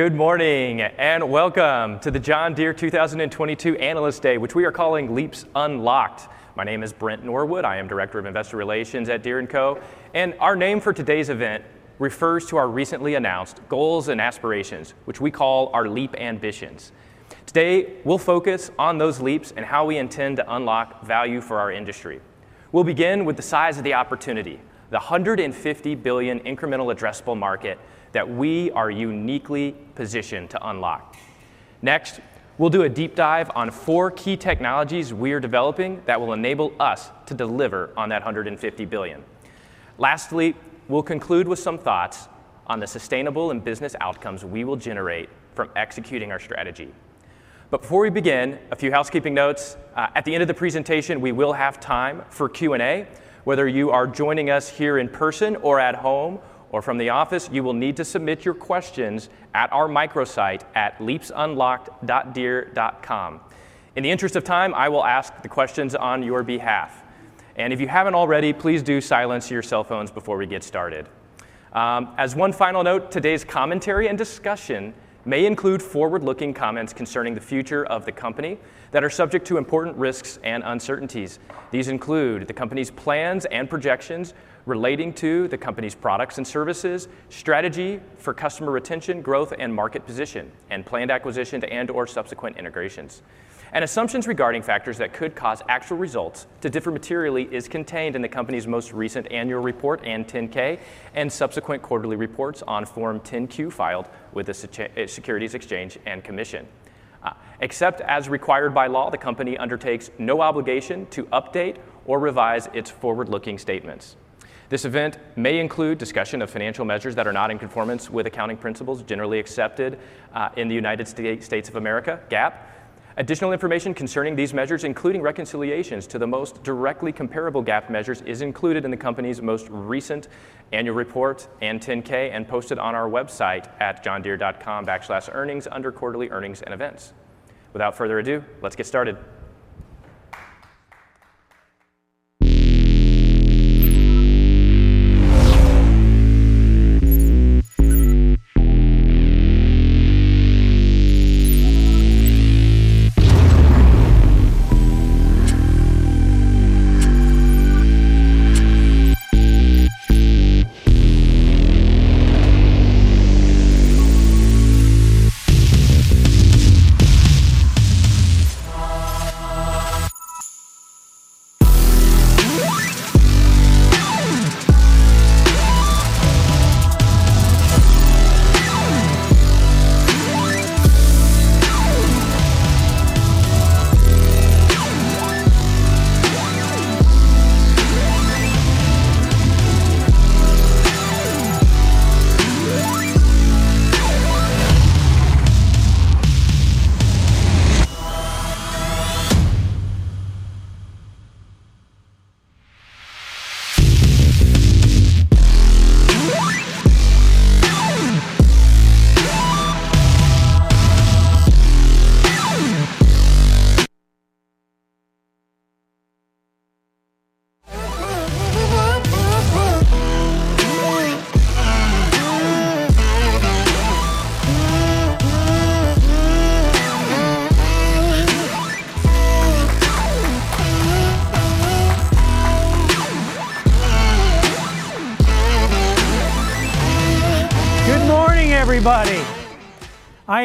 Good morning, and welcome to the John Deere 2022 Analyst Day, which we are calling Leaps Unlocked. My name is Brent Norwood. I am Director of Investor Relations at Deere & Co. Our name for today's event refers to our recently announced goals and aspirations, which we call our leap ambitions. Today, we'll focus on those leaps and how we intend to unlock value for our industry. We'll begin with the size of the opportunity, the $150 billion incremental addressable market that we are uniquely positioned to unlock. Next, we'll do a deep dive on four key technologies we're developing that will enable us to deliver on that $150 billion. Lastly, we'll conclude with some thoughts on the sustainable and business outcomes we will generate from executing our strategy. Before we begin, a few housekeeping notes. At the end of the presentation, we will have time for Q&A. Whether you are joining us here in person or at home or from the office, you will need to submit your questions at our microsite at leapsunlocked.deere.com. In the interest of time, I will ask the questions on your behalf. If you haven't already, please do silence your cell phones before we get started. As one final note, today's commentary and discussion may include forward-looking comments concerning the future of the company that are subject to important risks and uncertainties. These include the company's plans and projections relating to the company's products and services, strategy for customer retention, growth, and market position, and planned acquisitions and/or subsequent integrations. Assumptions regarding factors that could cause actual results to differ materially is contained in the company's most recent annual report and 10-K, and subsequent quarterly reports on Form 10-Q filed with the Securities and Exchange Commission. Except as required by law, the company undertakes no obligation to update or revise its forward-looking statements. This event may include discussion of financial measures that are not in conformance with accounting principles generally accepted in the United States of America, GAAP. Additional information concerning these measures, including reconciliations to the most directly comparable GAAP measures, is included in the company's most recent annual report and 10-K, and posted on our website at johndeere.com/earnings under Quarterly Earnings & Events. Without further ado, let's get started.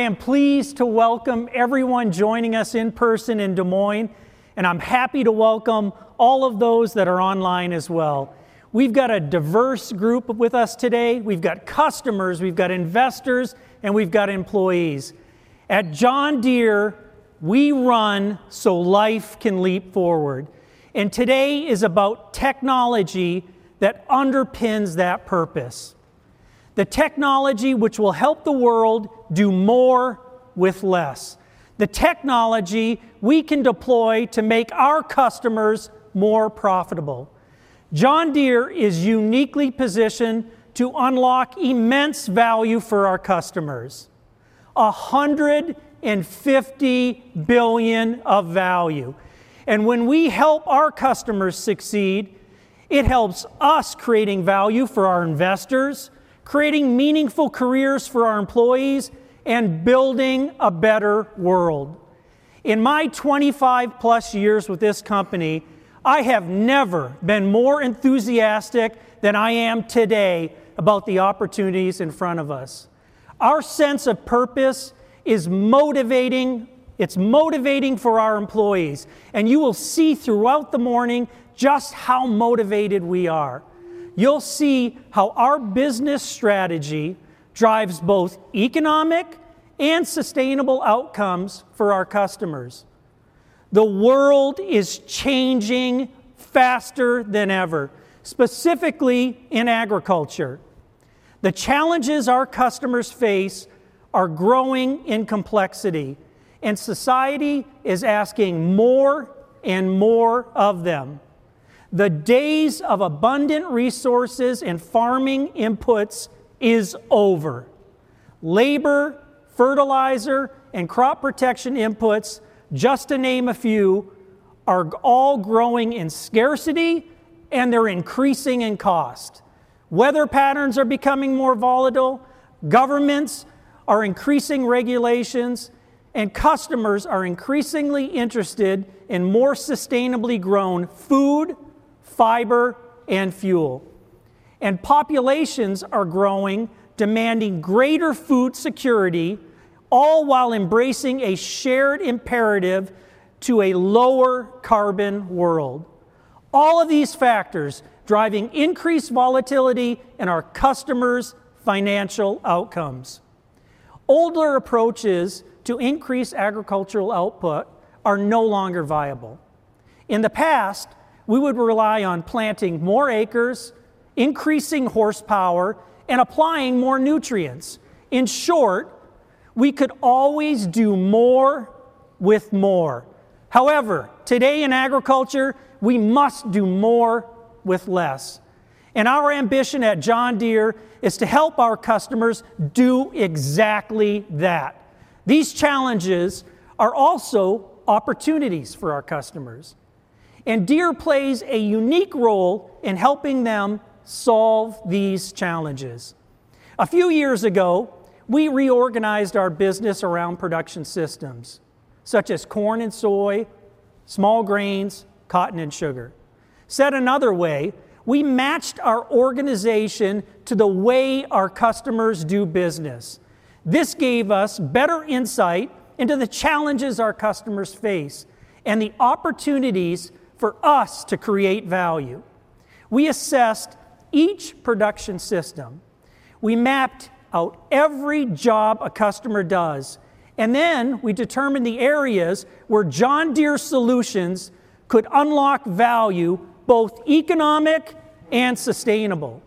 Good morning, everybody. I am pleased to welcome everyone joining us in person in Des Moines, and I'm happy to welcome all of those that are online as well. We've got a diverse group with us today. We've got customers, we've got investors, and we've got employees. At John Deere, we run so life can leap forward, and today is about technology that underpins that purpose, the technology which will help the world do more with less, the technology we can deploy to make our customers more profitable. John Deere is uniquely positioned to unlock immense value for our customers, $150 billion of value. When we help our customers succeed, it helps us creating value for our investors, creating meaningful careers for our employees, and building a better world. In my 25+ years with this company, I have never been more enthusiastic than I am today about the opportunities in front of us. Our sense of purpose is motivating. It's motivating for our employees, and you will see throughout the morning just how motivated we are. You'll see how our business strategy drives both economic and sustainable outcomes for our customers. The world is changing faster than ever, specifically in agriculture. The challenges our customers face are growing in complexity, and society is asking more and more of them. The days of abundant resources and farming inputs is over. Labor, fertilizer, and crop protection inputs, just to name a few, are all growing in scarcity, and they're increasing in cost. Weather patterns are becoming more volatile, governments are increasing regulations, and customers are increasingly interested in more sustainably grown food, fiber, and fuel. Populations are growing, demanding greater food security, all while embracing a shared imperative to a lower carbon world. All of these factors driving increased volatility in our customers' financial outcomes. Older approaches to increase agricultural output are no longer viable. In the past, we would rely on planting more acres, increasing horsepower, and applying more nutrients. In short, we could always do more with more. However, today in agriculture, we must do more with less, and our ambition at John Deere is to help our customers do exactly that. These challenges are also opportunities for our customers, and Deere plays a unique role in helping them solve these challenges. A few years ago, we reorganized our business around production systems, such as corn and soy, small grains, cotton and sugar. Said another way, we matched our organization to the way our customers do business. This gave us better insight into the challenges our customers face and the opportunities for us to create value. We assessed each production system, we mapped out every job a customer does, and then we determined the areas where John Deere solutions could unlock value, both economic and sustainable.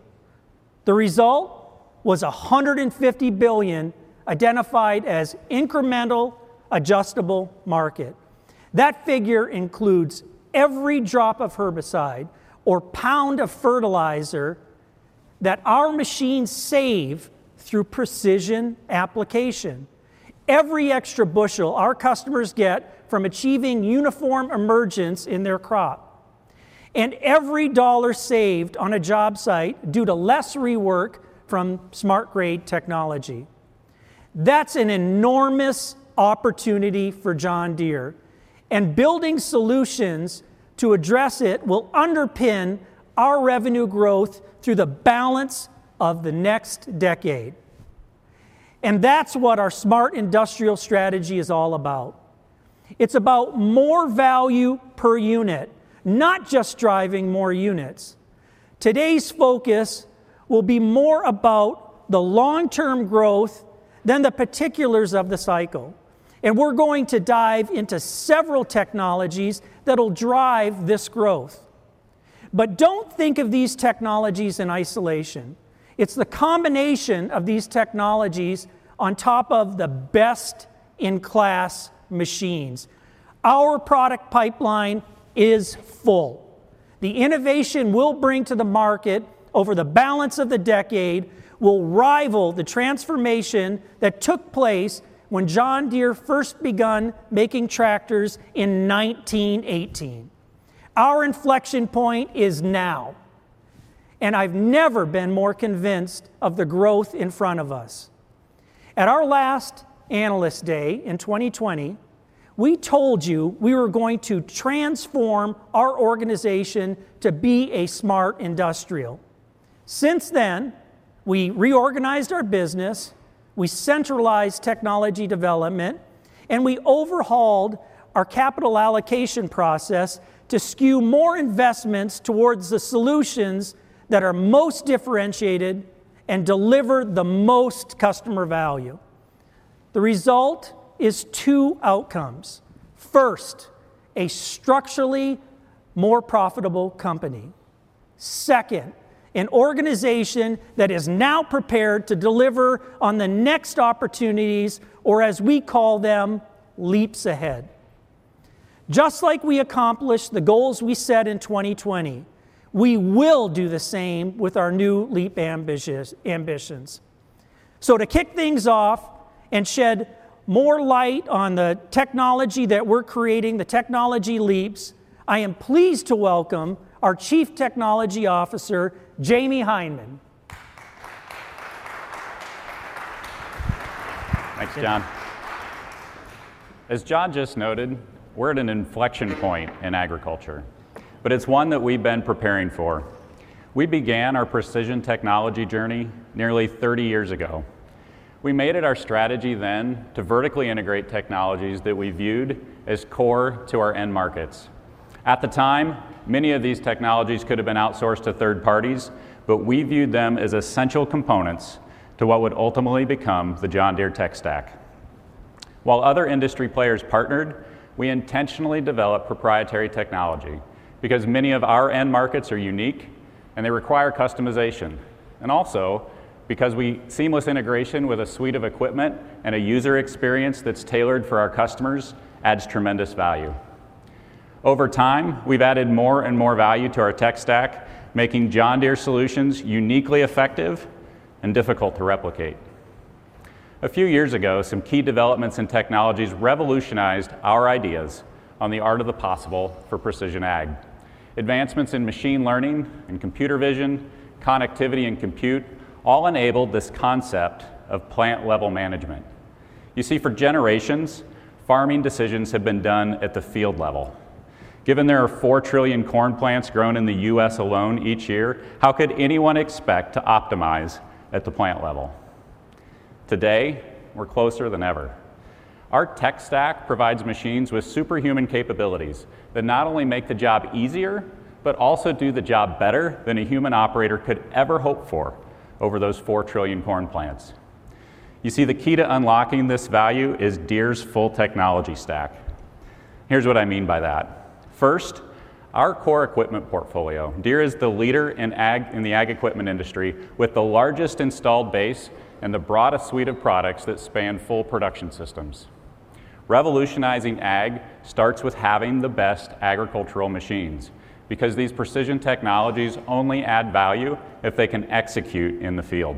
The result was $150 billion identified as incremental addressable market. That figure includes every drop of herbicide or pound of fertilizer that our machines save through precision application. Every extra bushel our customers get from achieving uniform emergence in their crop. Every dollar saved on a job site due to less rework from SmartGrade technology. That's an enormous opportunity for John Deere, and building solutions to address it will underpin our revenue growth through the balance of the next decade. That's what our smart industrial strategy is all about. It's about more value per unit, not just driving more units. Today's focus will be more about the long-term growth than the particulars of the cycle, and we're going to dive into several technologies that'll drive this growth. Don't think of these technologies in isolation. It's the combination of these technologies on top of the best-in-class machines. Our product pipeline is full. The innovation we'll bring to the market over the balance of the decade will rival the transformation that took place when John Deere first begun making tractors in 1918. Our inflection point is now, and I've never been more convinced of the growth in front of us. At our last Analyst Day in 2020, we told you we were going to transform our organization to be a smart industrial. Since then, we reorganized our business, we centralized technology development, and we overhauled our capital allocation process to skew more investments towards the solutions that are most differentiated and deliver the most customer value. The result is two outcomes. First, a structurally more profitable company. Second, an organization that is now prepared to deliver on the next opportunities, or as we call them, leaps ahead. Just like we accomplished the goals we set in 2020, we will do the same with our new leap ambitions. To kick things off and shed more light on the technology that we're creating, the technology leaps, I am pleased to welcome our Chief Technology Officer, Jahmy Hindman. Thanks, John. As John just noted, we're at an inflection point in agriculture, but it's one that we've been preparing for. We began our precision technology journey nearly 30 years ago. We made it our strategy then to vertically integrate technologies that we viewed as core to our end markets. At the time, many of these technologies could have been outsourced to third parties, but we viewed them as essential components to what would ultimately become the John Deere tech stack. While other industry players partnered, we intentionally developed proprietary technology because many of our end markets are unique, and they require customization. Seamless integration with a suite of equipment and a user experience that's tailored for our customers adds tremendous value. Over time, we've added more and more value to our tech stack, making John Deere solutions uniquely effective and difficult to replicate. A few years ago, some key developments in technologies revolutionized our ideas on the art of the possible for precision ag. Advancements in machine learning and computer vision, connectivity and compute all enabled this concept of plant-level management. You see, for generations, farming decisions have been done at the field level. Given there are 4 trillion corn plants grown in the U.S. alone each year, how could anyone expect to optimize at the plant level? Today, we're closer than ever. Our tech stack provides machines with superhuman capabilities that not only make the job easier, but also do the job better than a human operator could ever hope for over those 4 trillion corn plants. You see, the key to unlocking this value is Deere's full technology stack. Here's what I mean by that. First, our core equipment portfolio. Deere is the leader in the ag equipment industry with the largest installed base and the broadest suite of products that span full production systems. Revolutionizing ag starts with having the best agricultural machines because these precision technologies only add value if they can execute in the field.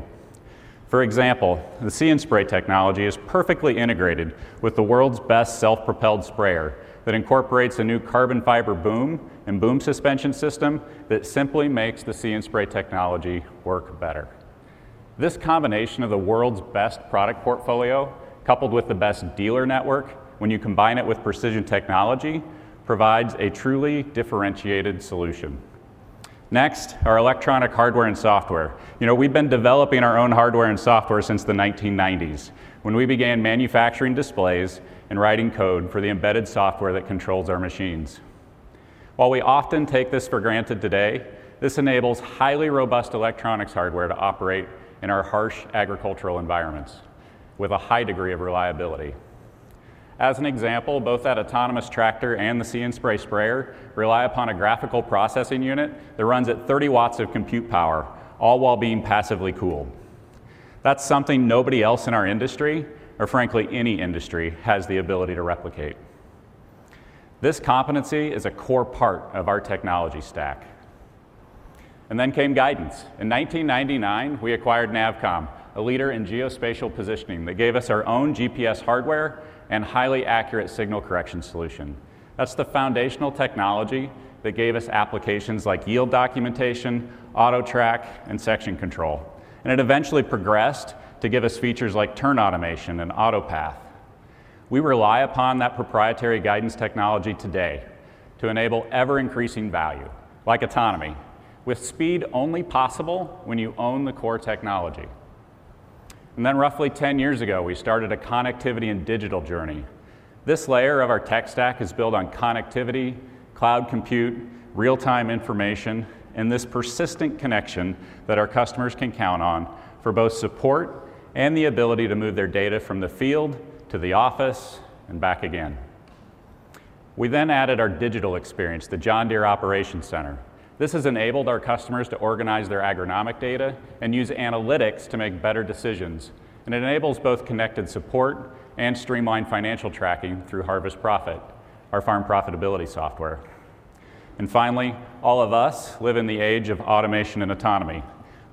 For example, the See & Spray technology is perfectly integrated with the world's best self-propelled sprayer that incorporates a new carbon fiber boom and boom suspension system that simply makes the See & Spray technology work better. This combination of the world's best product portfolio, coupled with the best dealer network when you combine it with precision technology, provides a truly differentiated solution. Next, our electronic hardware and software. You know, we've been developing our own hardware and software since the 1990s, when we began manufacturing displays and writing code for the embedded software that controls our machines. While we often take this for granted today, this enables highly robust electronics hardware to operate in our harsh agricultural environments with a high degree of reliability. As an example, both that autonomous tractor and the See & Spray sprayer rely upon a graphical processing unit that runs at 30 watts of compute power, all while being passively cooled. That's something nobody else in our industry, or frankly any industry, has the ability to replicate. This competency is a core part of our technology stack. Then came guidance. In 1999, we acquired NavCom, a leader in geospatial positioning that gave us our own GPS hardware and highly accurate signal correction solution. That's the foundational technology that gave us applications like yield documentation, AutoTrac, and section control. It eventually progressed to give us features like turn automation and AutoPath. We rely upon that proprietary guidance technology today to enable ever-increasing value, like autonomy, with speed only possible when you own the core technology. Then roughly 10 years ago, we started a connectivity and digital journey. This layer of our tech stack is built on connectivity, cloud compute, real-time information, and this persistent connection that our customers can count on for both support and the ability to move their data from the field to the office and back again. We then added our digital experience, the John Deere Operations Center. This has enabled our customers to organize their agronomic data and use analytics to make better decisions. It enables both connected support and streamlined financial tracking through Harvest Profit, our farm profitability software. Finally, all of us live in the age of automation and autonomy.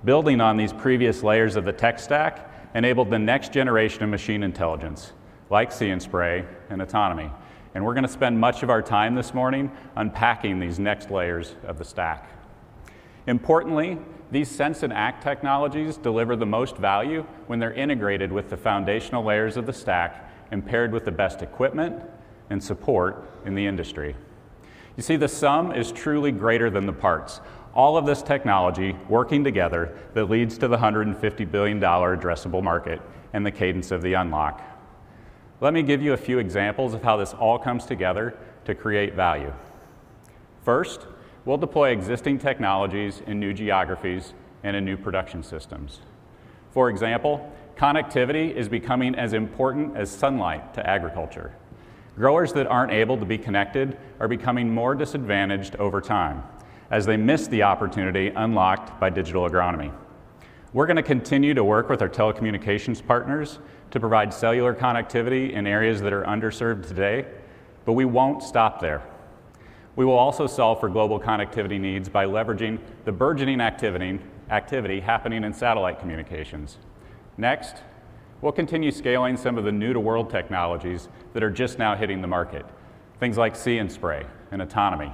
Building on these previous layers of the tech stack enabled the next generation of machine intelligence, like See & Spray and autonomy. We're gonna spend much of our time this morning unpacking these next layers of the stack. Importantly, these sense-and-act technologies deliver the most value when they're integrated with the foundational layers of the stack and paired with the best equipment and support in the industry. You see, the sum is truly greater than the parts. All of this technology working together that leads to the $150 billion addressable market and the cadence of the unlock. Let me give you a few examples of how this all comes together to create value. First, we'll deploy existing technologies in new geographies and in new production systems. For example, connectivity is becoming as important as sunlight to agriculture. Growers that aren't able to be connected are becoming more disadvantaged over time as they miss the opportunity unlocked by digital agronomy. We're gonna continue to work with our telecommunications partners to provide cellular connectivity in areas that are underserved today, but we won't stop there. We will also solve for global connectivity needs by leveraging the burgeoning activity happening in satellite communications. Next, we'll continue scaling some of the new-to-world technologies that are just now hitting the market, things like See & Spray and autonomy.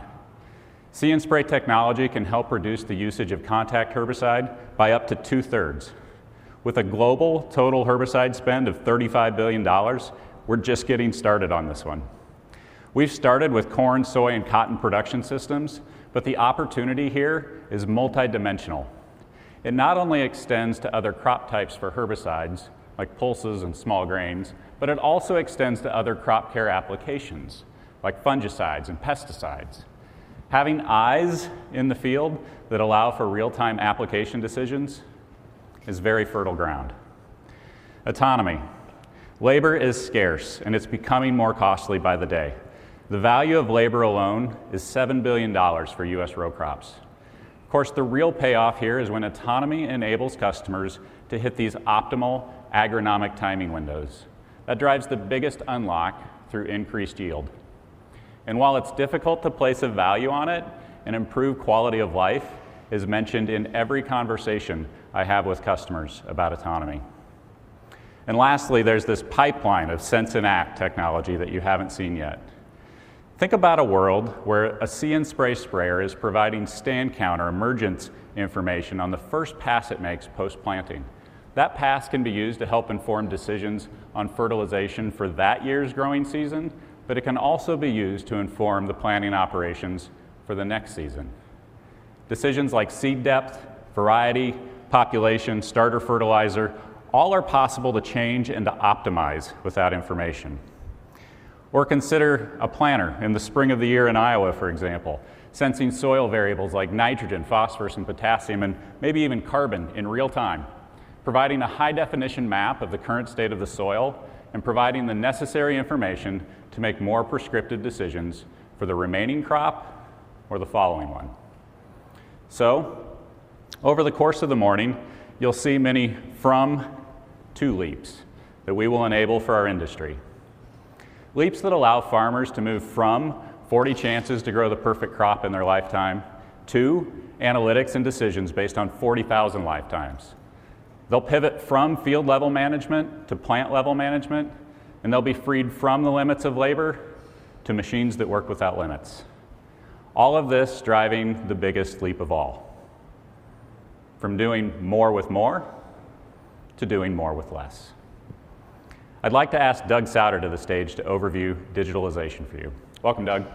See & Spray technology can help reduce the usage of contact herbicide by up to two-thirds. With a global total herbicide spend of $35 billion, we're just getting started on this one. We've started with corn, soy, and cotton production systems, but the opportunity here is multidimensional. It not only extends to other crop types for herbicides, like pulses and small grains, but it also extends to other crop care applications, like fungicides and pesticides. Having eyes in the field that allow for real-time application decisions is very fertile ground. Autonomy. Labor is scarce, and it's becoming more costly by the day. The value of labor alone is $7 billion for U.S. row crops. Of course, the real payoff here is when autonomy enables customers to hit these optimal agronomic timing windows. That drives the biggest unlock through increased yield. While it's difficult to place a value on it, an improved quality of life is mentioned in every conversation I have with customers about autonomy. Lastly, there's this pipeline of sense and act technology that you haven't seen yet. Think about a world where a See & Spray sprayer is providing stand count or emergence information on the first pass it makes post-planting. That pass can be used to help inform decisions on fertilization for that year's growing season, but it can also be used to inform the planning operations for the next season. Decisions like seed depth, variety, population, starter fertilizer, all are possible to change and to optimize with that information. Consider a planter in the spring of the year in Iowa, for example, sensing soil variables like nitrogen, phosphorus, and potassium, and maybe even carbon in real time, providing a high-definition map of the current state of the soil and providing the necessary information to make more prescriptive decisions for the remaining crop or the following one. Over the course of the morning, you'll see many from-to leaps that we will enable for our industry. Leaps that allow farmers to move from 40 chances to grow the perfect crop in their lifetime to analytics and decisions based on 40,000 lifetimes. They'll pivot from field-level management to plant-level management, and they'll be freed from the limits of labor to machines that work without limits. All of this driving the biggest leap of all, from doing more with more to doing more with less. I'd like to ask Doug Sauder to the stage to overview digitalization for you. Welcome, Doug.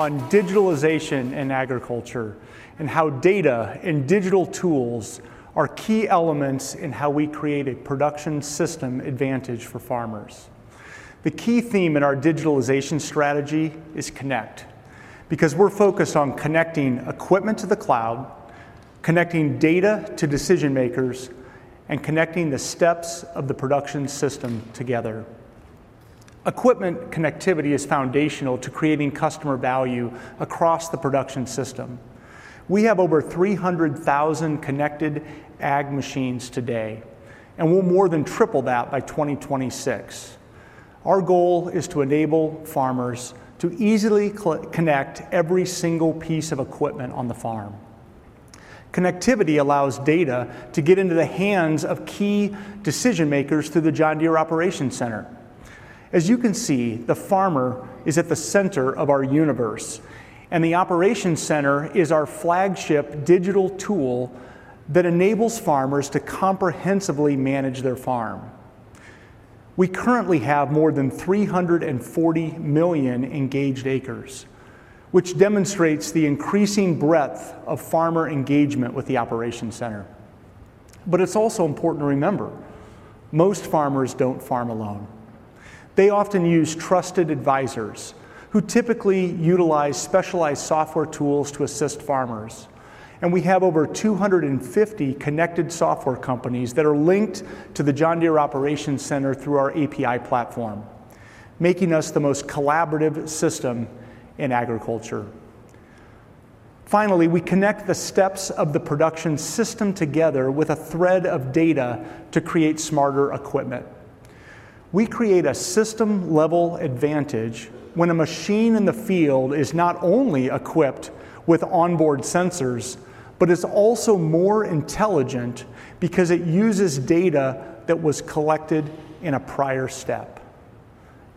Focus on digitalization in agriculture and how data and digital tools are key elements in how we create a production system advantage for farmers. The key theme in our digitalization strategy is connect, because we're focused on connecting equipment to the cloud, connecting data to decision-makers, and connecting the steps of the production system together. Equipment connectivity is foundational to creating customer value across the production system. We have over 300,000 connected ag machines today, and we'll more than triple that by 2026. Our goal is to enable farmers to easily connect every single piece of equipment on the farm. Connectivity allows data to get into the hands of key decision-makers through the John Deere Operations Center. As you can see, the farmer is at the center of our universe, and the Operations Center is our flagship digital tool that enables farmers to comprehensively manage their farm. We currently have more than 340 million engaged acres, which demonstrates the increasing breadth of farmer engagement with the Operations Center. It's also important to remember, most farmers don't farm alone. They often use trusted advisors who typically utilize specialized software tools to assist farmers. We have over 250 connected software companies that are linked to the John Deere Operations Center through our API platform, making us the most collaborative system in agriculture. Finally, we connect the steps of the production system together with a thread of data to create smarter equipment. We create a system-level advantage when a machine in the field is not only equipped with onboard sensors, but is also more intelligent because it uses data that was collected in a prior step.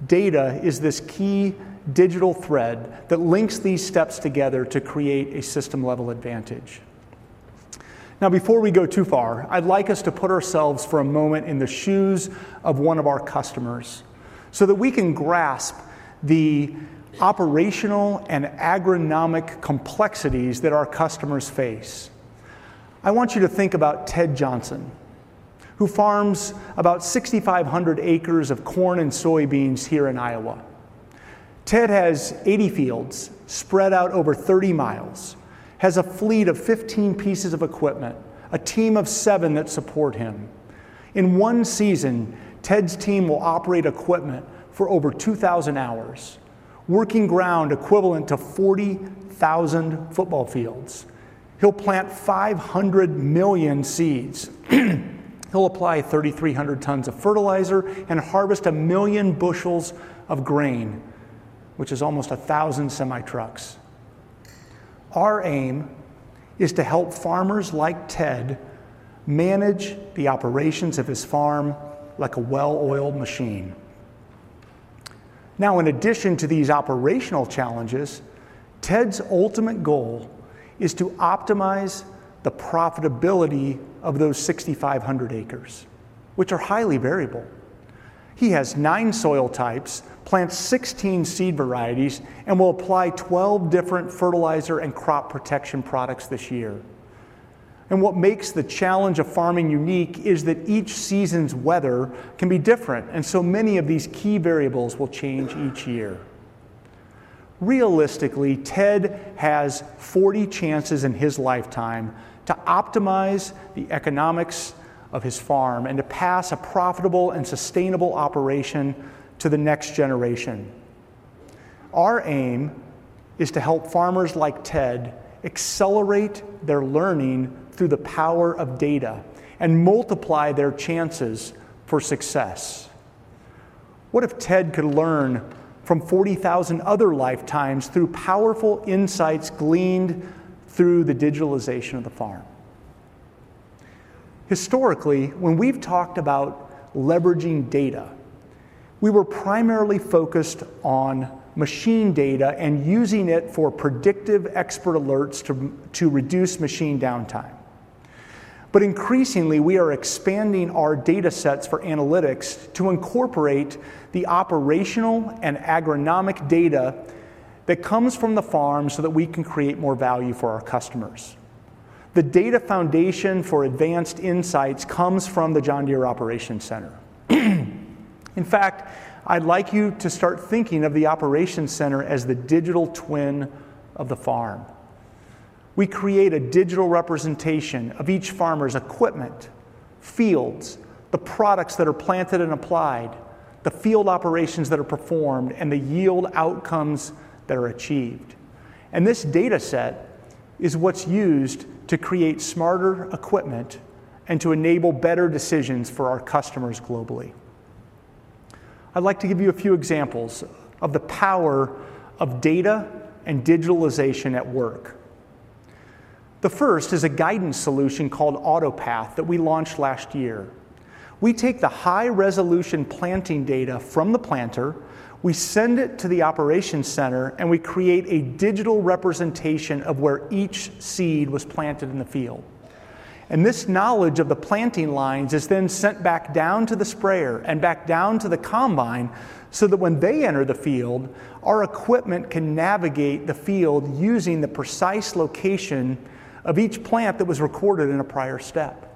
Data is this key digital thread that links these steps together to create a system-level advantage. Now, before we go too far, I'd like us to put ourselves for a moment in the shoes of one of our customers so that we can grasp the operational and agronomic complexities that our customers face. I want you to think about Ted Johnson, who farms about 6,500 acres of corn and soybeans here in Iowa. Ted has 80 fields spread out over 30 miles, has a fleet of 15 pieces of equipment, a team of seven that support him. In one season, Ted's team will operate equipment for over 2,000 hours, working ground equivalent to 40,000 football fields. He'll plant 500 million seeds. He'll apply 3,300 tons of fertilizer and harvest 1 million bushels of grain, which is almost 1,000 semi-trucks. Our aim is to help farmers like Ted manage the operations of his farm like a well-oiled machine. Now, in addition to these operational challenges, Ted's ultimate goal is to optimize the profitability of those 6,500 acres, which are highly variable. He has nine soil types, plants 16 seed varieties, and will apply 12 different fertilizer and crop protection products this year. What makes the challenge of farming unique is that each season's weather can be different, and so many of these key variables will change each year. Realistically, Ted has 40 chances in his lifetime to optimize the economics of his farm and to pass a profitable and sustainable operation to the next generation. Our aim is to help farmers like Ted accelerate their learning through the power of data and multiply their chances for success. What if Ted could learn from 40,000 other lifetimes through powerful insights gleaned through the digitalization of the farm? Historically, when we've talked about leveraging data, we were primarily focused on machine data and using it for predictive expert alerts to reduce machine downtime. Increasingly, we are expanding our datasets for analytics to incorporate the operational and agronomic data that comes from the farm so that we can create more value for our customers. The data foundation for advanced insights comes from the John Deere Operations Center. In fact, I'd like you to start thinking of the Operations Center as the digital twin of the farm. We create a digital representation of each farmer's equipment, fields, the products that are planted and applied, the field operations that are performed, and the yield outcomes that are achieved. This dataset is what's used to create smarter equipment an d to enable better decisions for our customers globally. I'd like to give you a few examples of the power of data and digitalization at work. The first is a guidance solution called AutoPath that we launched last year. We take the high-resolution planting data from the planter, we send it to the Operations Center, and we create a digital representation of where each seed was planted in the field. This knowledge of the planting lines is then sent back down to the sprayer and back down to the combine so that when they enter the field, our equipment can navigate the field using the precise location of each plant that was recorded in a prior step.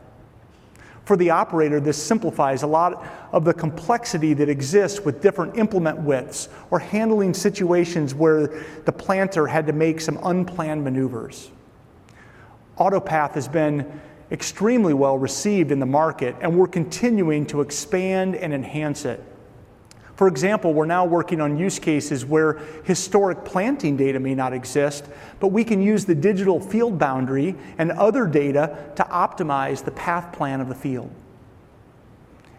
For the operator, this simplifies a lot of the complexity that exists with different implement widths or handling situations where the planter had to make some unplanned maneuvers. AutoPath has been extremely well-received in the market, and we're continuing to expand and enhance it. For example, we're now working on use cases where historic planting data may not exist, but we can use the digital field boundary and other data to optimize the path plan of the field.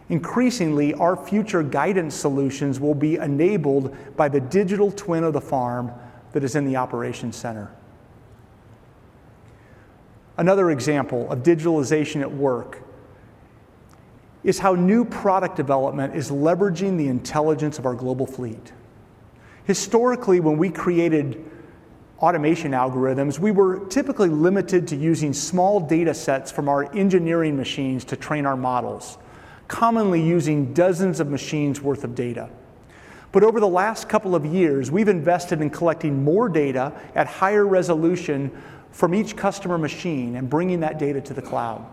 Increasingly, our future guidance solutions will be enabled by the digital twin of the farm that is in the Operations Center. Another example of digitalization at work is how new product development is leveraging the intelligence of our global fleet. Historically, when we created automation algorithms, we were typically limited to using small datasets from our engineering machines to train our models, commonly using dozens of machines' worth of data. Over the last couple of years, we've invested in collecting more data at higher resolution from each customer machine and bringing that data to the cloud.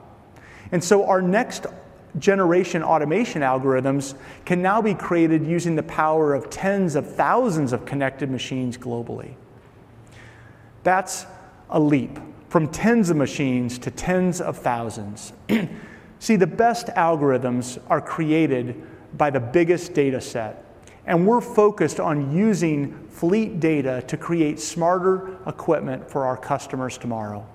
Our next-generation automation algorithms can now be created using the power of tens of thousands of connected machines globally. That's a leap from tens of machines to tens of thousands. See, the best algorithms are created by the biggest dataset, and we're focused on using fleet data to create smarter equipment for our customers tomorrow.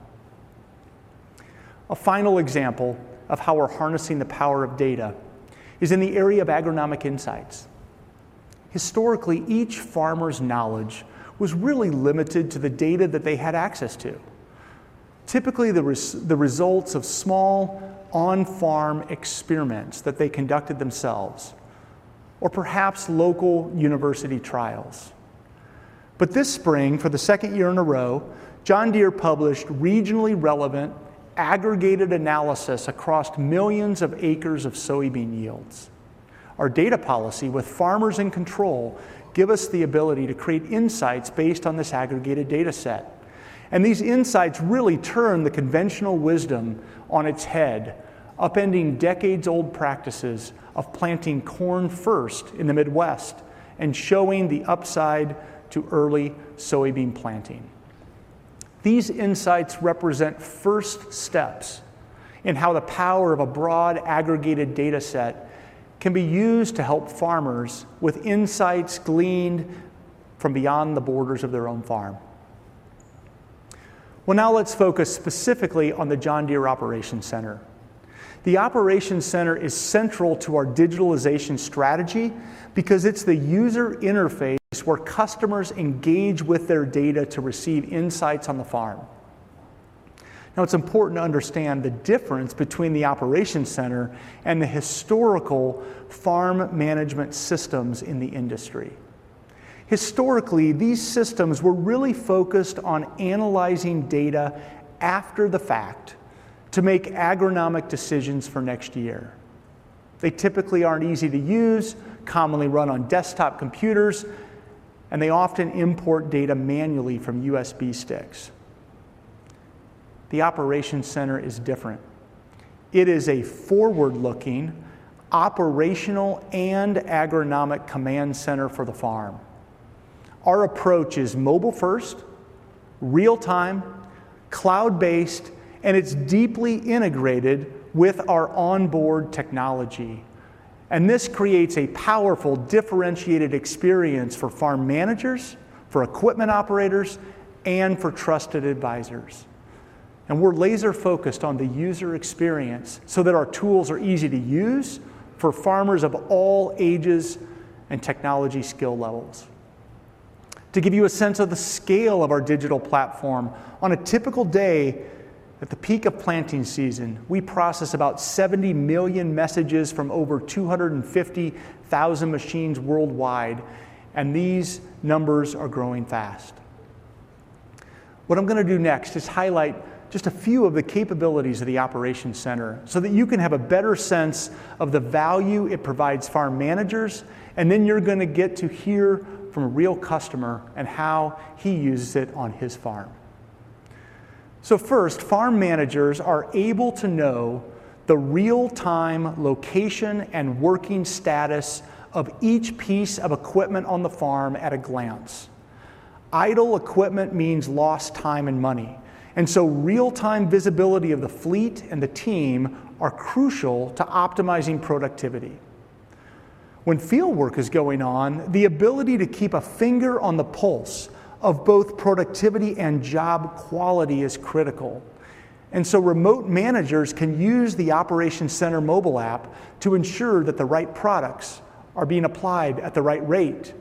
A final example of how we're harnessing the power of data is in the area of agronomic insights. Historically, each farmer's knowledge was really limited to the data that they had access to. Typically, the results of small on-farm experiments that they conducted themselves or perhaps local university trials. This spring, for the second year in a row, John Deere published regionally relevant, aggregated analysis across millions of acres of soybean yields. Our data policy with farmers in control give us the ability to create insights based on this aggregated dataset. These insights really turn the conventional wisdom on its head, upending decades-old practices of planting corn first in the Midwest and showing the upside to early soybean planting. These insights represent first steps in how the power of a broad aggregated dataset can be used to help farmers with insights gleaned from beyond the borders of their own farm. Well, now let's focus specifically on the John Deere Operations Center. The Operations Center is central to our digitalization strategy because it's the user interface where customers engage with their data to receive insights on the farm. It's important to understand the difference between the Operations Center and the historical farm management systems in the industry. Historically, these systems were really focused on analyzing data after the fact to make agronomic decisions for next year. They typically aren't easy to use, commonly run on desktop computers, and they often import data manually from USB sticks. The Operations Center is different. It is a forward-looking operational and agronomic command center for the farm. Our approach is mobile-first, real-time, cloud-based, and it's deeply integrated with our onboard technology. We're laser-focused on the user experience so that our tools are easy to use for farmers of all ages and technology skill levels. To give you a sense of the scale of our digital platform, on a typical day at the peak of planting season, we process about 70 million messages from over 250,000 machines worldwide, and these numbers are growing fast. What I'm gonna do next is highlight just a few of the capabilities of the Operations Center so that you can have a better sense of the value it provides farm managers, and then you're gonna get to hear from a real customer and how he uses it on his farm. First, farm managers are able to know the real-time location and working status of each piece of equipment on the farm at a glance. Idle equipment means lost time and money, and so real-time visibility of the fleet and the team are crucial to optimizing productivity. When fieldwork is going on, the ability to keep a finger on the pulse of both productivity and job quality is critical. Remote managers can use the Operations Center mobile app to ensure that the right products are being applied at the right rate.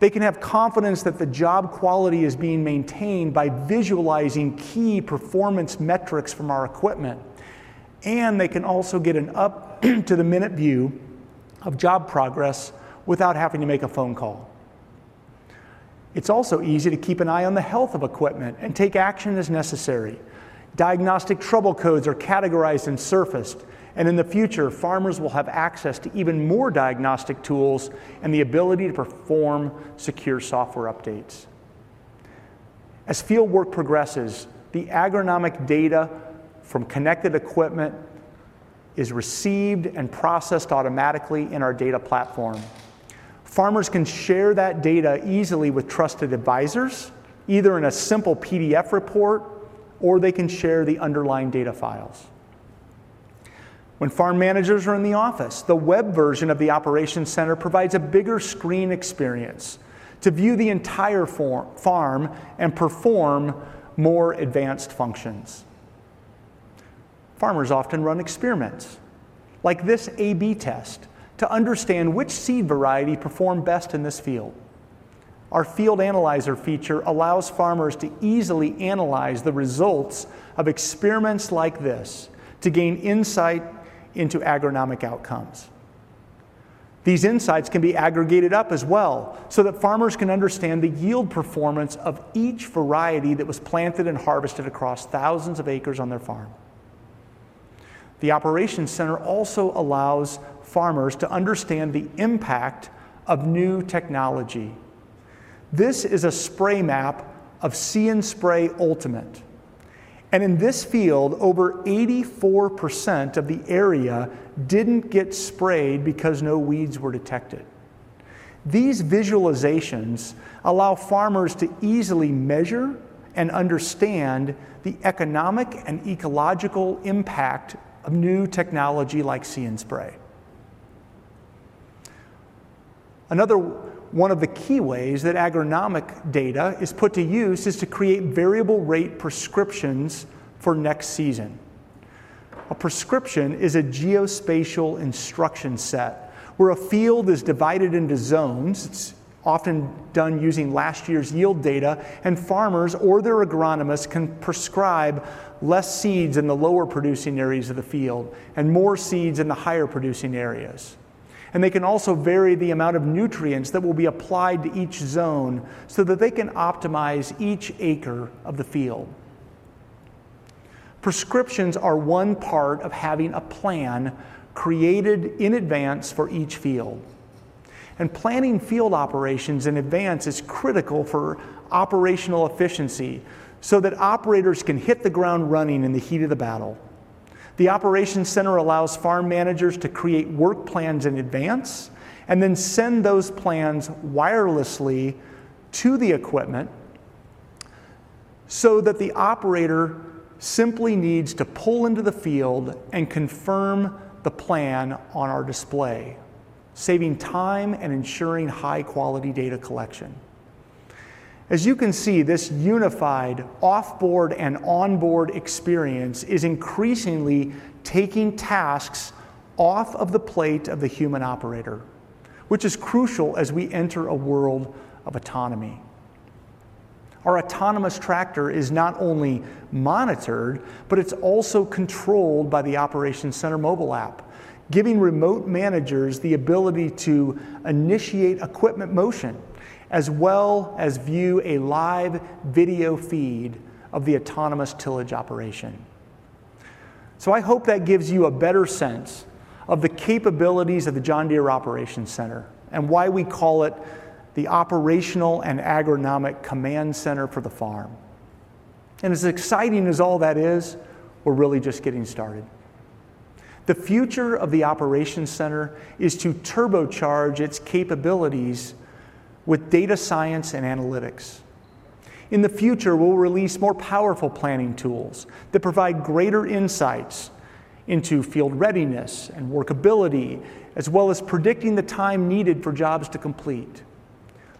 They can have confidence that the job quality is being maintained by visualizing key performance metrics from our equipment, and they can also get an up to the minute view of job progress without having to make a phone call. It's also easy to keep an eye on the health of equipment and take action as necessary. Diagnostic trouble codes are categorized and surfaced, and in the future, farmers will have access to even more diagnostic tools and the ability to perform secure software updates. As fieldwork progresses, the agronomic data from connected equipment is received and processed automatically in our data platform. Farmers can share that data easily with trusted advisors, either in a simple PDF report, or they can share the underlying data files. When farm managers are in the office, the web version of the Operations Center provides a bigger screen experience to view the entire farm and perform more advanced functions. Farmers often run experiments like this A/B test to understand which seed variety performed best in this field. Our field analyzer feature allows farmers to easily analyze the results of experiments like this to gain insight into agronomic outcomes. These insights can be aggregated up as well so that farmers can understand the yield performance of each variety that was planted and harvested across thousands of acres on their farm. The Operations Center also allows farmers to understand the impact of new technology. This is a spray map of See & Spray Ultimate. In this field, over 84% of the area didn't get sprayed because no weeds were detected. These visualizations allow farmers to easily measure and understand the economic and ecological impact of new technology like See & Spray. Another one of the key ways that agronomic data is put to use is to create variable rate prescriptions for next season. A prescription is a geospatial instruction set where a field is divided into zones. It's often done using last year's yield data, and farmers or their agronomists can prescribe less seeds in the lower producing areas of the field and more seeds in the higher producing areas. They can also vary the amount of nutrients that will be applied to each zone so that they can optimize each acre of the field. Prescriptions are one part of having a plan created in advance for each field. Planning field operations in advance is critical for operational efficiency so that operators can hit the ground running in the heat of the battle. The Operations Center allows farm managers to create work plans in advance and then send those plans wirelessly to the equipment so that the operator simply needs to pull into the field and confirm the plan on our display, saving time and ensuring high-quality data collection. As you can see, this unified off-board and on-board experience is increasingly taking tasks off of the plate of the human operator, which is crucial as we enter a world of autonomy. Our autonomous tractor is not only monitored, but it's also controlled by the Operations Center mobile app, giving remote managers the ability to initiate equipment motion as well as view a live video feed of the autonomous tillage operation. I hope that gives you a better sense of the capabilities of the John Deere Operations Center and why we call it the operational and agronomic command center for the farm. As exciting as all that is, we're really just getting started. The future of the operations center is to turbocharge its capabilities with data science and analytics. In the future, we'll release more powerful planning tools that provide greater insights into field readiness and workability, as well as predicting the time needed for jobs to complete.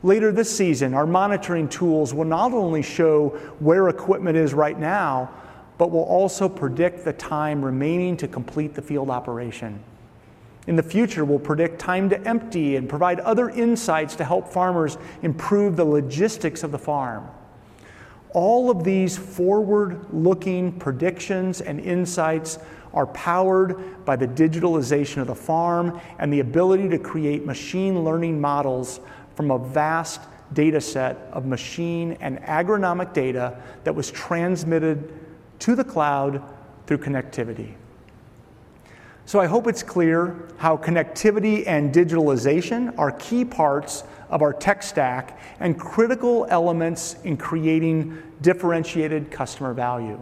Later this season, our monitoring tools will not only show where equipment is right now, but will also predict the time remaining to complete the field operation. In the future, we'll predict time to empty and provide other insights to help farmers improve the logistics of the farm. All of these forward-looking predictions and insights are powered by the digitalization of the farm and the ability to create machine learning models from a vast data set of machine and agronomic data that was transmitted to the cloud through connectivity. I hope it's clear how connectivity and digitalization are key parts of our tech stack and critical elements in creating differentiated customer value.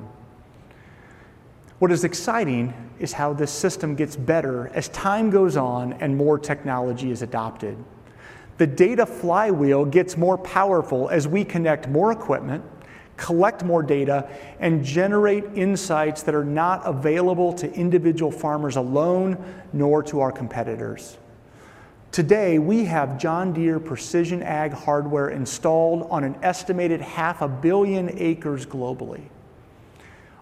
What is exciting is how this system gets better as time goes on and more technology is adopted. The data flywheel gets more powerful as we connect more equipment, collect more data, and generate insights that are not available to individual farmers alone, nor to our competitors. Today, we have John Deere precision ag hardware installed on an estimated 500 million acres globally.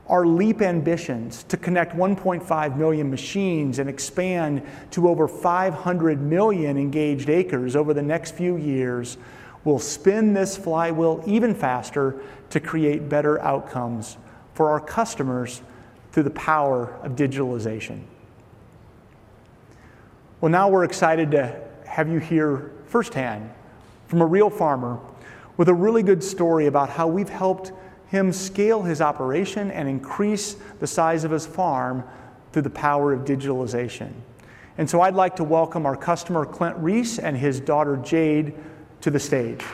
Our leap ambitions to connect 1.5 million machines and expand to over 500 million engaged acres over the next few years will spin this flywheel even faster to create better outcomes for our customers through the power of digitalization. Well, now we're excited to have you hear firsthand from a real farmer with a really good story about how we've helped him scale his operation and increase the size of his farm through the power of digitalization. I'd like to welcome our customer, Clint Reese, and his daughter, Jade, to the stage.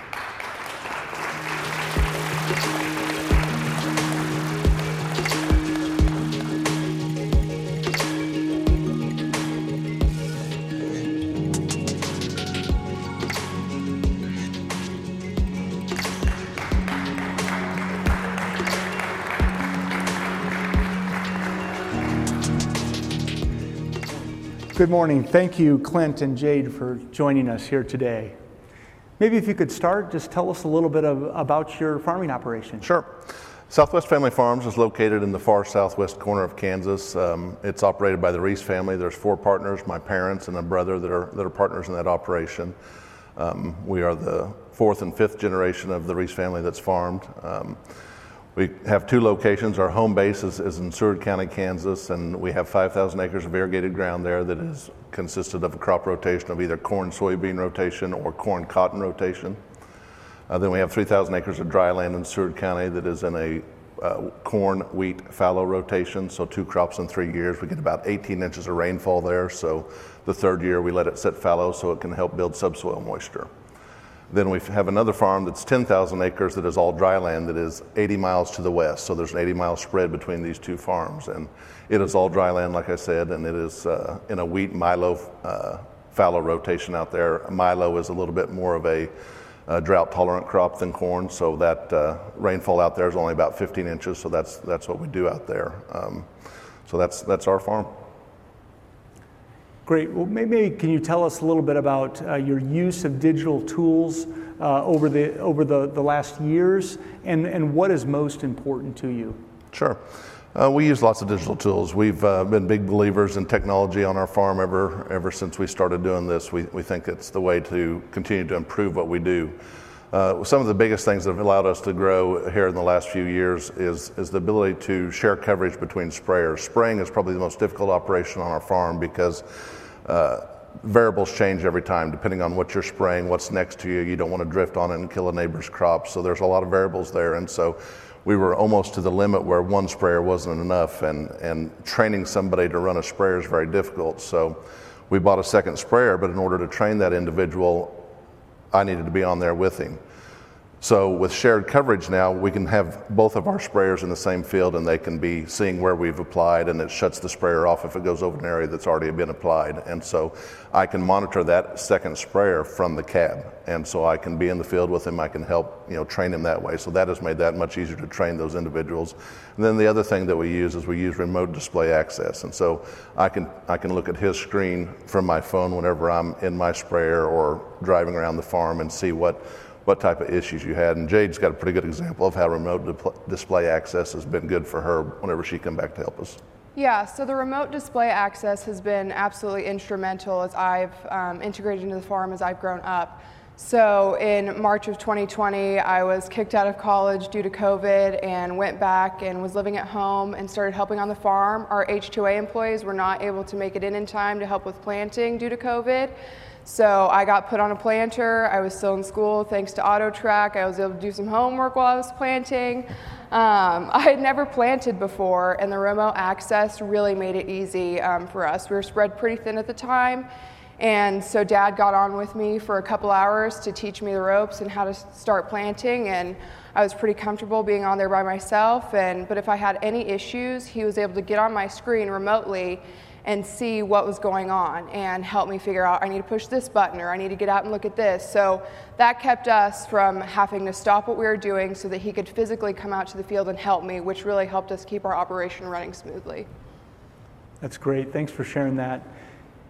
Good morning. Thank you, Clint and Jade, for joining us here today. Maybe if you could start, just tell us a little bit about your farming operation. Sure. Southwest Family Farms is located in the far southwest corner of Kansas. It's operated by the Reese family. There's four partners, my parents and a brother that are partners in that operation. We are the fourth and fifth generation of the Reese family that's farmed. We have two locations. Our home base is in Seward County, Kansas, and we have 5,000 acres of irrigated ground there that is consisted of a crop rotation of either corn-soybean rotation or corn-cotton rotation. We have 3,000 acres of dry land in Seward County that is in a corn-wheat fallow rotation, so two crops in three years. We get about 18 inches of rainfall there, so the third year we let it sit fallow so it can help build subsoil moisture. We have another farm that's 10,000 acres that is all dry land that is 80 miles to the west, so there's an 80-mile spread between these two farms. It is all dry land, like I said, and it is in a wheat-milo fallow rotation out there. Milo is a little bit more of a drought-tolerant crop than corn, so that rainfall out there is only about 15 inches, so that's what we do out there. That's our farm. Great. Well, maybe can you tell us a little bit about your use of digital tools over the last years and what is most important to you? Sure. We use lots of digital tools. We've been big believers in technology on our farm ever since we started doing this. We think it's the way to continue to improve what we do. Some of the biggest things that have allowed us to grow here in the last few years is the ability to share coverage between sprayers. Spraying is probably the most difficult operation on our farm because variables change every time depending on what you're spraying, what's next to you. You don't wanna drift on it and kill a neighbor's crop, so there's a lot of variables there. We were almost to the limit where one sprayer wasn't enough and training somebody to run a sprayer is very difficult. We bought a second sprayer, but in order to train that individual, I needed to be on there with him. With shared coverage now, we can have both of our sprayers in the same field and they can be seeing where we've applied, and it shuts the sprayer off if it goes over an area that's already been applied. I can monitor that second sprayer from the cab, and so I can be in the field with him. I can help, you know, train him that way. That has made that much easier to train those individuals. Then the other thing that we use is we use remote display access. I can look at his screen from my phone whenever I'm in my sprayer or driving around the farm and see what type of issues you had. Jade's got a pretty good example of how remote display access has been good for her whenever she come back to help us. Yeah. The remote display access has been absolutely instrumental as I've integrated into the farm as I've grown up. In March of 2020, I was kicked out of college due to COVID and went back and was living at home and started helping on the farm. Our H-2A employees were not able to make it in in time to help with planting due to COVID, so I got put on a planter. I was still in school. Thanks to AutoTrac, I was able to do some homework while I was planting. I had never planted before, and the remote access really made it easy for us. We were spread pretty thin at the time, and so Dad got on with me for a couple hours to teach me the ropes and how to start planting, and I was pretty comfortable being on there by myself, but if I had any issues, he was able to get on my screen remotely and see what was going on and help me figure out I need to push this button, or I need to get out and look at this. That kept us from having to stop what we were doing so that he could physically come out to the field and help me, which really helped us keep our operation running smoothly. That's great. Thanks for sharing that.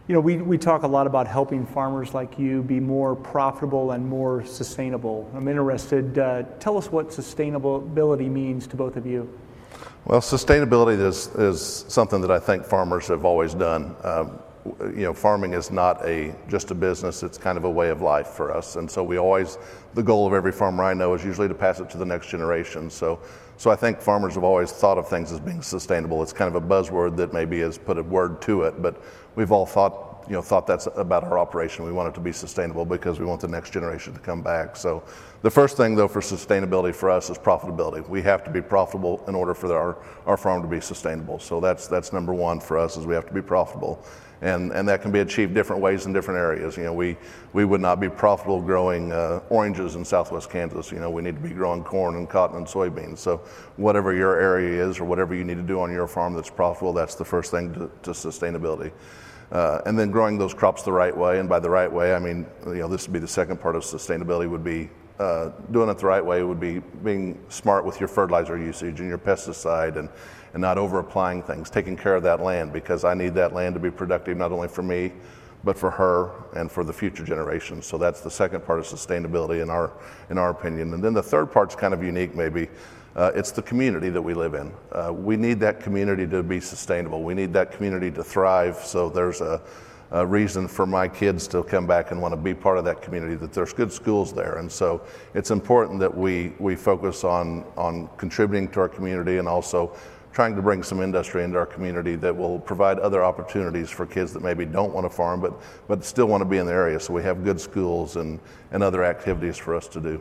You know, we talk a lot about helping farmers like you be more profitable and more sustainable. I'm interested, tell us what sustainability means to both of you? Well, sustainability is something that I think farmers have always done. You know, farming is not just a business, it's kind of a way of life for us. The goal of every farmer I know is usually to pass it to the next generation. I think farmers have always thought of things as being sustainable. It's kind of a buzzword that maybe has put a word to it, but we've all thought, you know, that's about our operation. We want it to be sustainable because we want the next generation to come back. The first thing though for sustainability for us is profitability. We have to be profitable in order for our farm to be sustainable. That's number one for us, is we have to be profitable. That can be achieved different ways in different areas. You know, we would not be profitable growing oranges in southwest Kansas. You know, we need to be growing corn and cotton and soybeans. Whatever your area is or whatever you need to do on your farm that's profitable, that's the first thing to sustainability. Growing those crops the right way, and by the right way, I mean, you know, this would be the second part of sustainability would be doing it the right way would be being smart with your fertilizer usage and your pesticide and not over applying things, taking care of that land because I need that land to be productive, not only for me, but for her and for the future generations. That's the second part of sustainability in our opinion. The third part's kind of unique maybe, it's the community that we live in. We need that community to be sustainable. We need that community to thrive so there's a reason for my kids to come back and wanna be part of that community, that there's good schools there. It's important that we focus on contributing to our community and also trying to bring some industry into our community that will provide other opportunities for kids that maybe don't wanna farm, but still wanna be in the area so we have good schools and other activities for us to do.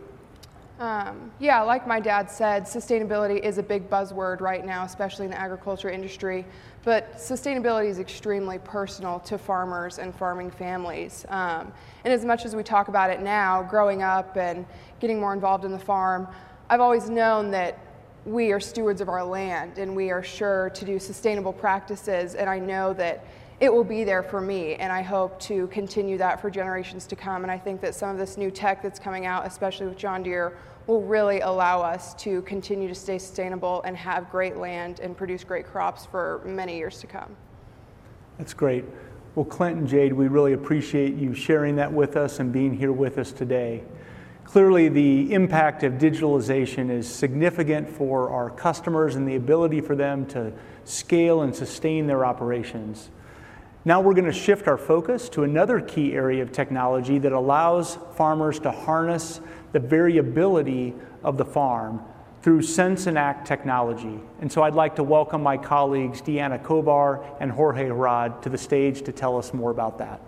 Yeah, like my dad said, sustainability is a big buzzword right now, especially in the agriculture industry, but sustainability is extremely personal to farmers and farming families. As much as we talk about it now, growing up and getting more involved in the farm, I've always known that we are stewards of our land, and we are sure to do sustainable practices, and I know that it will be there for me, and I hope to continue that for generations to come. I think that some of this new tech that's coming out, especially with John Deere, will really allow us to continue to stay sustainable and have great land and produce great crops for many years to come. That's great. Well, Clint and Jade, we really appreciate you sharing that with us and being here with us today. Clearly, the impact of digitalization is significant for our customers and the ability for them to scale and sustain their operations. Now we're gonna shift our focus to another key area of technology that allows farmers to harness the variability of the farm through Sense and Act technology. I'd like to welcome my colleagues, Deanna Kovar and Jorge Heraud, to the stage to tell us more about that.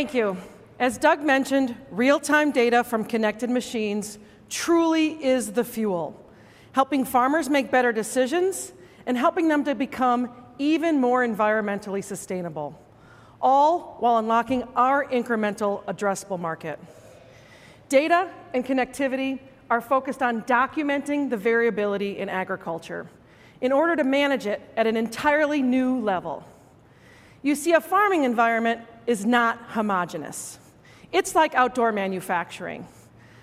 Thank you. As Doug mentioned, real-time data from connected machines truly is the fuel, helping farmers make better decisions and helping them to become even more environmentally sustainable, all while unlocking our incremental addressable market. Data and connectivity are focused on documenting the variability in agriculture in order to manage it at an entirely new level. You see, a farming environment is not homogeneous. It's like outdoor manufacturing.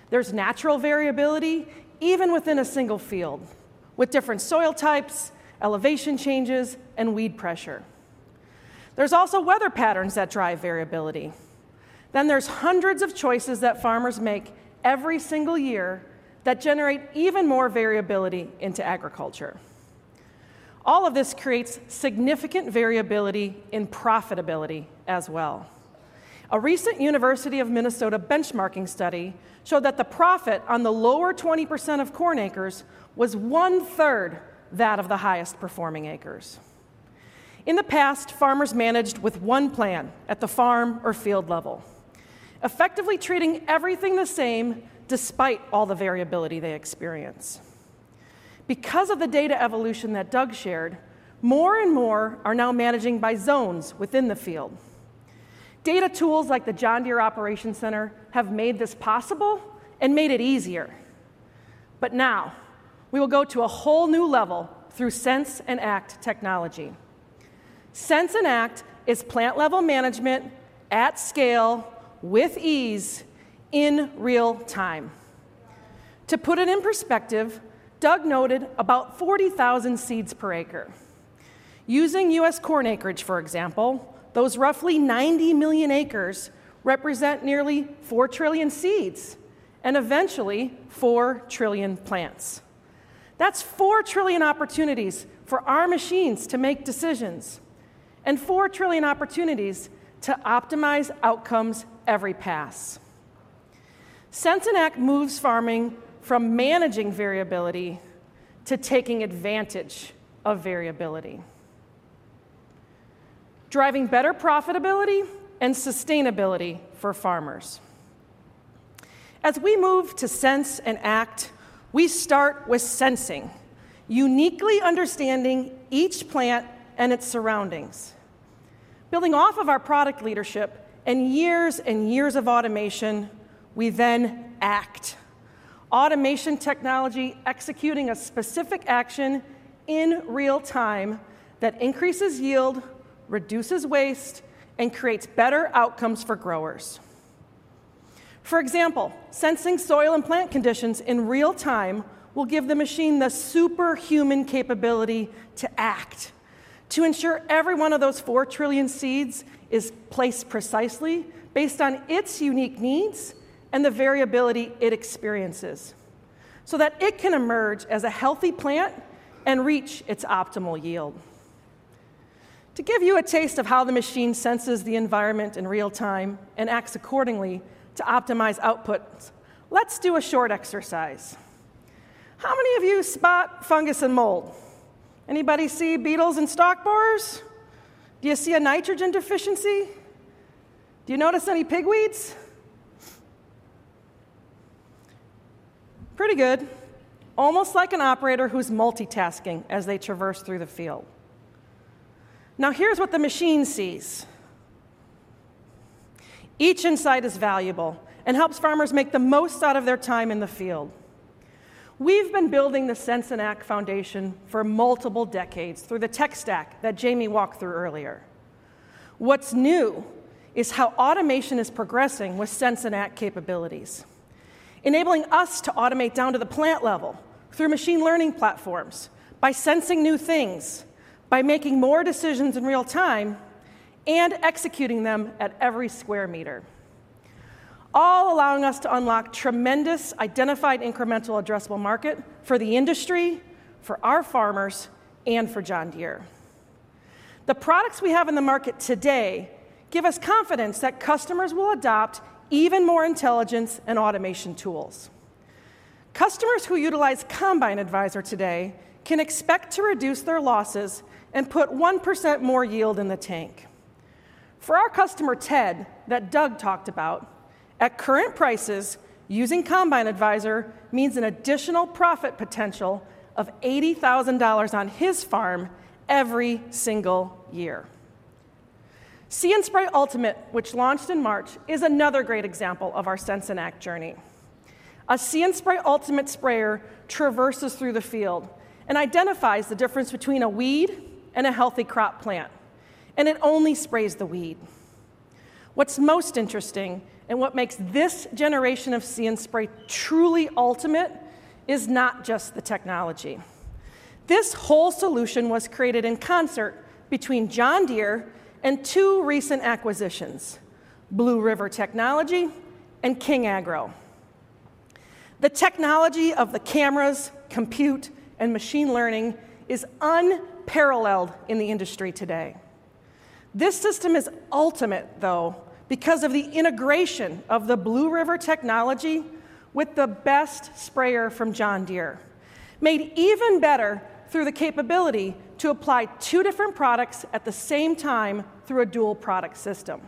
There's natural variability even within a single field with different soil types, elevation changes, and weed pressure. There's also weather patterns that drive variability. Then there's hundreds of choices that farmers make every single year that generate even more variability into agriculture. All of this creates significant variability in profitability as well. A recent University of Minnesota benchmarking study showed that the profit on the lower 20% of corn acres was one-third that of the highest performing acres. In the past, farmers managed with one plan at the farm or field level, effectively treating everything the same despite all the variability they experience. Because of the data evolution that Doug shared, more and more are now managing by zones within the field. Data tools like the John Deere Operations Center have made this possible and made it easier. Now we will go to a whole new level through Sense and Act technology. Sense and Act is plant-level management at scale with ease in real time. To put it in perspective, Doug noted about 40,000 seeds per acre. Using U.S. corn acreage, for example, those roughly 90 million acres represent nearly 4 trillion seeds and eventually 4 trillion plants. That's 4 trillion opportunities for our machines to make decisions and 4 trillion opportunities to optimize outcomes every pass. Sense and Act moves farming from managing variability to taking advantage of variability, driving better profitability and sustainability for farmers. As we move to Sense and Act, we start with sensing, uniquely understanding each plant and its surroundings. Building off of our product leadership and years and years of automation, we then act. Automation technology executing a specific action in real time that increases yield, reduces waste, and creates better outcomes for growers. For example, sensing soil and plant conditions in real time will give the machine the superhuman capability to act to ensure every one of those 4 trillion seeds is placed precisely based on its unique needs and the variability it experiences so that it can emerge as a healthy plant and reach its optimal yield. To give you a taste of how the machine senses the environment in real time and acts accordingly to optimize output, let's do a short exercise. How many of you spot fungus and mold? Anybody see beetles and stalk borers? Do you see a nitrogen deficiency? Do you notice any pigweeds? Pretty good. Almost like an operator who's multitasking as they traverse through the field. Now, here's what the machine sees. Each insight is valuable and helps farmers make the most out of their time in the field. We've been building the Sense and Act foundation for multiple decades through the tech stack that Jahmy walked through earlier. What's new is how automation is progressing with Sense and Act capabilities, enabling us to automate down to the plant level through machine learning platforms by sensing new things, by making more decisions in real time, and executing them at every square meter, all allowing us to unlock tremendous identified incremental addressable market for the industry, for our farmers, and for John Deere. The products we have in the market today give us confidence that customers will adopt even more intelligence and automation tools. Customers who utilize Combine Advisor today can expect to reduce their losses and put 1% more yield in the tank. For our customer, Ted, that Doug talked about, at current prices, using Combine Advisor means an additional profit potential of $80,000 on his farm every single year. See & Spray Ultimate, which launched in March, is another great example of our Sense and Act journey. A See & Spray Ultimate sprayer traverses through the field and identifies the difference between a weed and a healthy crop plant, and it only sprays the weed. What's most interesting, and what makes this generation of See & Spray truly ultimate, is not just the technology. This whole solution was created in concert between John Deere and two recent acquisitions, Blue River Technology and King Agro. The technology of the cameras, compute, and machine learning is unparalleled in the industry today. This system is ultimate, though, because of the integration of the Blue River technology with the best sprayer from John Deere, made even better through the capability to apply two different products at the same time through a dual product system.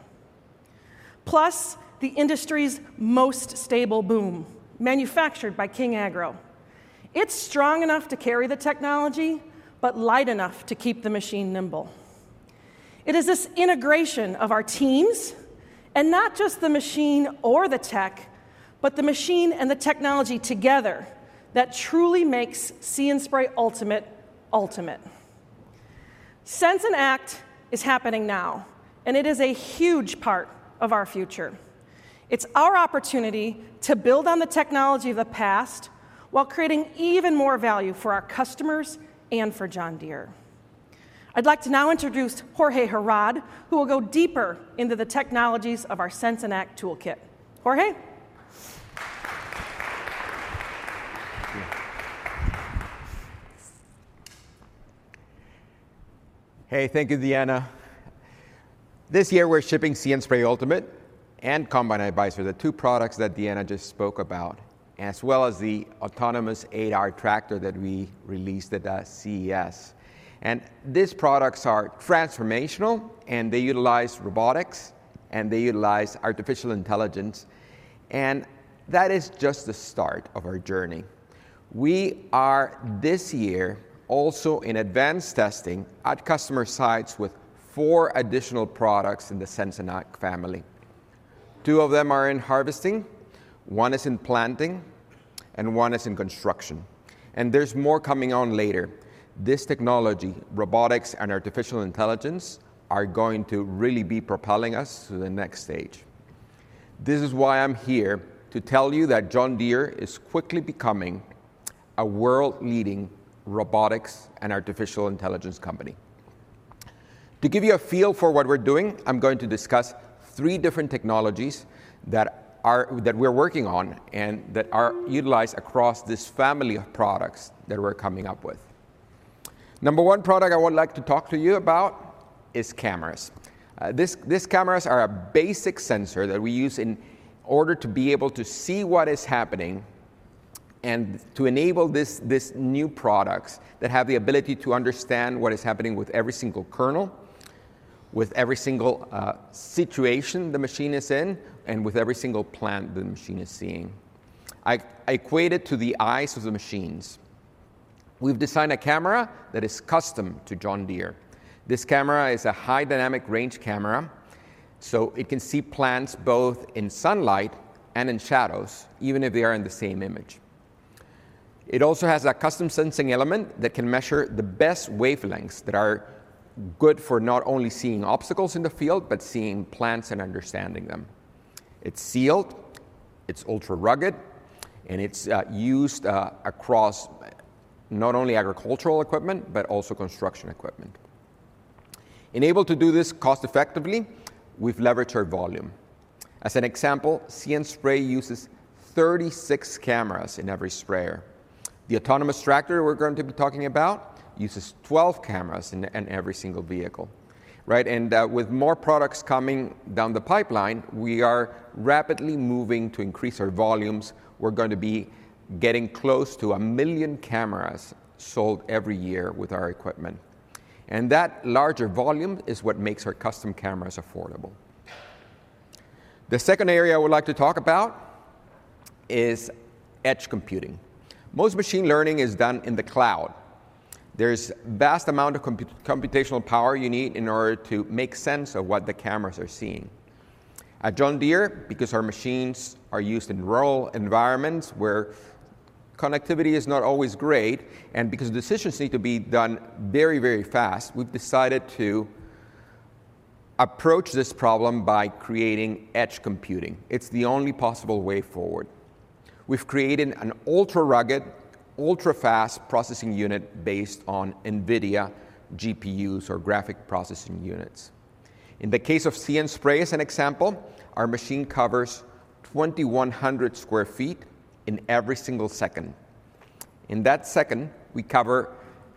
Plus, the industry's most stable boom manufactured by King Agro. It's strong enough to carry the technology but light enough to keep the machine nimble. It is this integration of our teams, and not just the machine or the tech, but the machine and the technology together that truly makes See & Spray Ultimate ultimate. Sense and Act is happening now, and it is a huge part of our future. It's our opportunity to build on the technology of the past while creating even more value for our customers and for John Deere. I'd like to now introduce Jorge Heraud, who will go deeper into the technologies of our Sense and Act toolkit. Jorge. Hey, thank you, Deanna. This year we're shipping See & Spray Ultimate and Combine Advisor, the two products that Deanna just spoke about, as well as the autonomous 8R tractor that we released at CES. These products are transformational, and they utilize robotics, and they utilize artificial intelligence, and that is just the start of our journey. We are this year also in advanced testing at customer sites with four additional products in the Sense and Act family. Two of them are in harvesting, one is in planting, and one is in construction. There's more coming on later. This technology, robotics and artificial intelligence, are going to really be propelling us to the next stage. This is why I'm here to tell you that John Deere is quickly becoming a world-leading robotics and artificial intelligence company. To give you a feel for what we're doing, I'm going to discuss three different technologies that we're working on and that are utilized across this family of products that we're coming up with. Number one product I would like to talk to you about is cameras. These cameras are a basic sensor that we use in order to be able to see what is happening. To enable these new products that have the ability to understand what is happening with every single kernel, with every single situation the machine is in, and with every single plant the machine is seeing. I equate it to the eyes of the machines. We've designed a camera that is custom to John Deere. This camera is a high dynamic range camera, so it can see plants both in sunlight and in shadows, even if they are in the same image. It also has a custom sensing element that can measure the best wavelengths that are good for not only seeing obstacles in the field, but seeing plants and understanding them. It's sealed, it's ultra-rugged, and it's used across not only agricultural equipment, but also construction equipment. We've been able to do this cost-effectively, we've leveraged our volume. As an example, See & Spray uses 36 cameras in every sprayer. The autonomous tractor we're going to be talking about uses 12 cameras in every single vehicle, right? With more products coming down the pipeline, we are rapidly moving to increase our volumes. We're gonna be getting close to 1 million cameras sold every year with our equipment, and that larger volume is what makes our custom cameras affordable. The second area I would like to talk about is edge computing. Most machine learning is done in the cloud. There's a vast amount of computational power you need in order to make sense of what the cameras are seeing. At John Deere, because our machines are used in rural environments where connectivity is not always great, and because decisions need to be done very, very fast, we've decided to approach this problem by creating edge computing. It's the only possible way forward. We've created an ultra-rugged, ultra-fast processing unit based on NVIDIA GPUs or graphic processing units. In the case of See & Spray as an example, our machine covers 2,100 sq ft in every single second. In that second, we cover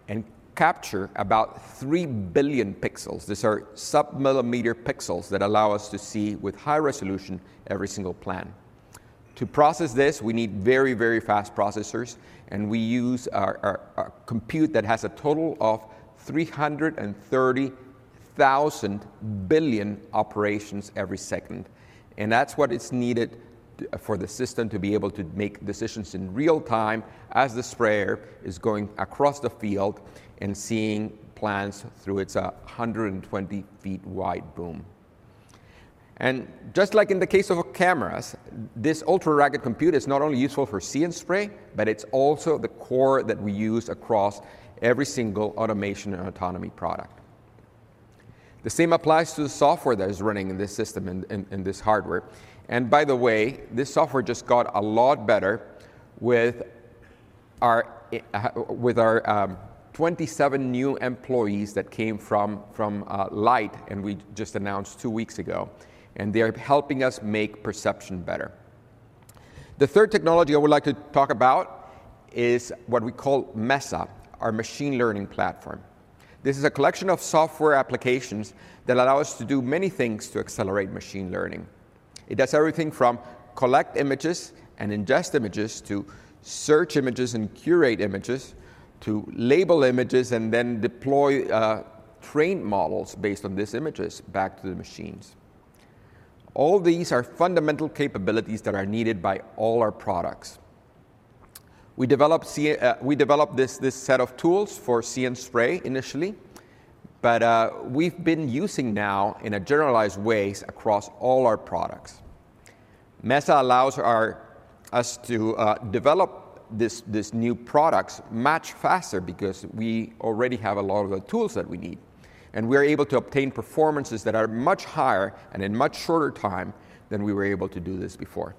and capture about 3 billion pixels. These are sub-millimeter pixels that allow us to see with high resolution every single plant. To process this, we need very, very fast processors, and we use our compute that has a total of 330,000 billion operations every second. That's what is needed for the system to be able to make decisions in real time as the sprayer is going across the field and seeing plants through its 120 ft wide boom. Just like in the case of our cameras, this ultra-rugged compute is not only useful for See & Spray, but it's also the core that we use across every single automation and autonomy product. The same applies to the software that is running in this system and this hardware. By the way, this software just got a lot better with our 27 new employees that came from Light and we just announced two weeks ago, and they're helping us make perception better. The third technology I would like to talk about is what we call MESA, our machine learning platform. This is a collection of software applications that allow us to do many things to accelerate machine learning. It does everything from collect images and ingest images, to search images and curate images, to label images and then deploy trained models based on these images back to the machines. All these are fundamental capabilities that are needed by all our products. We developed this set of tools for See & Spray initially, but we've been using now in generalized ways across all our products. MESA allows us to develop this, these new products much faster because we already have a lot of the tools that we need, and we're able to obtain performances that are much higher and in much shorter time than we were able to do this before.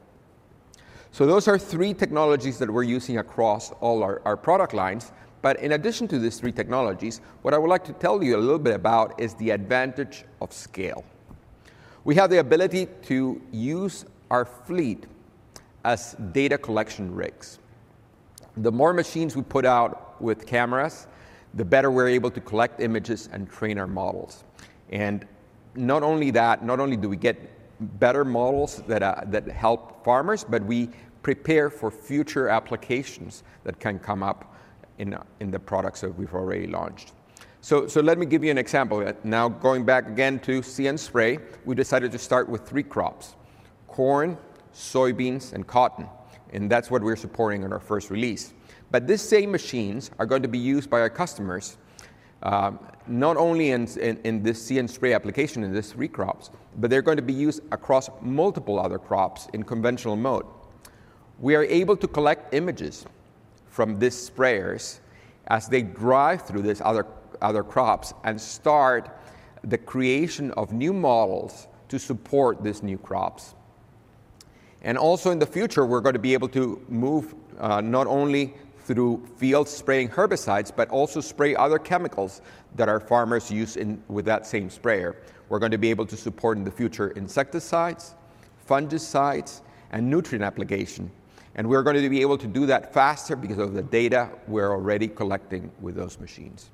Those are three technologies that we're using across all our product lines. In addition to these three technologies, what I would like to tell you a little bit about is the advantage of scale. We have the ability to use our fleet as data collection rigs. The more machines we put out with cameras, the better we're able to collect images and train our models. Not only that, not only do we get better models that help farmers, but we prepare for future applications that can come up in the products that we've already launched. Let me give you an example. Now going back again to See & Spray, we decided to start with three crops, corn, soybeans, and cotton, and that's what we're supporting in our first release. These same machines are going to be used by our customers, not only in this See & Spray application in these three crops, but they're going to be used across multiple other crops in conventional mode. We are able to collect images from these sprayers as they drive through these other crops and start the creation of new models to support these new crops. Also, in the future, we're gonna be able to move, not only through fields spraying herbicides, but also spray other chemicals that our farmers use with that same sprayer. We're gonna be able to support in the future, insecticides, fungicides, and nutrient application, and we're gonna be able to do that faster because of the data we're already collecting with those machines.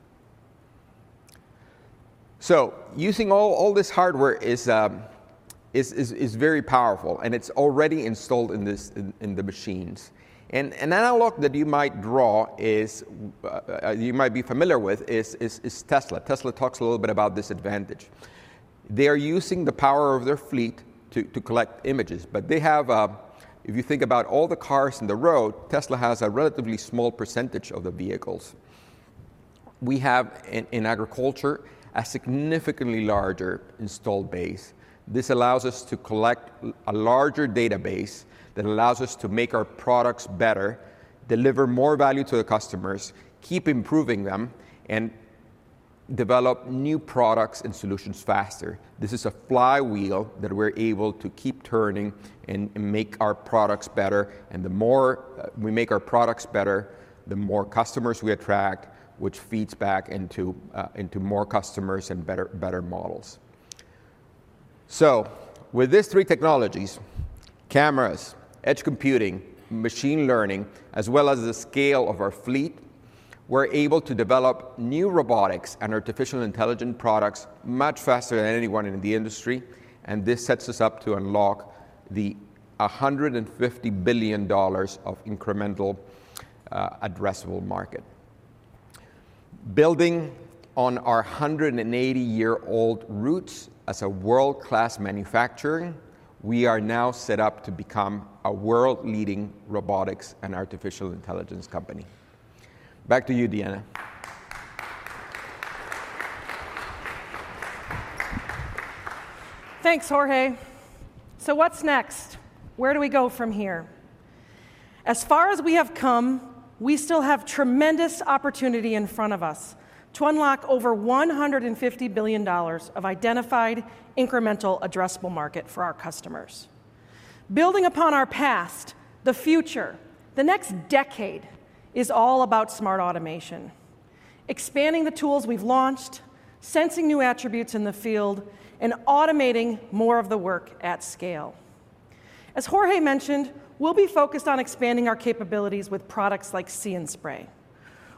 Using all this hardware is very powerful, and it's already installed in the machines. An analog that you might draw, you might be familiar with, is Tesla. Tesla talks a little bit about this advantage. They're using the power of their fleet to collect images. They have, if you think about all the cars on the road, Tesla has a relatively small percentage of the vehicles. We have in agriculture a significantly larger installed base. This allows us to collect a larger database that allows us to make our products better, deliver more value to the customers, keep improving them, and develop new products and solutions faster. This is a flywheel that we're able to keep turning and make our products better, and the more we make our products better, the more customers we attract, which feeds back into more customers and better models. With these three technologies, cameras, edge computing, machine learning, as well as the scale of our fleet, we're able to develop new robotics and artificial intelligence products much faster than anyone in the industry, and this sets us up to unlock the $150 billion of incremental addressable market. Building on our 180-year-old roots as a world-class manufacturer, we are now set up to become a world-leading robotics and artificial intelligence company. Back to you, Deanna. Thanks, Jorge. What's next? Where do we go from here? As far as we have come, we still have tremendous opportunity in front of us to unlock over $150 billion of identified incremental addressable market for our customers. Building upon our past, the future, the next decade is all about smart automation, expanding the tools we've launched, sensing new attributes in the field, and automating more of the work at scale. As Jorge mentioned, we'll be focused on expanding our capabilities with products like See & Spray,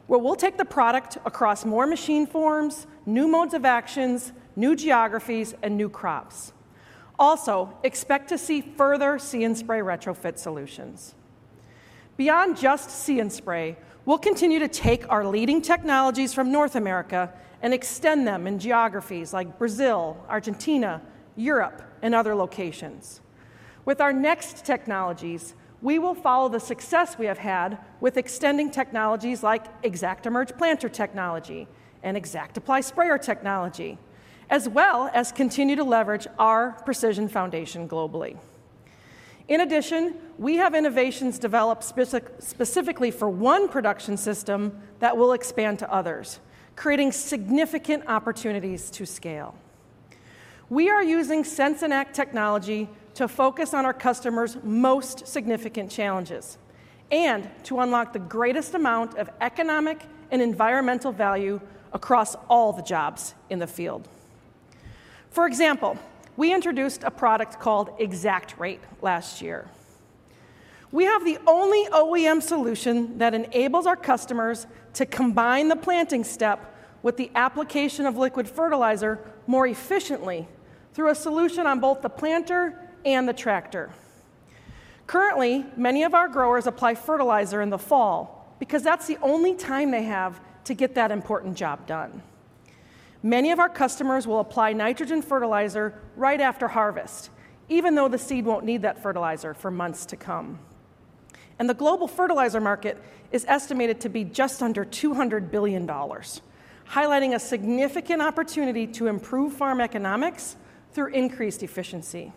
where we'll take the product across more machine forms, new modes of actions, new geographies, and new crops. Also, expect to see further See & Spray retrofit solutions. Beyond just See & Spray, we'll continue to take our leading technologies from North America and extend them in geographies like Brazil, Argentina, Europe, and other locations. With our next technologies, we will follow the success we have had with extending technologies like ExactEmerge planter technology and ExactApply sprayer technology, as well as continue to leverage our precision foundation globally. In addition, we have innovations developed specifically for one production system that will expand to others, creating significant opportunities to scale. We are using Sense & Act technology to focus on our customers' most significant challenges and to unlock the greatest amount of economic and environmental value across all the jobs in the field. For example, we introduced a product called ExactRate last year. We have the only OEM solution that enables our customers to combine the planting step with the application of liquid fertilizer more efficiently through a solution on both the planter and the tractor. Currently, many of our growers apply fertilizer in the fall because that's the only time they have to get that important job done. Many of our customers will apply nitrogen fertilizer right after harvest, even though the seed won't need that fertilizer for months to come. The global fertilizer market is estimated to be just under $200 billion, highlighting a significant opportunity to improve farm economics through increased efficiency.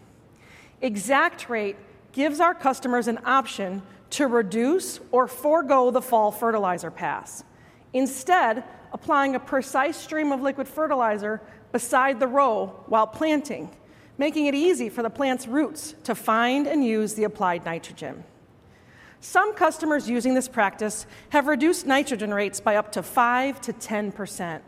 ExactRate gives our customers an option to reduce or forgo the fall fertilizer pass, instead applying a precise stream of liquid fertilizer beside the row while planting, making it easy for the plant's roots to find and use the applied nitrogen. Some customers using this practice have reduced nitrogen rates by up to 5%-10%.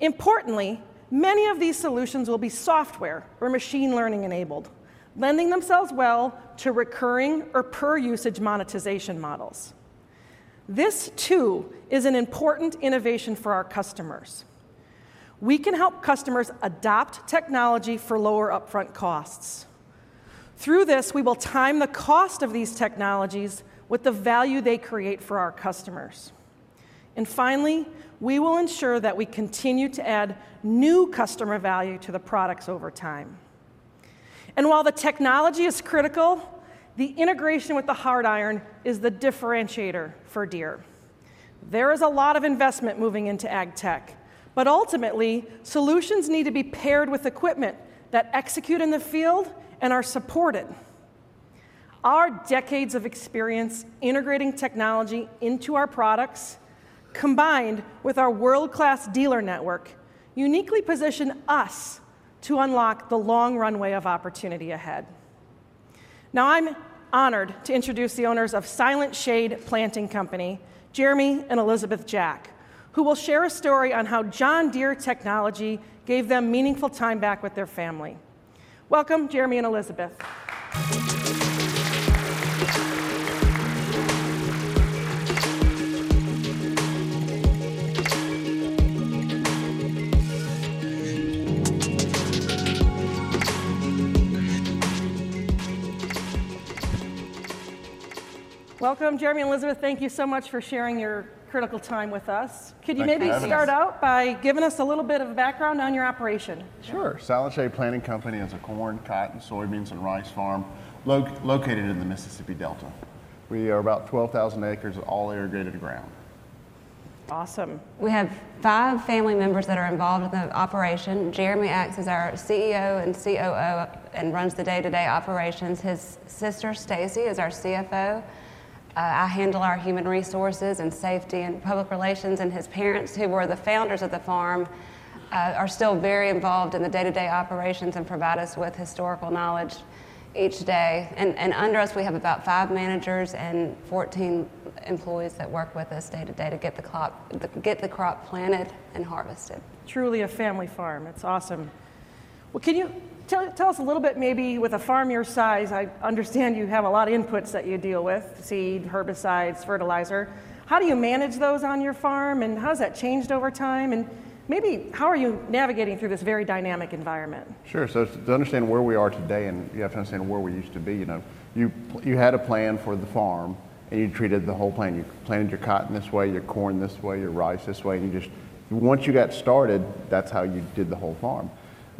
Importantly, many of these solutions will be software or machine learning enabled, lending themselves well to recurring or per-usage monetization models. This, too, is an important innovation for our customers. We can help customers adopt technology for lower upfront costs. Through this, we will time the cost of these technologies with the value they create for our customers. Finally, we will ensure that we continue to add new customer value to the products over time. While the technology is critical, the integration with the hard iron is the differentiator for Deere. There is a lot of investment moving into ag tech, but ultimately, solutions need to be paired with equipment that execute in the field and are supported. Our decades of experience integrating technology into our products, combined with our world-class dealer network, uniquely position us to unlock the long runway of opportunity ahead. Now, I'm honored to introduce the owners of Silent Shade Planting Company, Jeremy and Elizabeth Jack, who will share a story on how John Deere technology gave them meaningful time back with their family. Welcome, Jeremy and Elizabeth. Thank you so much for sharing your critical time with us. Thank you for having us. Could you maybe start out by giving us a little bit of background on your operation? Sure. Silent Shade Planting Company is a corn, cotton, soybeans, and rice farm located in the Mississippi Delta. We are about 12,000 acres of all irrigated ground. Awesome. We have five family members that are involved in the operation. Jeremy acts as our CEO and COO and runs the day-to-day operations. His sister, Stacie, is our CFO. I handle our human resources and safety and public relations, and his parents, who were the founders of the farm, are still very involved in the day-to-day operations and provide us with historical knowledge each day. Under us, we have about five managers and 14 employees that work with us day to day to get the crop planted and harvested. Truly a family farm. That's awesome. Well, can you tell us a little bit maybe with a farm your size, I understand you have a lot of inputs that you deal with, seed, herbicides, fertilizer. How do you manage those on your farm, and how has that changed over time? Maybe how are you navigating through this very dynamic environment? Sure. To understand where we are today, and you have to understand where we used to be, you know. You had a plan for the farm, and you treated the whole plan. You planted your cotton this way, your corn this way, your rice this way, and you just once you got started, that's how you did the whole farm.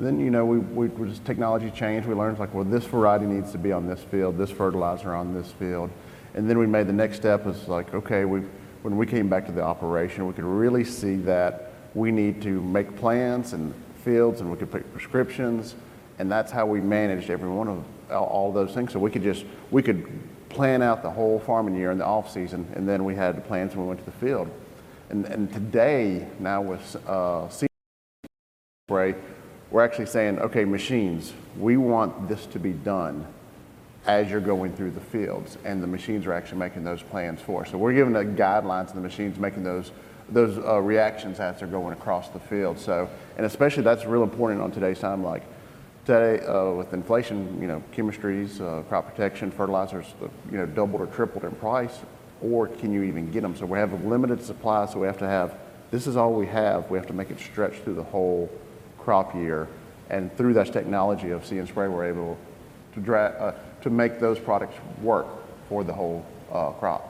You know, we technology changed. We learned, like, well, this variety needs to be on this field, this fertilizer on this field. We made the next step was like, okay, when we came back to the operation, we could really see that we need to make plans and fields, and we could put prescriptions, and that's how we managed every one of all those things. We could plan out the whole farming year in the off-season, and then we had the plans when we went to the field. Today, now with See & Spray, we're actually saying, "Okay, machines, we want this to be done as you're going through the fields," and the machines are actually making those plans for us. We're giving the guidelines to the machines, making those reactions as they're going across the field. Especially that's real important on today's time, like, today, with inflation, you know, chemistries, crop protection, fertilizers, you know, doubled or tripled in price, or can you even get them? We have limited supply, so we have to have. This is all we have. We have to make it stretch through the whole crop year, and through this technology of See & Spray, we're able to make those products work for the whole crop.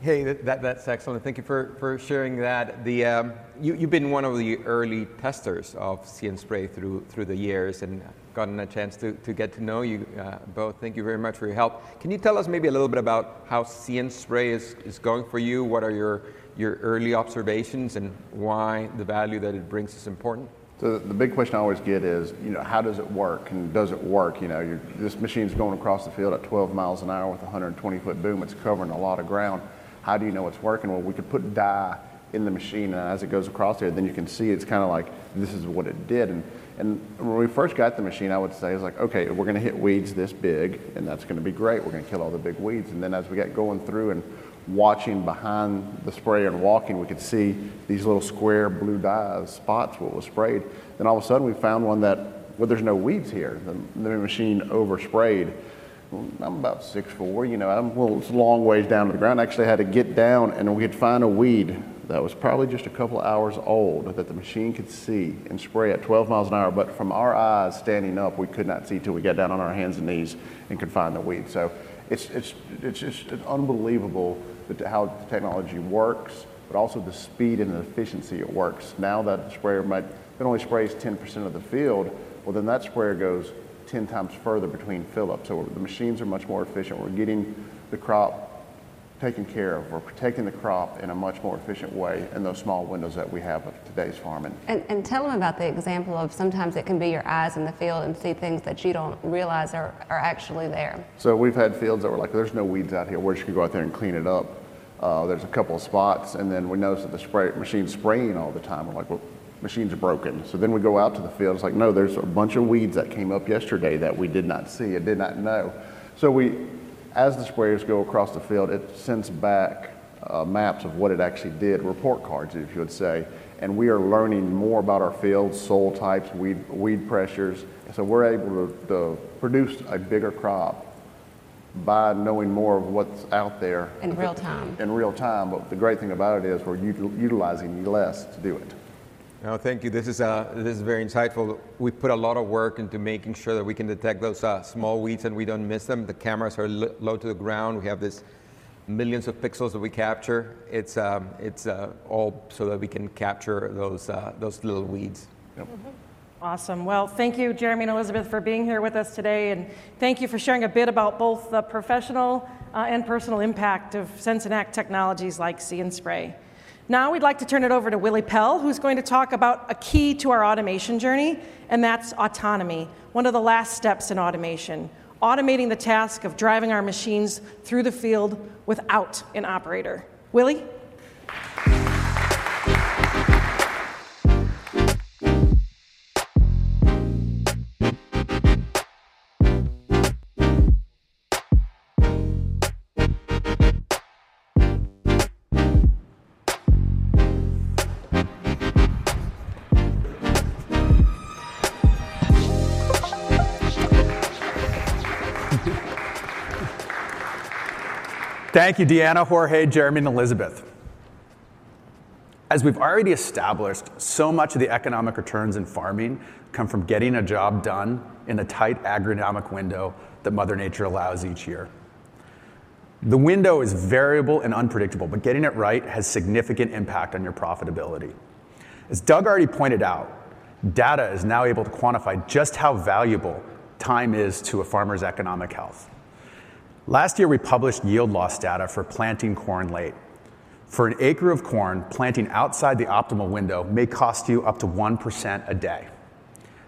Hey, that's excellent. Thank you for sharing that. You've been one of the early testers of See & Spray through the years, and gotten a chance to get to know you both. Thank you very much for your help. Can you tell us maybe a little bit about how See & Spray is going for you? What are your early observations and why the value that it brings is important? The big question I always get is, you know, how does it work, and does it work? You know, this machine's going across the field at 12 miles an hour with a 120-foot boom. It's covering a lot of ground. How do you know it's working? Well, we could put dye in the machine as it goes across there, then you can see it's kinda like, this is what it did. When we first got the machine, I would say, it's like, okay, we're gonna hit weeds this big, and that's gonna be great. We're gonna kill all the big weeds. Then as we got going through and watching behind the sprayer and walking, we could see these little square blue dye spots where it was sprayed. All of a sudden, we found one that, well, there's no weeds here. The machine oversprayed. I'm about 6'4". You know, I'm a little long ways down to the ground. I actually had to get down, and we could find a weed that was probably just a couple hours old that the machine could see and spray at 12 miles an hour. From our eyes standing up, we could not see till we got down on our hands and knees and could find the weed. It's just unbelievable how the technology works, but also the speed and the efficiency it works. Now that the sprayer might. If it only sprays 10% of the field, well, then that sprayer goes 10 times further between fill-ups. The machines are much more efficient. We're getting the crop taken care of. We're taking the crop in a much more efficient way in those small windows that we have with today's farming. Tell them about the example of sometimes it can be your eyes in the field and see things that you don't realize are actually there. We've had fields that were like, there's no weeds out here. We're just gonna go out there and clean it up. There's a couple spots, and then we notice that the sprayer's spraying all the time. We're like, "Well, machine's broken." We go out to the field, it's like, no, there's a bunch of weeds that came up yesterday that we did not see and did not know. We, as the sprayers go across the field, it sends back, maps of what it actually did, report cards, if you would say. We are learning more about our fields, soil types, weed pressures. We're able to produce a bigger crop by knowing more of what's out there. In real time. in real time, but the great thing about it is we're utilizing less to do it. No, thank you. This is very insightful. We put a lot of work into making sure that we can detect those small weeds, and we don't miss them. The cameras are low to the ground. We have this millions of pixels that we capture. It's all so that we can capture those little weeds. Yep. Awesome. Well, thank you, Jeremy and Elizabeth, for being here with us today, and thank you for sharing a bit about both the professional and personal impact of Sense & Act technologies like See & Spray. Now we'd like to turn it over to Willy Pell, who's going to talk about a key to our automation journey, and that's autonomy, one of the last steps in automation, automating the task of driving our machines through the field without an operator. Willy? Thank you, Deanna, Jorge, Jeremy, and Elizabeth. As we've already established, so much of the economic returns in farming come from getting a job done in a tight agronomic window that Mother Nature allows each year. The window is variable and unpredictable, but getting it right has significant impact on your profitability. As Doug already pointed out, data is now able to quantify just how valuable time is to a farmer's economic health. Last year, we published yield loss data for planting corn late. For an acre of corn, planting outside the optimal window may cost you up to 1% a day.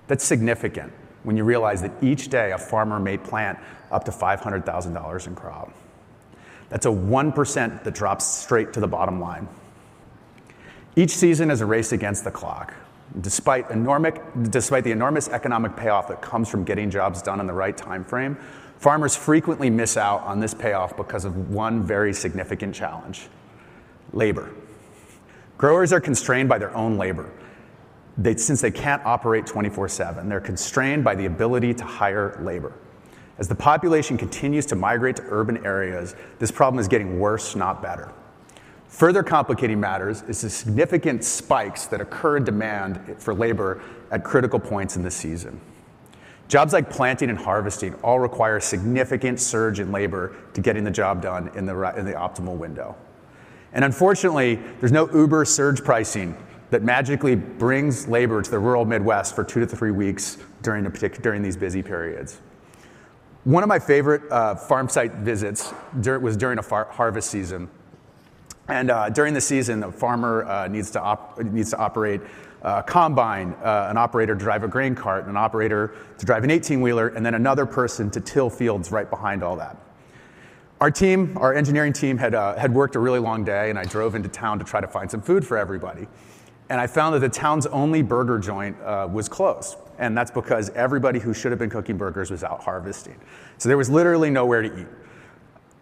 That's significant when you realize that each day a farmer may plant up to $500,000 in crop. That's a 1% that drops straight to the bottom line. Each season is a race against the clock. Despite the enormous economic payoff that comes from getting jobs done in the right timeframe, farmers frequently miss out on this payoff because of one very significant challenge: labor. Growers are constrained by their own labor. Since they can't operate 24/7, they're constrained by the ability to hire labor. As the population continues to migrate to urban areas, this problem is getting worse, not better. Further complicating matters is the significant spikes that occur in demand for labor at critical points in the season. Jobs like planting and harvesting all require a significant surge in labor to getting the job done in the optimal window. Unfortunately, there's no Uber surge pricing that magically brings labor to the rural Midwest for two-three weeks during these busy periods. One of my favorite farm site visits was during a harvest season. During the season, the farmer needs to operate a combine, an operator to drive a grain cart, an operator to drive a 18-wheeler, and then another person to till fields right behind all that. Our team, our engineering team, worked a really long day, and I drove into town to try to find some food for everybody. I found that the town's only burger joint was closed, and that's because everybody who should have been cooking burgers was out harvesting. There was literally nowhere to eat.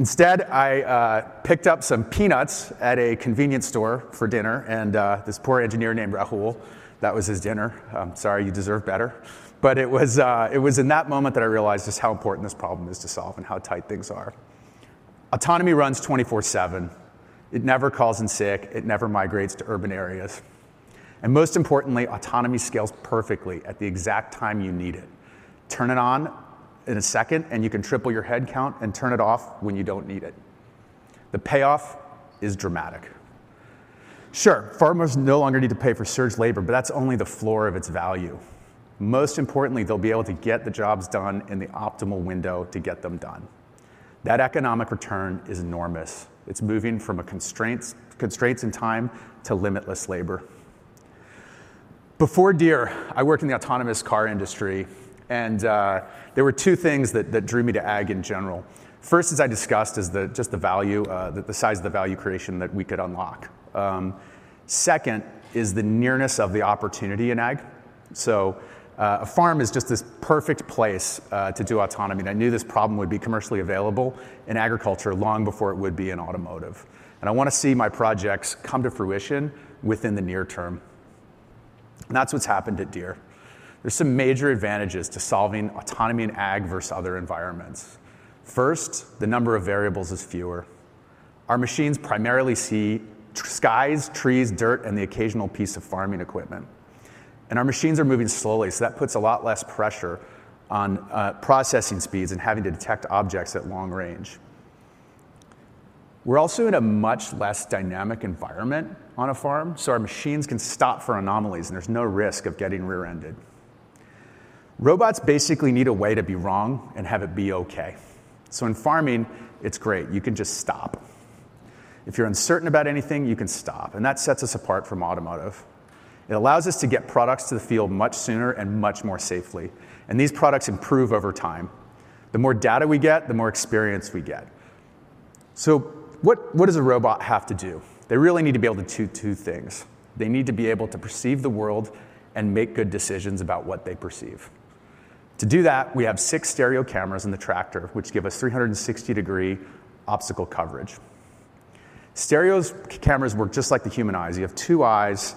Instead, I picked up some peanuts at a convenience store for dinner, and this poor engineer named Rahul, that was his dinner. Sorry, you deserve better. It was in that moment that I realized just how important this problem is to solve and how tight things are. Autonomy runs 24/7. It never calls in sick, it never migrates to urban areas, and most importantly, autonomy scales perfectly at the exact time you need it. Turn it on in a second, and you can triple your headcount and turn it off when you don't need it. The payoff is dramatic. Sure, farmers no longer need to pay for surge labor, but that's only the floor of its value. Most importantly, they'll be able to get the jobs done in the optimal window to get them done. That economic return is enormous. It's moving from constraints in time to limitless labor. Before Deere, I worked in the autonomous car industry, and there were two things that drew me to ag in general. First, as I discussed, is just the value, the size of the value creation that we could unlock. Second is the nearness of the opportunity in ag. A farm is just this perfect place to do autonomy. I knew this problem would be commercially available in agriculture long before it would be in automotive. I wanna see my projects come to fruition within the near term. That's what's happened at Deere. There's some major advantages to solving autonomy in ag versus other environments. First, the number of variables is fewer. Our machines primarily see skies, trees, dirt, and the occasional piece of farming equipment. Our machines are moving slowly, so that puts a lot less pressure on processing speeds and having to detect objects at long range. We're also in a much less dynamic environment on a farm, so our machines can stop for anomalies, and there's no risk of getting rear-ended. Robots basically need a way to be wrong and have it be okay. In farming, it's great. You can just stop. If you're uncertain about anything, you can stop, and that sets us apart from automotive. It allows us to get products to the field much sooner and much more safely. These products improve over time. The more data we get, the more experience we get. What does a robot have to do? They really need to be able to do two things. They need to be able to perceive the world and make good decisions about what they perceive. To do that, we have six stereo cameras in the tractor, which give us 360-degree obstacle coverage. Stereo cameras work just like the human eyes. You have two eyes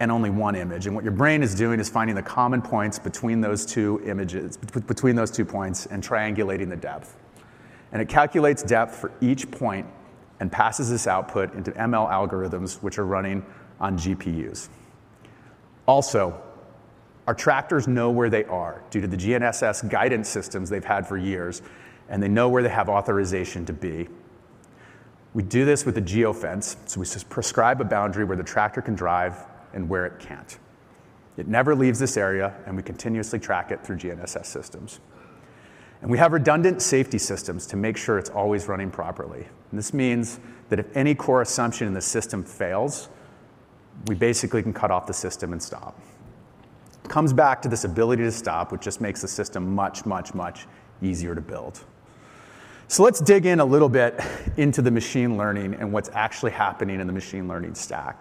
and only one image, and what your brain is doing is finding the common points between those two points and triangulating the depth. It calculates depth for each point and passes this output into ML algorithms, which are running on GPUs. Also, our tractors know where they are due to the GNSS guidance systems they've had for years, and they know where they have authorization to be. We do this with a geofence, so we just prescribe a boundary where the tractor can drive and where it can't. It never leaves this area, and we continuously track it through GNSS systems. We have redundant safety systems to make sure it's always running properly. This means that if any core assumption in the system fails, we basically can cut off the system and stop. Comes back to this ability to stop, which just makes the system much easier to build. Let's dig in a little bit into the machine learning and what's actually happening in the machine learning stack.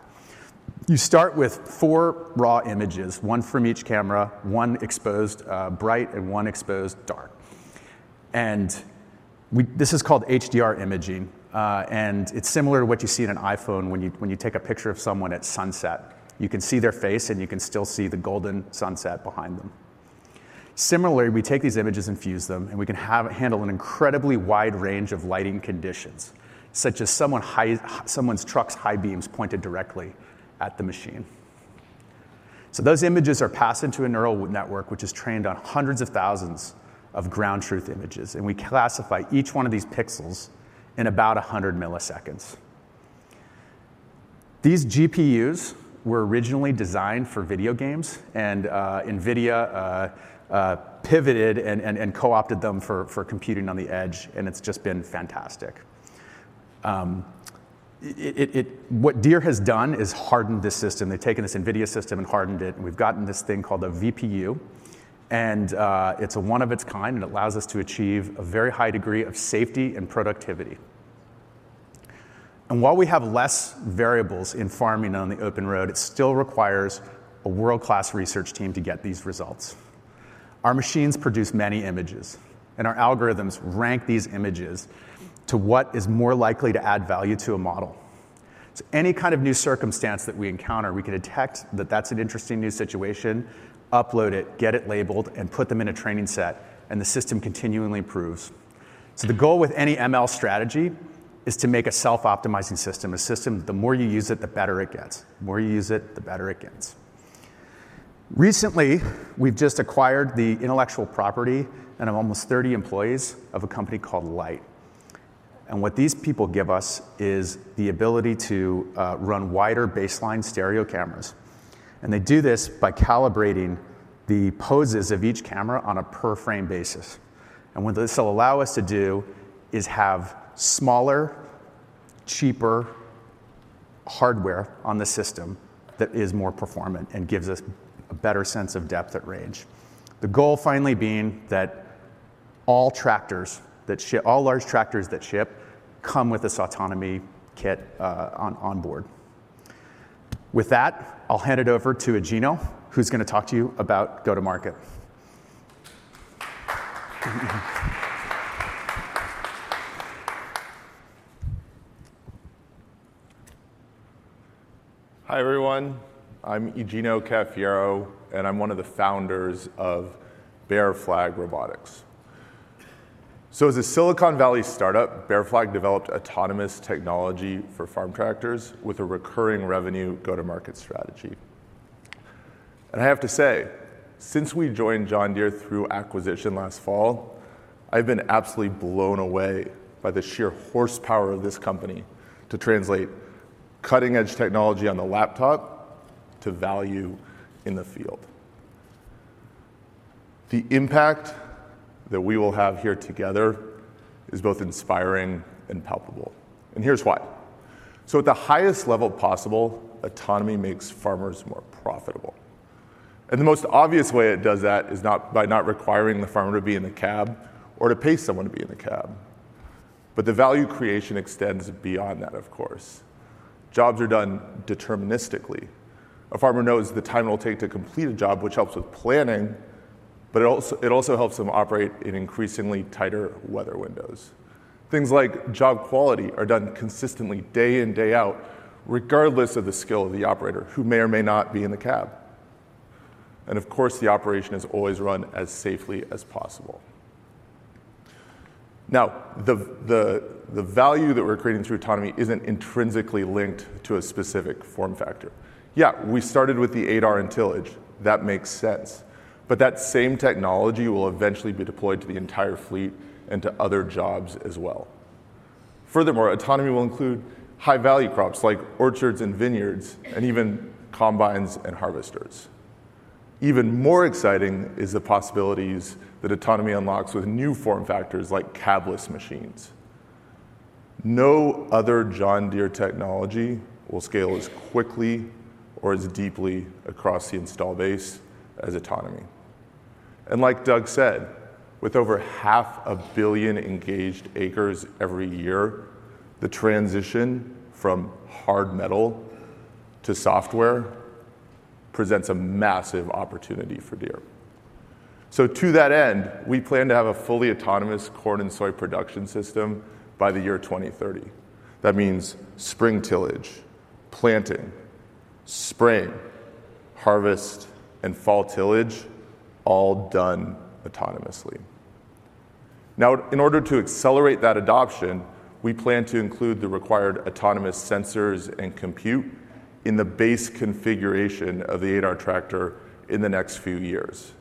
You start with four raw images, one from each camera, one exposed bright and one exposed dark. This is called HDR imaging, and it's similar to what you see in an iPhone when you take a picture of someone at sunset. You can see their face, and you can still see the golden sunset behind them. Similarly, we take these images and fuse them, and we can handle an incredibly wide range of lighting conditions, such as someone's truck's high beams pointed directly at the machine. Those images are passed into a neural network, which is trained on hundreds of thousands of ground truth images, and we classify each one of these pixels in about 100 milliseconds. These GPUs were originally designed for video games and NVIDIA pivoted and co-opted them for computing on the edge, and it's just been fantastic. What Deere has done is hardened the system. They've taken this NVIDIA system and hardened it, and we've gotten this thing called a VPU, and it's one of a kind and allows us to achieve a very high degree of safety and productivity. While we have less variables in farming on the open road, it still requires a world-class research team to get these results. Our machines produce many images, and our algorithms rank these images to what is more likely to add value to a model. Any kind of new circumstance that we encounter, we can detect that that's an interesting new situation, upload it, get it labeled, and put them in a training set, and the system continually improves. The goal with any ML strategy is to make a self-optimizing system, a system that the more you use it, the better it gets. Recently, we've just acquired the intellectual property and of almost 30 employees of a company called Light. What these people give us is the ability to run wider baseline stereo cameras, and they do this by calibrating the poses of each camera on a per frame basis. What this will allow us to do is have smaller, cheaper hardware on the system that is more performant and gives us a better sense of depth at range. The goal finally being that all large tractors that ship come with this autonomy kit onboard. With that, I'll hand it over to Igino, who's gonna talk to you about go-to-market. Hi, everyone. I'm Igino Cafiero, and I'm one of the founders of Bear Flag Robotics. As a Silicon Valley startup, Bear Flag developed autonomous technology for farm tractors with a recurring revenue go-to-market strategy. I have to say, since we joined John Deere through acquisition last fall, I've been absolutely blown away by the sheer horsepower of this company to translate cutting-edge technology on the laptop to value in the field. The impact that we will have here together is both inspiring and palpable, and here's why. At the highest level possible, autonomy makes farmers more profitable, and the most obvious way it does that is by not requiring the farmer to be in the cab or to pay someone to be in the cab. The value creation extends beyond that, of course. Jobs are done deterministically. A farmer knows the time it'll take to complete a job, which helps with planning, but it also helps them operate in increasingly tighter weather windows. Things like job quality are done consistently day in, day out, regardless of the skill of the operator who may or may not be in the cab. Of course, the operation is always run as safely as possible. Now, the value that we're creating through autonomy isn't intrinsically linked to a specific form factor. Yeah, we started with the 8R in tillage. That makes sense. That same technology will eventually be deployed to the entire fleet and to other jobs as well. Furthermore, autonomy will include high-value crops like orchards and vineyards and even combines and harvesters. Even more exciting is the possibilities that autonomy unlocks with new form factors like cabless machines. No other John Deere technology will scale as quickly or as deeply across the install base as autonomy. Like Doug said, with over half a billion engaged acres every year, the transition from hard metal to software presents a massive opportunity for Deere. To that end, we plan to have a fully autonomous corn and soy production system by the year 2030. That means spring tillage, planting, spraying, harvest, and fall tillage all done autonomously. Now, in order to accelerate that adoption, we plan to include the required autonomous sensors and compute in the base configuration of the 8R tractor in the next few years.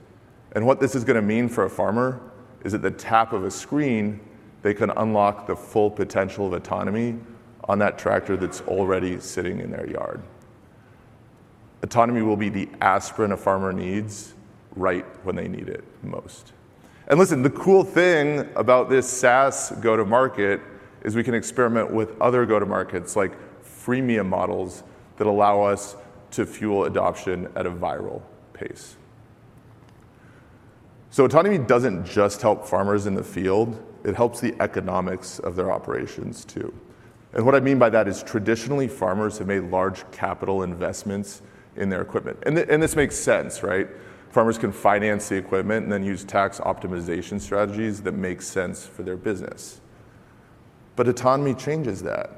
What this is gonna mean for a farmer is at the tap of a screen, they can unlock the full potential of autonomy on that tractor that's already sitting in their yard. Autonomy will be the aspirin a farmer needs right when they need it most. Listen, the cool thing about this SaaS go-to-market is we can experiment with other go-to-markets, like freemium models that allow us to fuel adoption at a viral pace. Autonomy doesn't just help farmers in the field, it helps the economics of their operations too. What I mean by that is traditionally farmers have made large capital investments in their equipment. This makes sense, right? Farmers can finance the equipment and then use tax optimization strategies that make sense for their business. Autonomy changes that.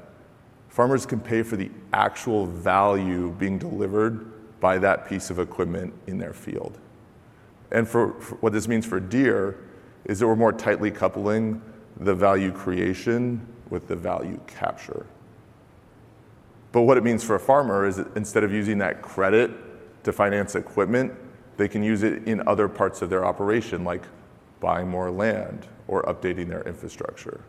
Farmers can pay for the actual value being delivered by that piece of equipment in their field. What this means for Deere is that we're more tightly coupling the value creation with the value capture. What it means for a farmer is instead of using that credit to finance equipment, they can use it in other parts of their operation, like buying more land or updating their infrastructure.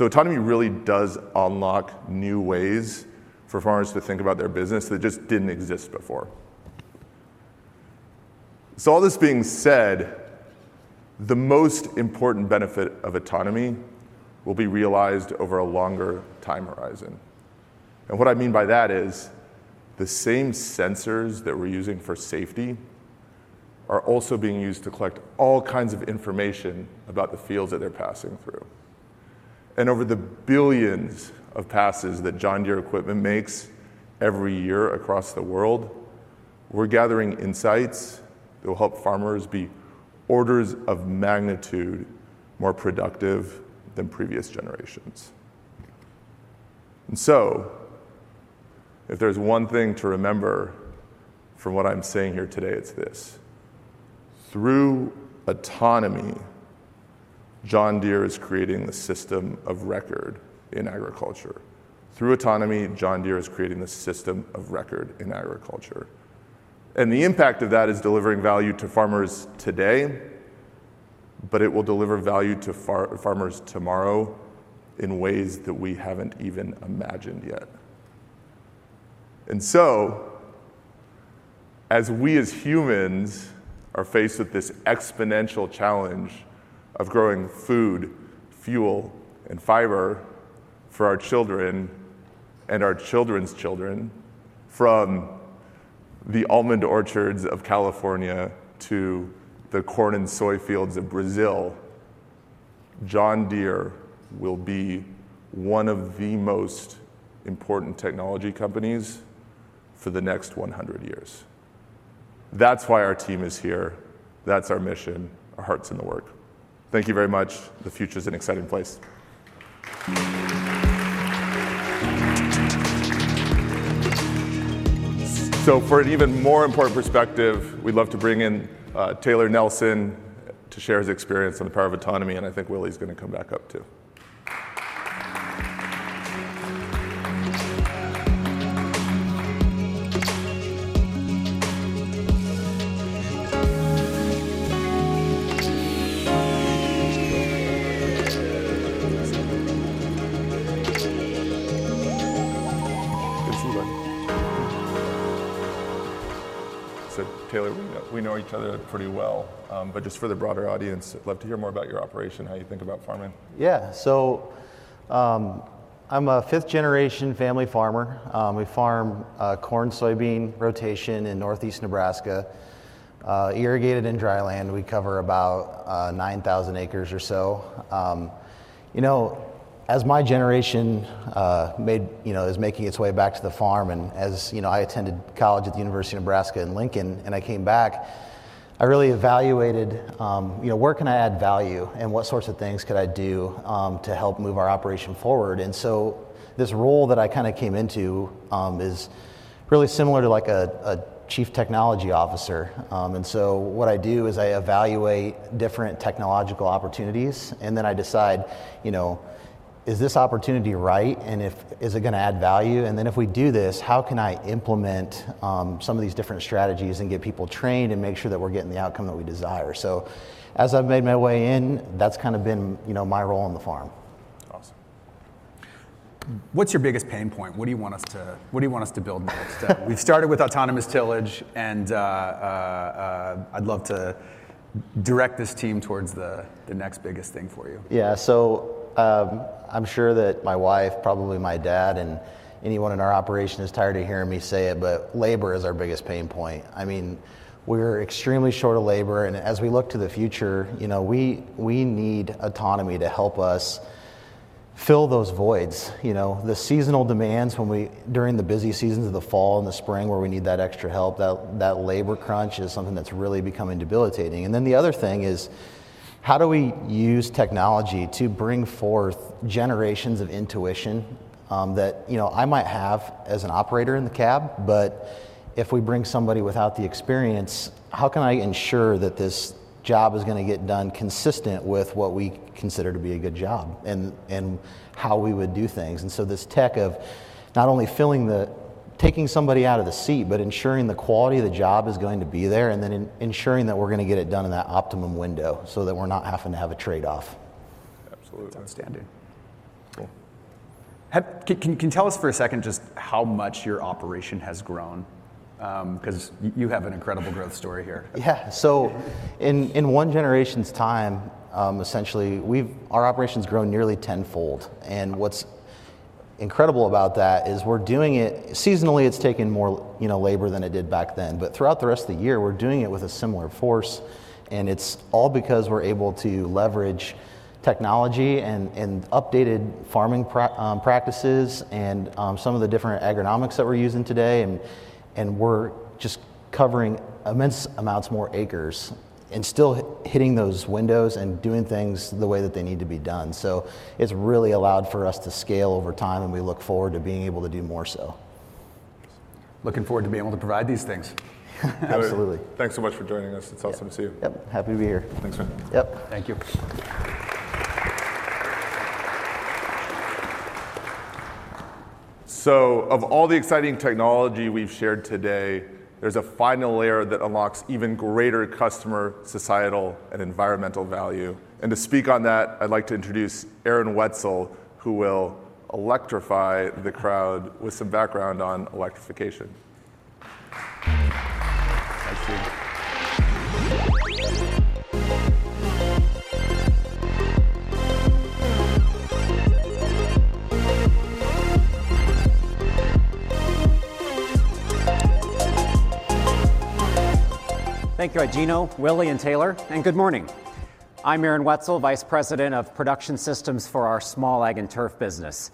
Autonomy really does unlock new ways for farmers to think about their business that just didn't exist before. All this being said, the most important benefit of autonomy will be realized over a longer time horizon. What I mean by that is the same sensors that we're using for safety are also being used to collect all kinds of information about the fields that they're passing through. Over the billions of passes that John Deere equipment makes every year across the world, we're gathering insights that will help farmers be orders of magnitude more productive than previous generations. If there's one thing to remember from what I'm saying here today, it's this: through autonomy, John Deere is creating the system of record in agriculture. The impact of that is delivering value to farmers today, but it will deliver value to farmers tomorrow in ways that we haven't even imagined yet. As we humans are faced with this exponential challenge of growing food, fuel, and fiber for our children and our children's children from the almond orchards of California to the corn and soy fields of Brazil, John Deere will be one of the most important technology companies for the next 100 years. That's why our team is here. That's our mission, our hearts in the work. Thank you very much. The future's an exciting place. For an even more important perspective, we'd love to bring in Taylor Nelson to share his experience on the power of autonomy, and I think Willy's gonna come back up too. Good to see you, buddy. Taylor, we know each other pretty well, but just for the broader audience, I'd love to hear more about your operation, how you think about farming. Yeah. I'm a fifth-generation family farmer. We farm corn, soybean rotation in northeast Nebraska, irrigated and dry land. We cover about 9,000 acres or so. You know, as my generation is making its way back to the farm and as, you know, I attended college at the University of Nebraska–Lincoln in Lincoln and I came back, I really evaluated, you know, where can I add value and what sorts of things could I do to help move our operation forward. This role that I kinda came into is really similar to like a chief technology officer. What I do is I evaluate different technological opportunities and then I decide, you know, is this opportunity right? And if is it gonna add value? If we do this, how can I implement some of these different strategies and get people trained and make sure that we're getting the outcome that we desire. As I've made my way in, that's kind of been, you know, my role on the farm. Awesome. What's your biggest pain point? What do you want us to build next? We've started with autonomous tillage and I'd love to direct this team towards the next biggest thing for you. I'm sure that my wife, probably my dad, and anyone in our operation is tired of hearing me say it, but labor is our biggest pain point. I mean, we're extremely short of labor, and as we look to the future, you know, we need autonomy to help us fill those voids, you know. The seasonal demands during the busy seasons of the fall and the spring where we need that extra help, that labor crunch is something that's really becoming debilitating. The other thing is, how do we use technology to bring forth generations of intuition, that you know I might have as an operator in the cab, but if we bring somebody without the experience, how can I ensure that this job is gonna get done consistent with what we consider to be a good job and how we would do things? This tech of not only taking somebody out of the seat, but ensuring the quality of the job is going to be there, and then ensuring that we're gonna get it done in that optimum window so that we're not having to have a trade-off. Absolutely. Outstanding. Cool. Can you tell us for a second just how much your operation has grown? 'Cause you have an incredible growth story here. Yeah. In one generation's time, essentially our operation's grown nearly tenfold. What's incredible about that is we're doing it seasonally; it's taken more, you know, labor than it did back then, but throughout the rest of the year, we're doing it with a similar force, and it's all because we're able to leverage technology and updated farming practices and some of the different agronomics that we're using today, and we're just covering immense amounts more acres and still hitting those windows and doing things the way that they need to be done. It's really allowed for us to scale over time, and we look forward to being able to do more so. Looking forward to being able to provide these things. Absolutely. Thanks so much for joining us. It's awesome to see you. Yep. Happy to be here. Thanks, man. Yep. Thank you. Of all the exciting technology we've shared today, there's a final layer that unlocks even greater customer, societal, and environmental value. To speak on that, I'd like to introduce Aaron Wetzel, who will electrify the crowd with some background on electrification. Thank you. Thank you, Igino, Willy, and Taylor, and good morning. I'm Aaron Wetzel, Vice President of Production Systems for our Small Ag and Turf business.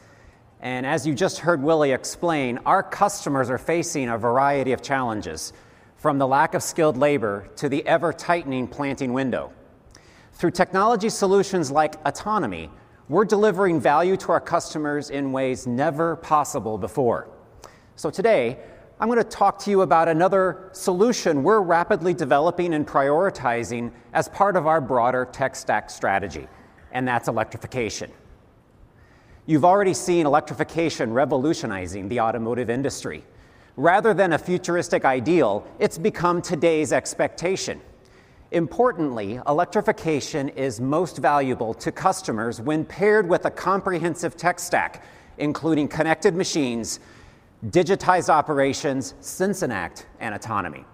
As you just heard Willy explain, our customers are facing a variety of challenges, from the lack of skilled labor to the ever-tightening planting window. Through technology solutions like autonomy, we're delivering value to our customers in ways never possible before. Today, I'm gonna talk to you about another solution we're rapidly developing and prioritizing as part of our broader tech stack strategy, and that's electrification. You've already seen electrification revolutionizing the automotive industry. Rather than a futuristic ideal, it's become today's expectation. Importantly, electrification is most valuable to customers when paired with a comprehensive tech stack, including connected machines, digitized operations, sense and act, and autonomy.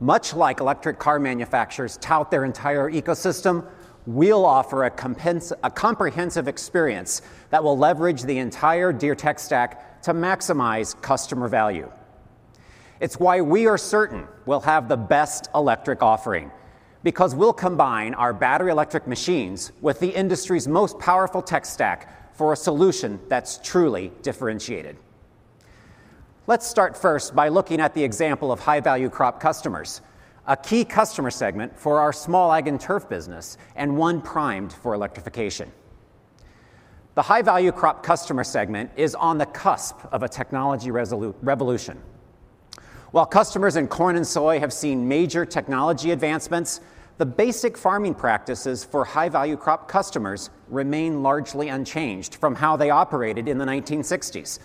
Much like electric car manufacturers tout their entire ecosystem, we'll offer a comprehensive experience that will leverage the entire Deere tech stack to maximize customer value. It's why we are certain we'll have the best electric offering, because we'll combine our battery electric machines with the industry's most powerful tech stack for a solution that's truly differentiated. Let's start first by looking at the example of high-value crop customers, a key customer segment for our Small Ag and Turf business, and one primed for electrification. The high-value crop customer segment is on the cusp of a technology revolution. While customers in corn and soy have seen major technology advancements, the basic farming practices for high-value crop customers remain largely unchanged from how they operated in the 1960s.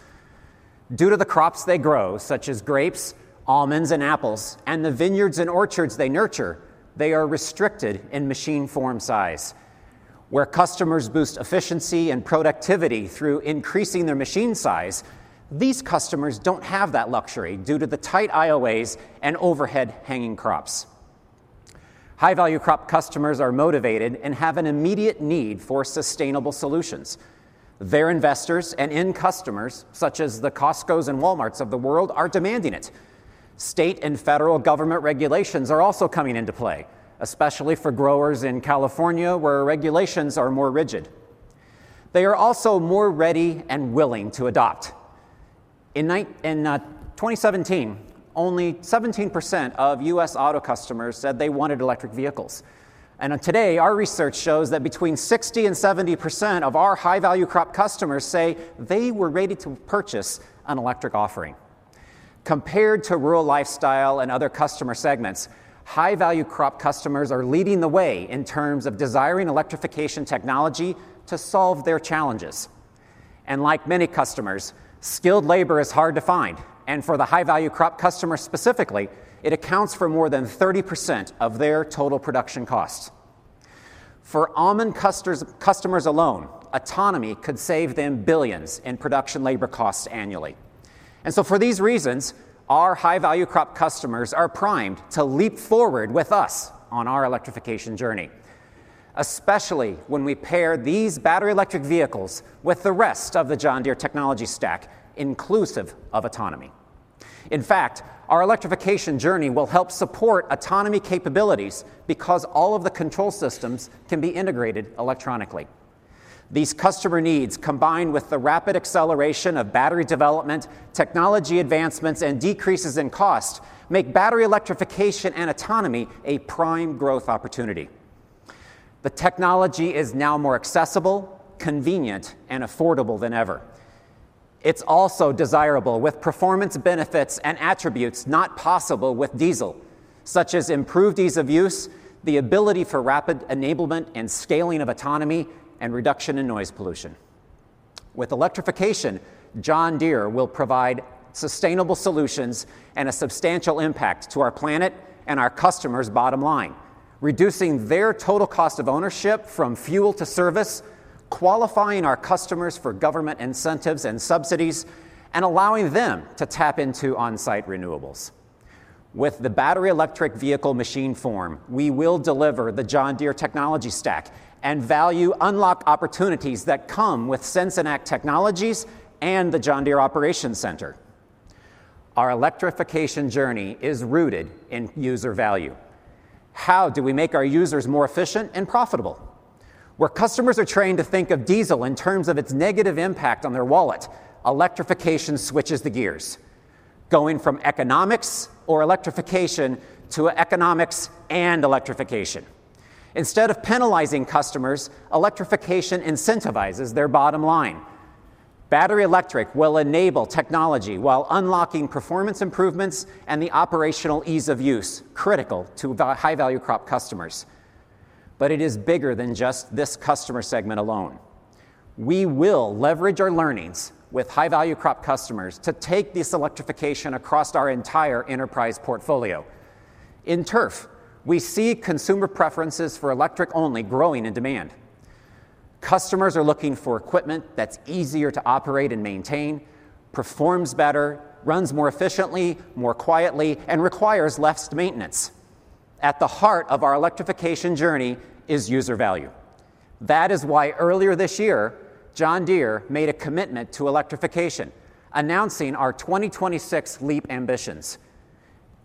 Due to the crops they grow, such as grapes, almonds, and apples, and the vineyards and orchards they nurture, they are restricted in machine form size. Where customers boost efficiency and productivity through increasing their machine size, these customers don't have that luxury due to the tight aisleways and overhead hanging crops. High-value crop customers are motivated and have an immediate need for sustainable solutions. Their investors and end customers, such as the Costcos and Walmarts of the world, are demanding it. State and federal government regulations are also coming into play, especially for growers in California, where regulations are more rigid. They are also more ready and willing to adopt. In 2017, only 17% of U.S. auto customers said they wanted electric vehicles. Today, our research shows that between 60% and 70% of our high-value crop customers say they were ready to purchase an electric offering. Compared to rural lifestyle and other customer segments, high-value crop customers are leading the way in terms of desiring electrification technology to solve their challenges. Like many customers, skilled labor is hard to find, and for the high-value crop customer specifically, it accounts for more than 30% of their total production cost. For almond customers alone, autonomy could save them $ billions in production labor costs annually. For these reasons, our high-value crop customers are primed to leap forward with us on our electrification journey, especially when we pair these battery electric vehicles with the rest of the John Deere technology stack, inclusive of autonomy. In fact, our electrification journey will help support autonomy capabilities because all of the control systems can be integrated electronically. These customer needs, combined with the rapid acceleration of battery development, technology advancements, and decreases in cost, make battery electrification and autonomy a prime growth opportunity. The technology is now more accessible, convenient, and affordable than ever. It's also desirable, with performance benefits and attributes not possible with diesel, such as improved ease of use, the ability for rapid enablement and scaling of autonomy, and reduction in noise pollution. With electrification, John Deere will provide sustainable solutions and a substantial impact to our planet and our customers' bottom line, reducing their total cost of ownership from fuel to service, qualifying our customers for government incentives and subsidies, and allowing them to tap into on-site renewables. With the battery electric vehicle machine form, we will deliver the John Deere technology stack and value unlocked opportunities that come with sense and act technologies and the John Deere Operations Center. Our electrification journey is rooted in user value. How do we make our users more efficient and profitable? Where customers are trained to think of diesel in terms of its negative impact on their wallet, electrification switches the gears, going from economics or electrification to economics and electrification. Instead of penalizing customers, electrification incentivizes their bottom line. Battery electric will enable technology while unlocking performance improvements and the operational ease of use critical to the high-value crop customers. It is bigger than just this customer segment alone. We will leverage our learnings with high-value crop customers to take this electrification across our entire enterprise portfolio. In turf, we see consumer preferences for electric-only growing in demand. Customers are looking for equipment that's easier to operate and maintain, performs better, runs more efficiently, more quietly, and requires less maintenance. At the heart of our electrification journey is user value. That is why earlier this year, John Deere made a commitment to electrification, announcing our 2026 leap ambitions.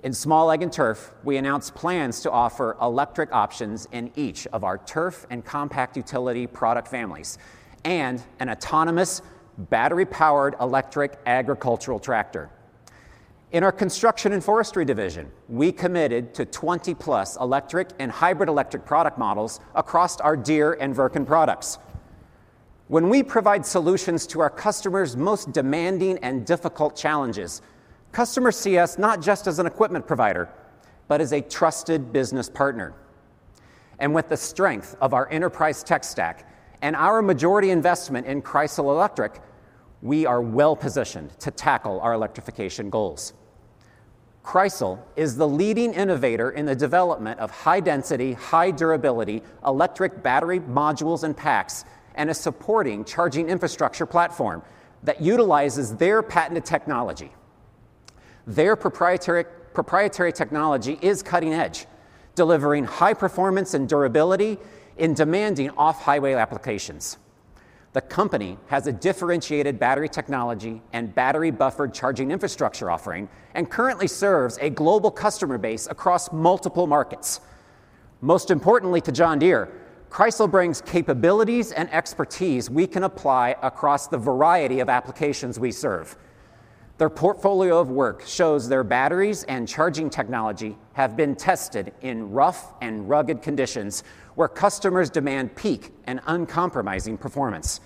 In Small Ag and Turf, we announced plans to offer electric options in each of our turf and compact utility product families, and an autonomous battery-powered electric agricultural tractor. In our construction and forestry division, we committed to 20+ electric and hybrid electric product models across our Deere and Wirtgen products. When we provide solutions to our customers' most demanding and difficult challenges, customers see us not just as an equipment provider but as a trusted business partner. With the strength of our enterprise tech stack and our majority investment in Kreisel Electric, we are well-positioned to tackle our electrification goals. Kreisel is the leading innovator in the development of high-density, high-durability electric battery modules and packs, and a supporting charging infrastructure platform that utilizes their patented technology. Their proprietary technology is cutting edge, delivering high performance and durability in demanding off-highway applications. The company has a differentiated battery technology and battery buffered charging infrastructure offering and currently serves a global customer base across multiple markets. Most importantly to John Deere, Kreisel brings capabilities and expertise we can apply across the variety of applications we serve. Their portfolio of work shows their batteries and charging technology have been tested in rough and rugged conditions where customers demand peak and uncompromising performance.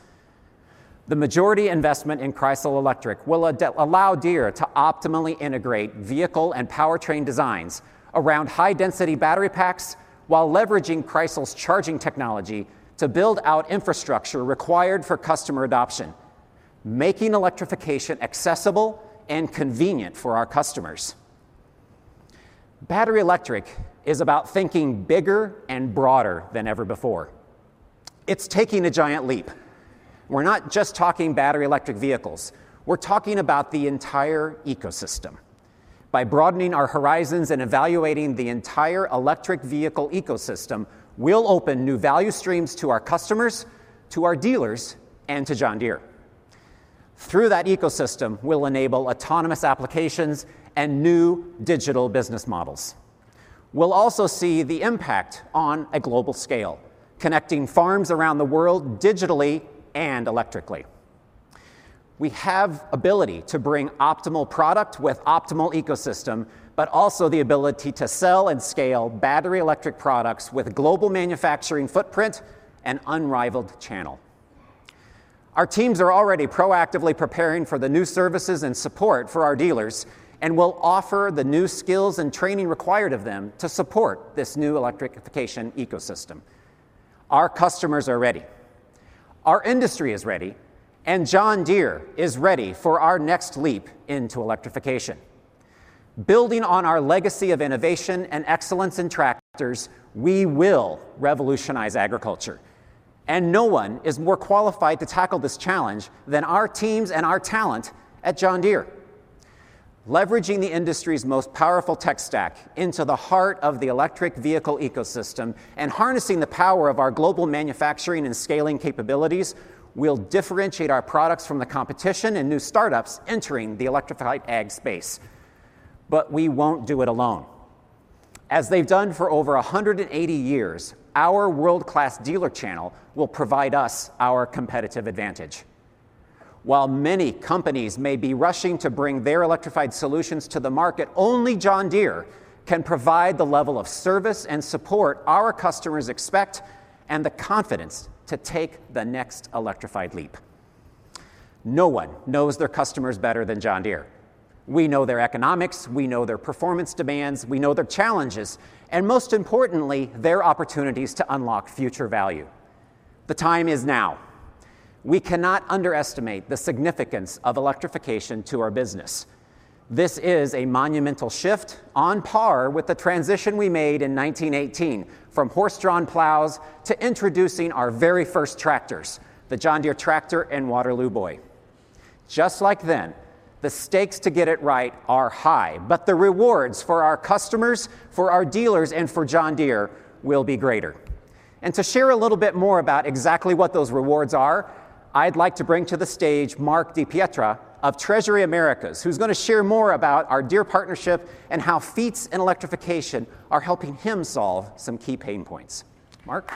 The majority investment in Kreisel Electric will allow Deere to optimally integrate vehicle and powertrain designs around high-density battery packs while leveraging Kreisel's charging technology to build out infrastructure required for customer adoption, making electrification accessible and convenient for our customers. Battery electric is about thinking bigger and broader than ever before. It's taking a giant leap. We're not just talking battery electric vehicles. We're talking about the entire ecosystem. By broadening our horizons and evaluating the entire electric vehicle ecosystem, we'll open new value streams to our customers, to our dealers, and to John Deere. Through that ecosystem, we'll enable autonomous applications and new digital business models. We'll also see the impact on a global scale, connecting farms around the world digitally and electrically. We have ability to bring optimal product with optimal ecosystem, but also the ability to sell and scale battery electric products with global manufacturing footprint and unrivaled channel. Our teams are already proactively preparing for the new services and support for our dealers and will offer the new skills and training required of them to support this new electrification ecosystem. Our customers are ready. Our industry is ready, and John Deere is ready for our next leap into electrification. Building on our legacy of innovation and excellence in tractors, we will revolutionize agriculture, and no one is more qualified to tackle this challenge than our teams and our talent at John Deere. Leveraging the industry's most powerful tech stack into the heart of the electric vehicle ecosystem and harnessing the power of our global manufacturing and scaling capabilities, we'll differentiate our products from the competition and new startups entering the electrified ag space. We won't do it alone. As they've done for over 180 years, our world-class dealer channel will provide us our competitive advantage. While many companies may be rushing to bring their electrified solutions to the market, only John Deere can provide the level of service and support our customers expect and the confidence to take the next electrified leap. No one knows their customers better than John Deere. We know their economics, we know their performance demands, we know their challenges, and most importantly, their opportunities to unlock future value. The time is now. We cannot underestimate the significance of electrification to our business. This is a monumental shift on par with the transition we made in 1918 from horse-drawn plows to introducing our very first tractors, the John Deere Tractor and Waterloo Boy. Just like then, the stakes to get it right are high, but the rewards for our customers, for our dealers, and for John Deere will be greater. To share a little bit more about exactly what those rewards are, I'd like to bring to the stage Mark von Pentz of Treasury Americas, who's gonna share more about our Deere partnership and how fleets and electrification are helping him solve some key pain points. Mark.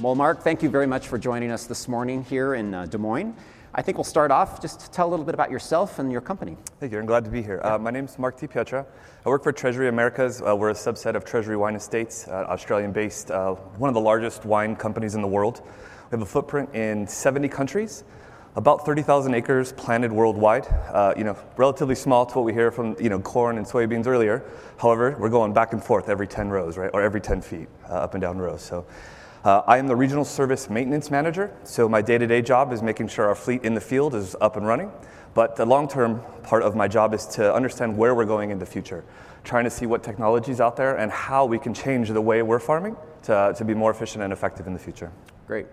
Mark, appreciate you joining me. All right. Well, Mark, thank you very much for joining us this morning here in Des Moines. I think we'll start off just tell a little bit about yourself and your company. Thank you. I'm glad to be here. My name's Mark von Pentz. I work for Treasury Americas. We're a subset of Treasury Wine Estates, Australian-based, one of the largest wine companies in the world. We have a footprint in 70 countries, about 30,000 acres planted worldwide. You know, relatively small to what we hear from, you know, corn and soybeans earlier. However, we're going back and forth every 10 rows, right? Or every 10 feet, up and down the rows, so. I am the regional service maintenance manager, so my day-to-day job is making sure our fleet in the field is up and running, but the long-term part of my job is to understand where we're going in the future, trying to see what technology's out there and how we can change the way we're farming to be more efficient and effective in the future. Great.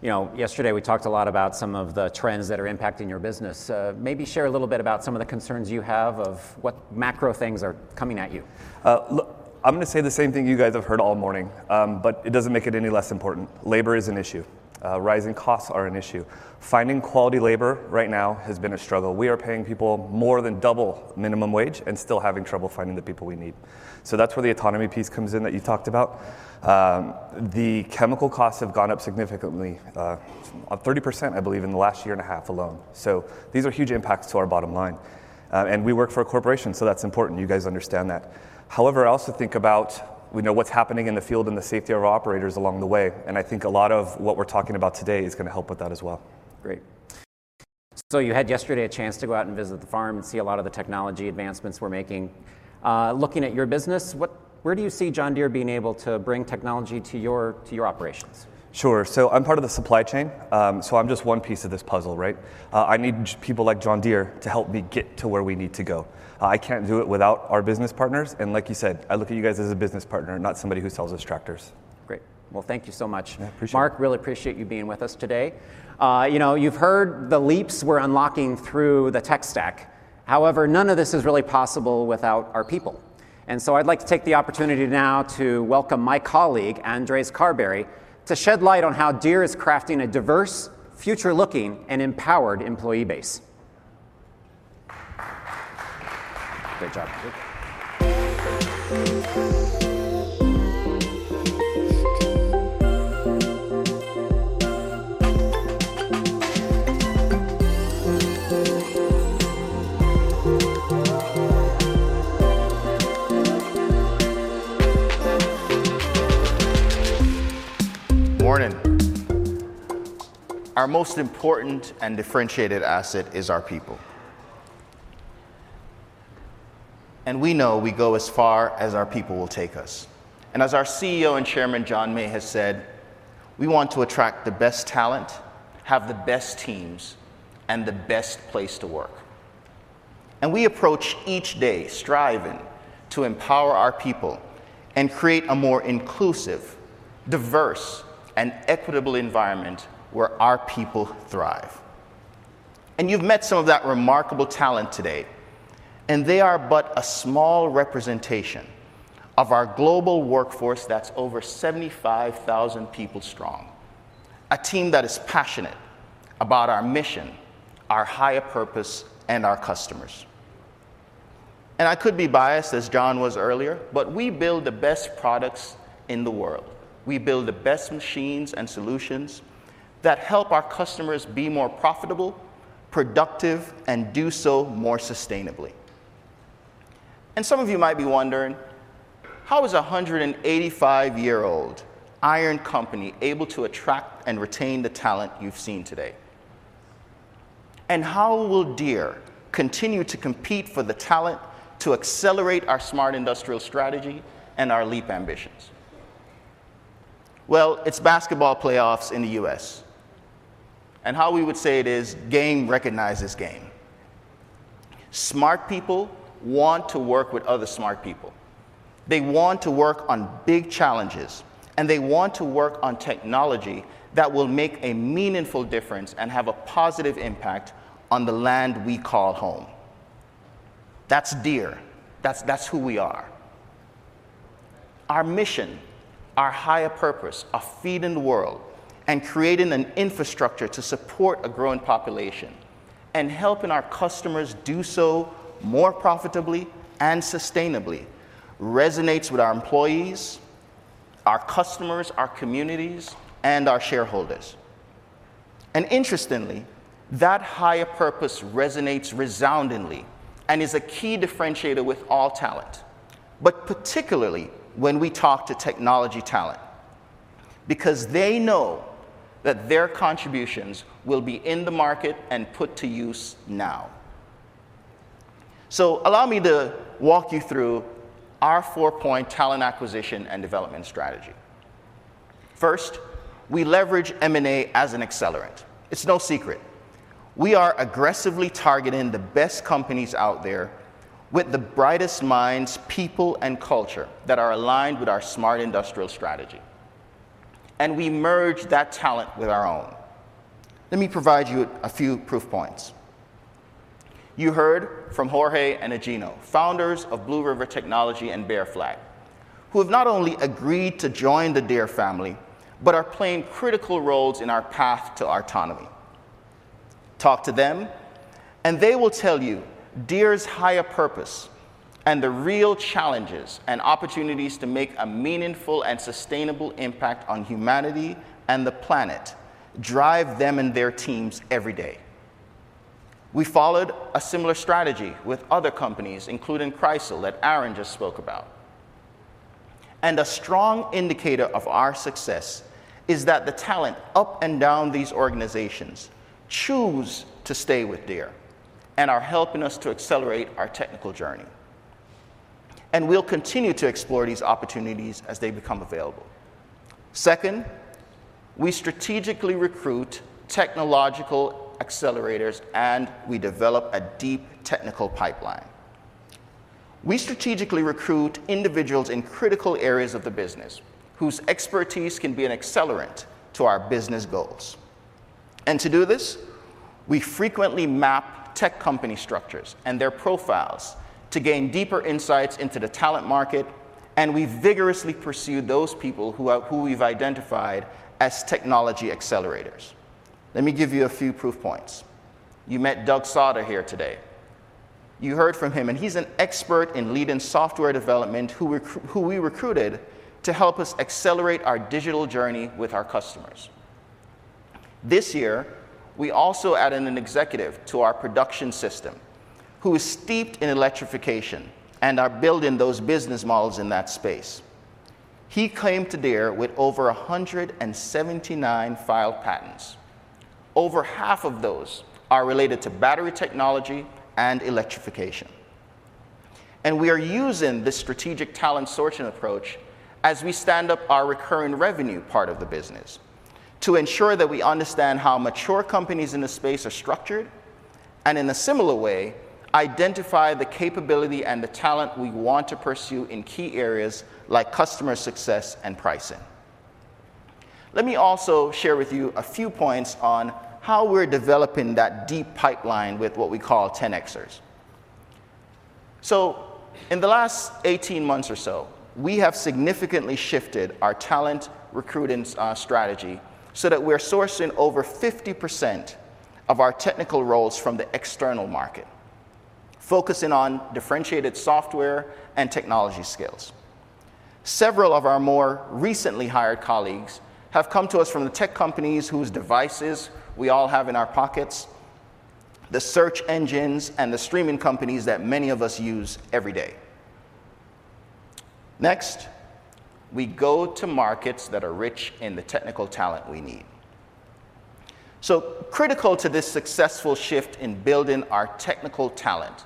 You know, yesterday we talked a lot about some of the trends that are impacting your business. Maybe share a little bit about some of the concerns you have about what macro things are coming at you. Look, I'm gonna say the same thing you guys have heard all morning, but it doesn't make it any less important. Labor is an issue. Rising costs are an issue. Finding quality labor right now has been a struggle. We are paying people more than double minimum wage and still having trouble finding the people we need. That's where the autonomy piece comes in that you talked about. The chemical costs have gone up significantly, up 30%, I believe, in the last year and a half alone. These are huge impacts to our bottom line. We work for a corporation, so that's important. You guys understand that. However, I also think about, you know, what's happening in the field and the safety of our operators along the way, and I think a lot of what we're talking about today is gonna help with that as well. Great. You had yesterday a chance to go out and visit the farm and see a lot of the technology advancements we're making. Looking at your business, where do you see John Deere being able to bring technology to your, to your operations? Sure. I'm part of the supply chain, so I'm just one piece of this puzzle, right? I need people like John Deere to help me get to where we need to go. I can't do it without our business partners, and like you said, I look at you guys as a business partner, not somebody who sells us tractors. Great. Well, thank you so much. Yeah, appreciate it. Mark, really appreciate you being with us today. You know, you've heard the leaps we're unlocking through the tech stack. However, none of this is really possible without our people. I'd like to take the opportunity now to welcome my colleague, Andrez Carberry, to shed light on how Deere is crafting a diverse, future-looking, and empowered employee base. Great job. Thank you. Morning. Our most important and differentiated asset is our people. We know we go as far as our people will take us. As our CEO and Chairman, John May, has said, we want to attract the best talent, have the best teams, and the best place to work. We approach each day striving to empower our people and create a more inclusive, diverse, and equitable environment where our people thrive. You've met some of that remarkable talent today, and they are but a small representation of our global workforce that's over 75,000 people strong. A team that is passionate about our mission, our higher purpose, and our customers. I could be biased, as John was earlier, but we build the best products in the world. We build the best machines and solutions that help our customers be more profitable, productive, and do so more sustainably. Some of you might be wondering, how is a 185-year-old iron company able to attract and retain the talent you've seen today? How will Deere continue to compete for the talent to accelerate our smart industrial strategy and our leap ambitions? Well, it's basketball playoffs in the U.S., and how we would say it is game recognizes game. Smart people want to work with other smart people. They want to work on big challenges, and they want to work on technology that will make a meaningful difference and have a positive impact on the land we call home. That's Deere. That's who we are. Our mission, our higher purpose of feeding the world and creating an infrastructure to support a growing population and helping our customers do so more profitably and sustainably resonates with our employees, our customers, our communities, and our shareholders. Interestingly, that higher purpose resonates resoundingly and is a key differentiator with all talent, but particularly when we talk to technology talent because they know that their contributions will be in the market and put to use now. Allow me to walk you through our four-point talent acquisition and development strategy. First, we leverage M&A as an accelerant. It's no secret we are aggressively targeting the best companies out there with the brightest minds, people, and culture that are aligned with our smart industrial strategy, and we merge that talent with our own. Let me provide you a few proof points. You heard from Jorge Heraud and Igino Cafiero, founders of Blue River Technology and Bear Flag Robotics, who have not only agreed to join the Deere family, but are playing critical roles in our path to autonomy. Talk to them and they will tell you Deere's higher purpose and the real challenges and opportunities to make a meaningful and sustainable impact on humanity and the planet drive them and their teams every day. We followed a similar strategy with other companies, including Kreisel, that Aaron just spoke about. A strong indicator of our success is that the talent up and down these organizations choose to stay with Deere and are helping us to accelerate our technical journey. We'll continue to explore these opportunities as they become available. Second, we strategically recruit technological accelerators, and we develop a deep technical pipeline. We strategically recruit individuals in critical areas of the business whose expertise can be an accelerant to our business goals. To do this, we frequently map tech company structures and their profiles to gain deeper insights into the talent market, and we vigorously pursue those people who we've identified as technology accelerators. Let me give you a few proof points. You met Doug Sauder here today. You heard from him, and he's an expert in leading software development who we recruited to help us .accelerate our digital journey with our customers. This year, we also added an executive to our production system who is steeped in electrification and are building those business models in that space. He came to Deere with over 179 filed patents. Over half of those are related to battery technology and electrification. We are using this strategic talent sourcing approach as we stand up our recurring revenue part of the business to ensure that we understand how mature companies in this space are structured, and in a similar way, identify the capability and the talent we want to pursue in key areas like customer success and pricing. Let me also share with you a few points on how we're developing that deep pipeline with what we call 10xers. In the last 18 months or so, we have significantly shifted our talent recruiting strategy so that we're sourcing over 50% of our technical roles from the external market, focusing on differentiated software and technology skills. Several of our more recently hired colleagues have come to us from the tech companies whose devices we all have in our pockets, the search engines and the streaming companies that many of us use every day. Next, we go to markets that are rich in the technical talent we need. Critical to this successful shift in building our technical talent,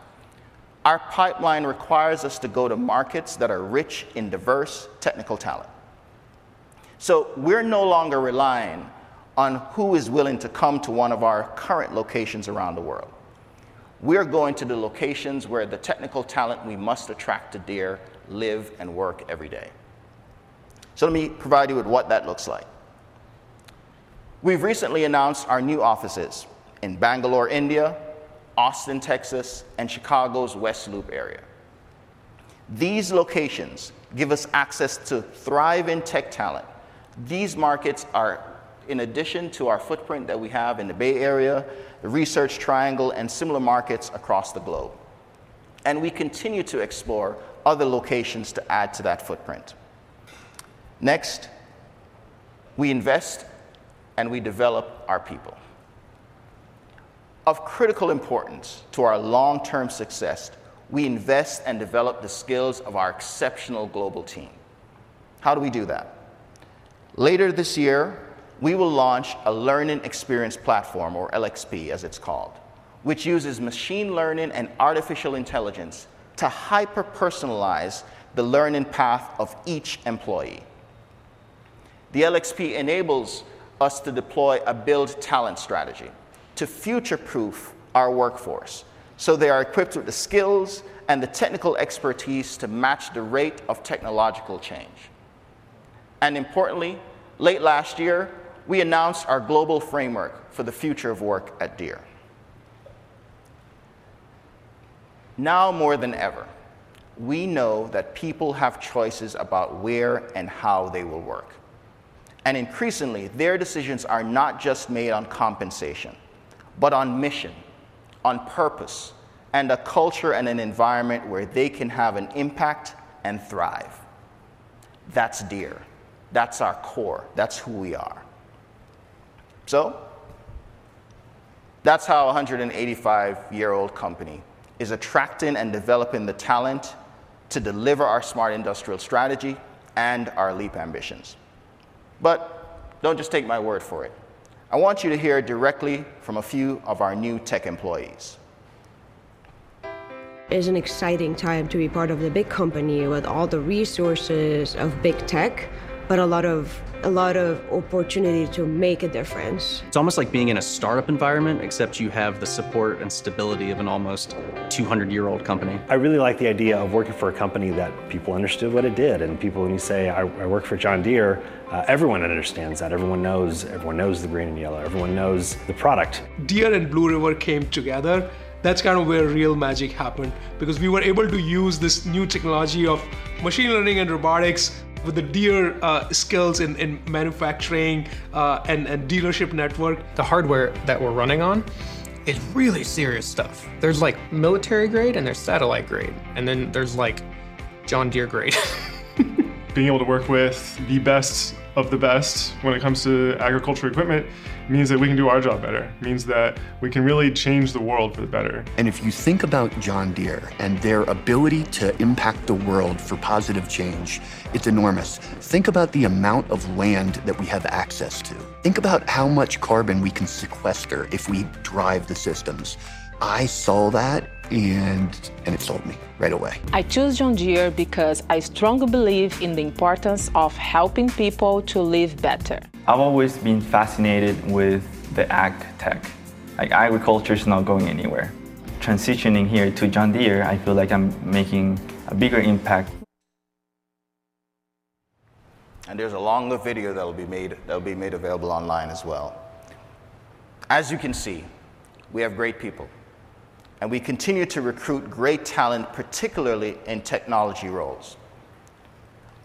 our pipeline requires us to go to markets that are rich in diverse technical talent. We're no longer relying on who is willing to come to one of our current locations around the world. We're going to the locations where the technical talent we must attract to Deere live and work every day. Let me provide you with what that looks like. We've recently announced our new offices in Bangalore, India, Austin, Texas, and Chicago's West Loop area. These locations give us access to thriving tech talent. These markets are in addition to our footprint that we have in the Bay Area, the Research Triangle, and similar markets across the globe. We continue to explore other locations to add to that footprint. Next, we invest and we develop our people. Of critical importance to our long-term success, we invest in and develop the skills of our exceptional global team. How do we do that? Later this year, we will launch a learning experience platform, or LXP as it's called, which uses machine learning and artificial intelligence to hyper personalize the learning path of each employee. The LXP enables us to deploy a build talent strategy to future-proof our workforce, so they are equipped with the skills and the technical expertise to match the rate of technological change. Importantly, late last year, we announced our global framework for the future of work at Deere. Now more than ever, we know that people have choices about where and how they will work. Increasingly, their decisions are not just made on compensation, but on mission, on purpose, and a culture and an environment where they can have an impact and thrive. That's Deere. That's our core. That's who we are. That's how a 185-year-old company is attracting and developing the talent to deliver our smart industrial strategy and our leap ambitions. Don't just take my word for it. I want you to hear directly from a few of our new tech employees. It's an exciting time to be part of a big company with all the resources of big tech, but a lot of opportunity to make a difference. It's almost like being in a startup environment, except you have the support and stability of an almost 200-year-old company. I really like the idea of working for a company that people understood what it did, and people, when you say, "I work for John Deere," everyone understands that. Everyone knows. Everyone knows the green and yellow. Everyone knows the product. Deere and Blue River came together. That's kind of where real magic happened, because we were able to use this new technology of machine learning and robotics with the Deere skills in manufacturing and dealership network. The hardware that we're running on is really serious stuff. There's, like, military grade, and there's satellite grade, and then there's, like, John Deere grade. Being able to work with the best of the best when it comes to agriculture equipment means that we can do our job better. It means that we can really change the world for the better. If you think about John Deere and their ability to impact the world for positive change, it's enormous. Think about the amount of land that we have access to. Think about how much carbon we can sequester if we drive the systems. I saw that, and it sold me right away. I chose John Deere because I strongly believe in the importance of helping people to live better. I've always been fascinated with the ag tech. Like, agriculture's not going anywhere. Transitioning here to John Deere, I feel like I'm making a bigger impact. There's a longer video that'll be made available online as well. As you can see, we have great people, and we continue to recruit great talent, particularly in technology roles.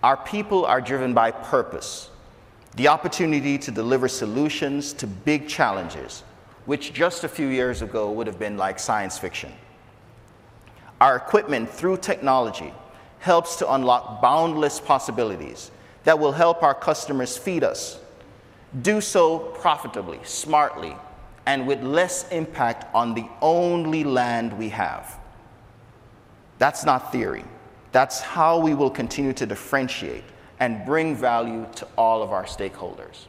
Our people are driven by purpose, the opportunity to deliver solutions to big challenges, which just a few years ago would've been like science fiction. Our equipment, through technology, helps to unlock boundless possibilities that will help our customers feed us, do so profitably, smartly, and with less impact on the only land we have. That's not theory. That's how we will continue to differentiate and bring value to all of our stakeholders.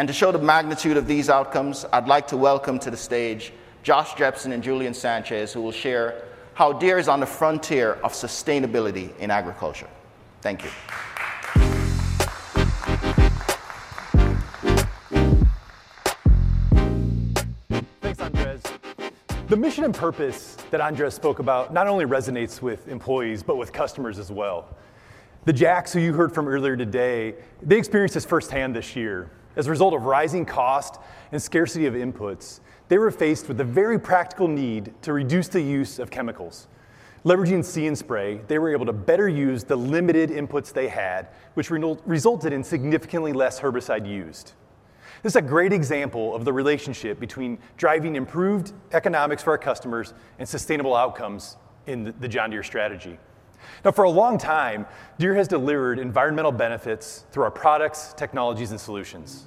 To show the magnitude of these outcomes, I'd like to welcome to the stage Josh Jepsen and Julian Sanchez, who will share how Deere is on the frontier of sustainability in agriculture. Thank you. Thanks, Andrez. The mission and purpose that Andrez spoke about not only resonates with employees, but with customers as well. The Jacks who you heard from earlier today, they experienced this firsthand this year. As a result of rising cost and scarcity of inputs, they were faced with the very practical need to reduce the use of chemicals. Leveraging See & Spray, they were able to better use the limited inputs they had, which resulted in significantly less herbicide used. This is a great example of the relationship between driving improved economics for our customers and sustainable outcomes in the John Deere strategy. Now, for a long time, Deere has delivered environmental benefits through our products, technologies, and solutions.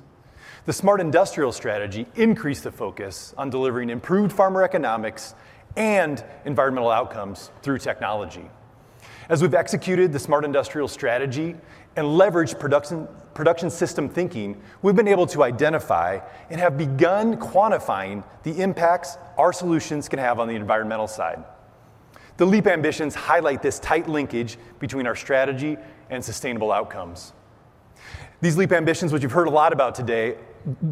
The Smart Industrial strategy increased the focus on delivering improved farmer economics and environmental outcomes through technology. As we've executed the Smart Industrial strategy and leveraged production system thinking, we've been able to identify and have begun quantifying the impacts our solutions can have on the environmental side. The Leap ambitions highlight this tight linkage between our strategy and sustainable outcomes. These Leap ambitions, which you've heard a lot about today,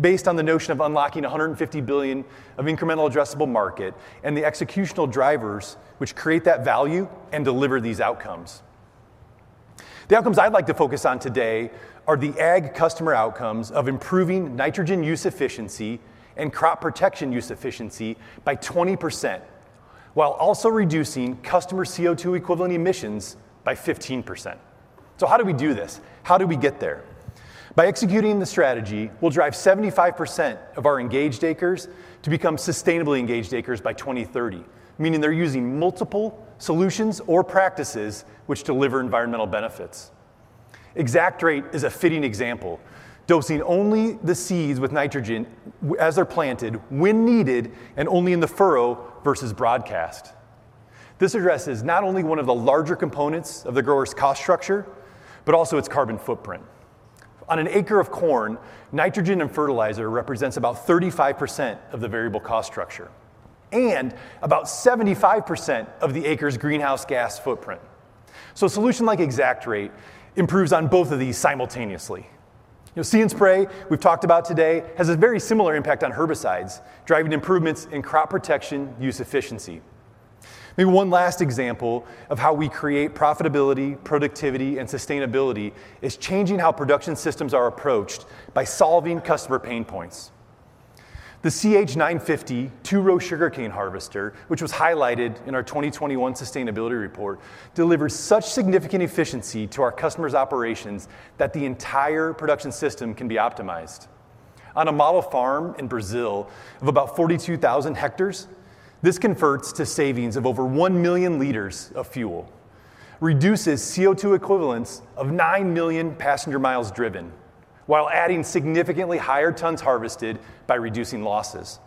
based on the notion of unlocking $150 billion of incremental addressable market and the executional drivers which create that value and deliver these outcomes. The outcomes I'd like to focus on today are the ag customer outcomes of improving nitrogen use efficiency and crop protection use efficiency by 20% while also reducing customer CO2 equivalent emissions by 15%. How do we do this? How do we get there? By executing the strategy, we'll drive 75% of our engaged acres to become sustainably engaged acres by 2030, meaning they're using multiple solutions or practices which deliver environmental benefits. ExactRate is a fitting example, dosing only the seeds with nitrogen as they're planted when needed and only in the furrow versus broadcast. This addresses not only one of the larger components of the grower's cost structure, but also its carbon footprint. On an acre of corn, nitrogen and fertilizer represents about 35% of the variable cost structure and about 75% of the acre's greenhouse gas footprint. A solution like ExactRate improves on both of these simultaneously. You know, See & Spray, we've talked about today, has a very similar impact on herbicides, driving improvements in crop protection use efficiency. Maybe one last example of how we create profitability, productivity, and sustainability is changing how production systems are approached by solving customer pain points. The CH950 two-row sugarcane harvester, which was highlighted in our 2021 sustainability report, delivers such significant efficiency to our customers' operations that the entire production system can be optimized. On a model farm in Brazil of about 42,000 hectares, this converts to savings of over 1 million liters of fuel, reduces CO2 equivalents of 9 million passenger miles driven, while adding significantly higher tons harvested by reducing losses.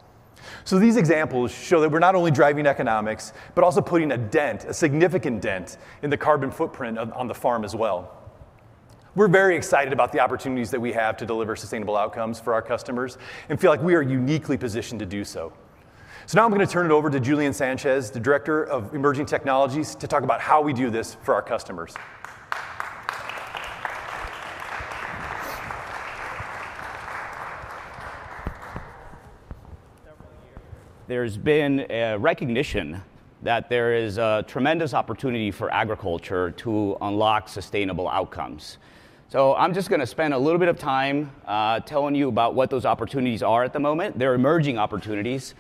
These examples show that we're not only driving economics, but also putting a dent, a significant dent, in the carbon footprint on the farm as well. We're very excited about the opportunities that we have to deliver sustainable outcomes for our customers and feel like we are uniquely positioned to do so. Now I'm gonna turn it over to Julian Sanchez, the Director of Emerging Technology, to talk about how we do this for our customers. There's been a recognition that there is a tremendous opportunity for agriculture to unlock sustainable outcomes. I'm just gonna spend a little bit of time telling you about what those opportunities are at the moment. They're emerging opportunities.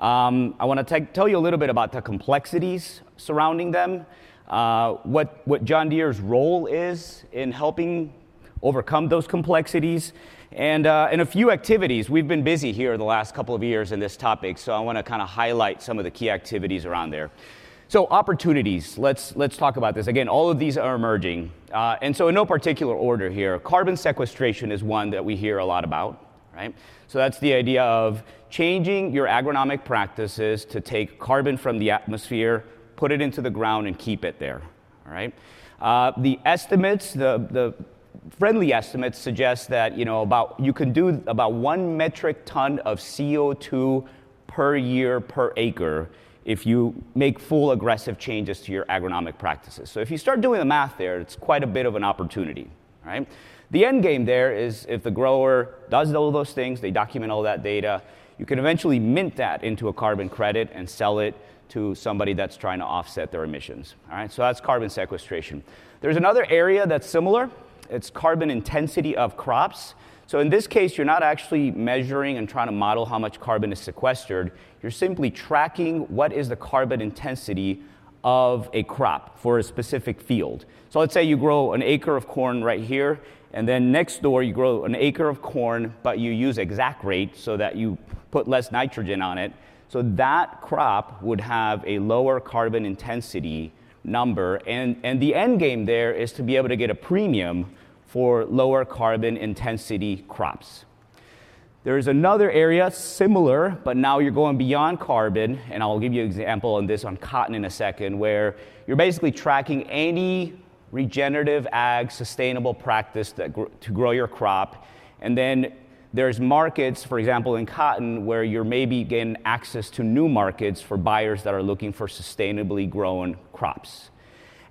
I wanna tell you a little bit about the complexities surrounding them, what John Deere's role is in helping overcome those complexities, and a few activities. We've been busy here the last couple of years in this topic, so I wanna kinda highlight some of the key activities around there. Opportunities, let's talk about this. Again, all of these are emerging. In no particular order here, carbon sequestration is one that we hear a lot about, right? That's the idea of changing your agronomic practices to take carbon from the atmosphere, put it into the ground and keep it there. All right? The friendly estimates suggest that, you know, you can do about one metric ton of CO2 per year per acre if you make full aggressive changes to your agronomic practices. If you start doing the math there, it's quite a bit of an opportunity, right? The end game there is if the grower does all those things, they document all that data, you can eventually mint that into a carbon credit and sell it to somebody that's trying to offset their emissions. All right? That's carbon sequestration. There's another area that's similar. It's carbon intensity of crops. In this case, you're not actually measuring and trying to model how much carbon is sequestered, you're simply tracking what is the carbon intensity of a crop for a specific field. Let's say you grow an acre of corn right here, and then next door you grow an acre of corn, but you use ExactRate so that you put less nitrogen on it, so that crop would have a lower carbon intensity number. The end game there is to be able to get a premium for lower carbon intensity crops. There's another area, similar, but now you're going beyond carbon, and I'll give you example on this on cotton in a second, where you're basically tracking any regenerative ag sustainable practice to grow your crop, and then there's markets, for example, in cotton, where you're maybe getting access to new markets for buyers that are looking for sustainably grown crops.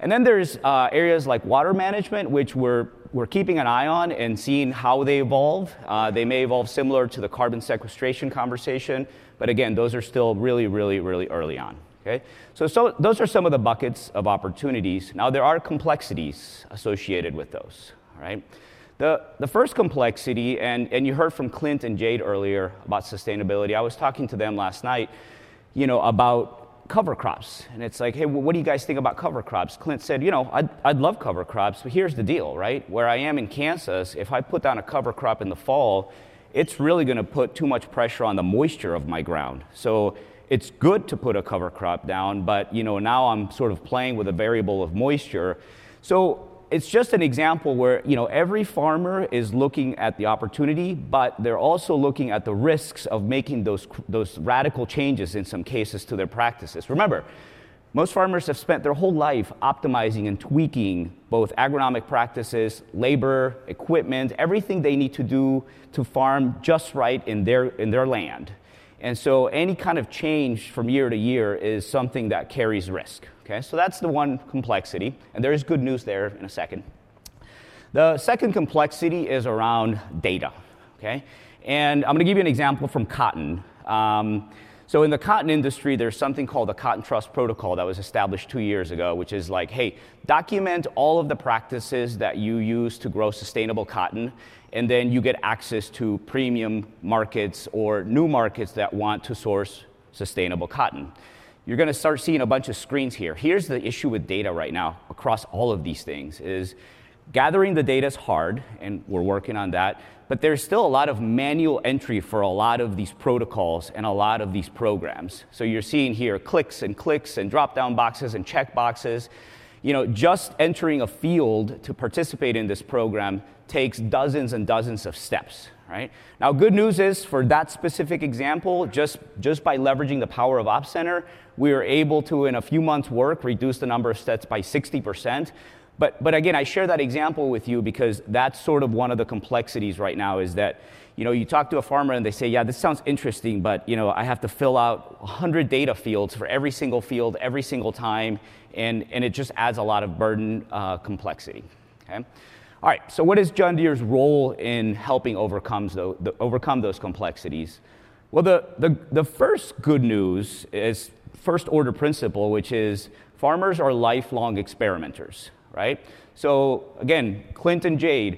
Then there's areas like water management, which we're keeping an eye on and seeing how they evolve. They may evolve similar to the carbon sequestration conversation, but again, those are still really early on. Okay? So those are some of the buckets of opportunities. Now, there are complexities associated with those, right? The first complexity, you heard from Clint and Jade earlier about sustainability. I was talking to them last night, you know, about cover crops, and it's like, "Hey, what do you guys think about cover crops?" Clint said, you know, "I'd love cover crops, but here's the deal, right? Where I am in Kansas, if I put down a cover crop in the fall, it's really gonna put too much pressure on the moisture of my ground. So it's good to put a cover crop down, but, you know, now I'm sort of playing with a variable of moisture." So it's just an example where, you know, every farmer is looking at the opportunity, but they're also looking at the risks of making those those radical changes in some cases to their practices. Remember, most farmers have spent their whole life optimizing and tweaking both agronomic practices, labor, equipment, everything they need to do to farm just right in their land. Any kind of change from year to year is something that carries risk. Okay? That's the one complexity, and there is good news there in a second. The second complexity is around data. Okay? I'm gonna give you an example from cotton. In the cotton industry, there's something called the U.S. Cotton Trust Protocol that was established two years ago, which is like, "Hey, document all of the practices that you use to grow sustainable cotton, and then you get access to premium markets or new markets that want to source sustainable cotton." You're gonna start seeing a bunch of screens here. Here's the issue with data right now across all of these things: gathering the data is hard, and we're working on that, but there's still a lot of manual entry for a lot of these protocols and a lot of these programs. You're seeing here clicks and clicks and dropdown boxes and checkboxes. You know, just entering a field to participate in this program takes dozens and dozens of steps, right? Now, good news is, for that specific example, just by leveraging the power of Operations Center, we were able to, in a few months' work, reduce the number of steps by 60%. Again, I share that example with you because that's sort of one of the complexities right now, is that, you know, you talk to a farmer and they say, "Yeah, this sounds interesting, but, you know, I have to fill out 100 data fields for every single field, every single time, and it just adds a lot of burden, complexity." Okay? All right. What is John Deere's role in helping overcome those complexities? Well, the first good news is first order principle, which is farmers are lifelong experimenters, right? Again, Clint and Jade,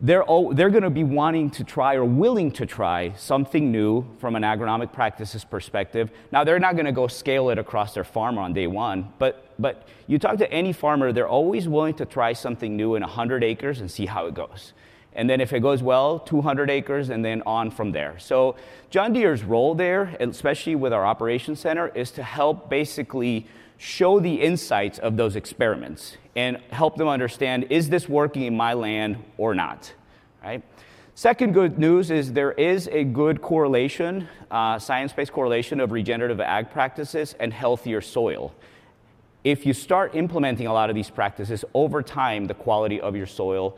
they're gonna be wanting to try or willing to try something new from an agronomic practices perspective. Now, they're not gonna go scale it across their farm on day one, but you talk to any farmer, they're always willing to try something new in 100 acres and see how it goes. If it goes well, 200 acres, and then on from there. John Deere's role there, especially with our Operations Center, is to help basically show the insights of those experiments and help them understand, "Is this working in my land or not?" Right? Second good news is there is a good correlation, science-based correlation of regenerative ag practices and healthier soil. If you start implementing a lot of these practices, over time, the quality of your soil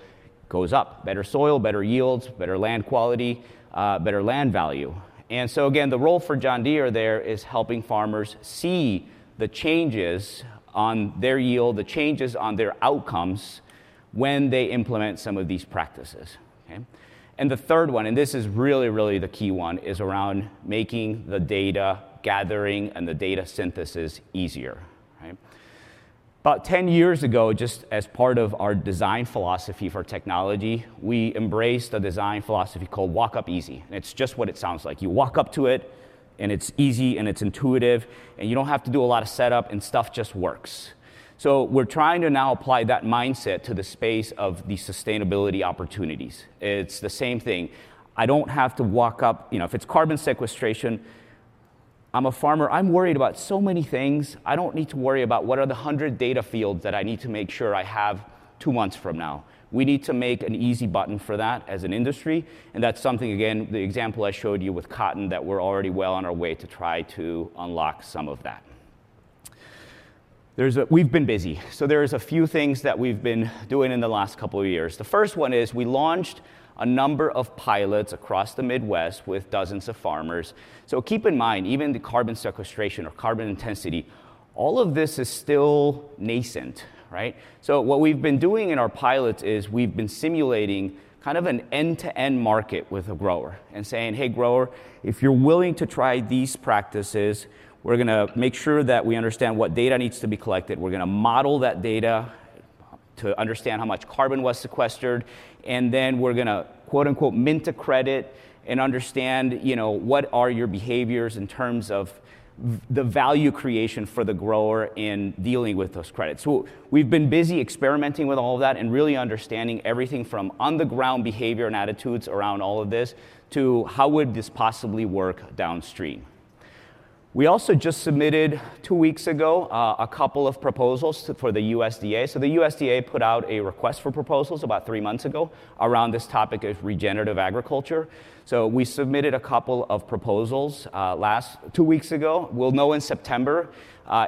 goes up. Better soil, better yields, better land quality, better land value. Again, the role for John Deere there is helping farmers see the changes on their yield, the changes on their outcomes when they implement some of these practices. Okay? The third one, and this is really, really the key one, is around making the data gathering and the data synthesis easier, right? About 10 years ago, just as part of our design philosophy for technology, we embraced a design philosophy called Walk Up Easy. It's just what it sounds like. You walk up to it and it's easy and it's intuitive, and you don't have to do a lot of setup, and stuff just works. We're trying to now apply that mindset to the space of the sustainability opportunities. It's the same thing. I don't have to walk up. You know, if it's carbon sequestration, I'm a farmer, I'm worried about so many things. I don't need to worry about what are the 100 data fields that I need to make sure I have two months from now. We need to make an easy button for that as an industry, and that's something, again, the example I showed you with cotton, that we're already well on our way to try to unlock some of that. We've been busy. There's a few things that we've been doing in the last couple of years. The first one is we launched a number of pilots across the Midwest with dozens of farmers. Keep in mind, even the carbon sequestration or carbon intensity, all of this is still nascent, right? What we've been doing in our pilots is we've been simulating kind of an end-to-end market with a grower and saying, "Hey, grower, if you're willing to try these practices, we're gonna make sure that we understand what data needs to be collected. We're gonna model that data to understand how much carbon was sequestered, and then we're gonna, quote, unquote, 'mint a credit' and understand, you know, what are your behaviors in terms of the value creation for the grower in dealing with those credits." We've been busy experimenting with all of that and really understanding everything from on-the-ground behavior and attitudes around all of this to how would this possibly work downstream. We also just submitted, two weeks ago, a couple of proposals for the USDA. The USDA put out a request for proposals about three months ago around this topic of regenerative agriculture. We submitted a couple of proposals two weeks ago. We'll know in September.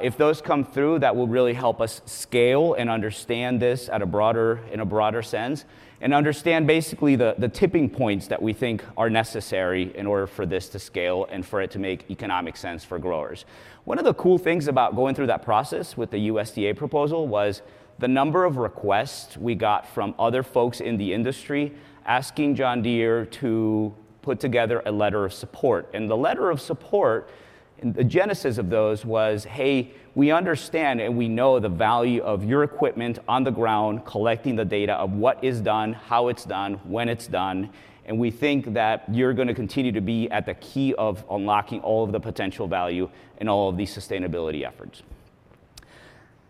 If those come through, that will really help us scale and understand this in a broader sense, and understand basically the tipping points that we think are necessary in order for this to scale and for it to make economic sense for growers. One of the cool things about going through that process with the USDA proposal was the number of requests we got from other folks in the industry asking John Deere to put together a letter of support. The letter of support, and the genesis of those was, "Hey, we understand and we know the value of your equipment on the ground collecting the data of what is done, how it's done, when it's done, and we think that you're gonna continue to be at the key of unlocking all of the potential value in all of these sustainability efforts."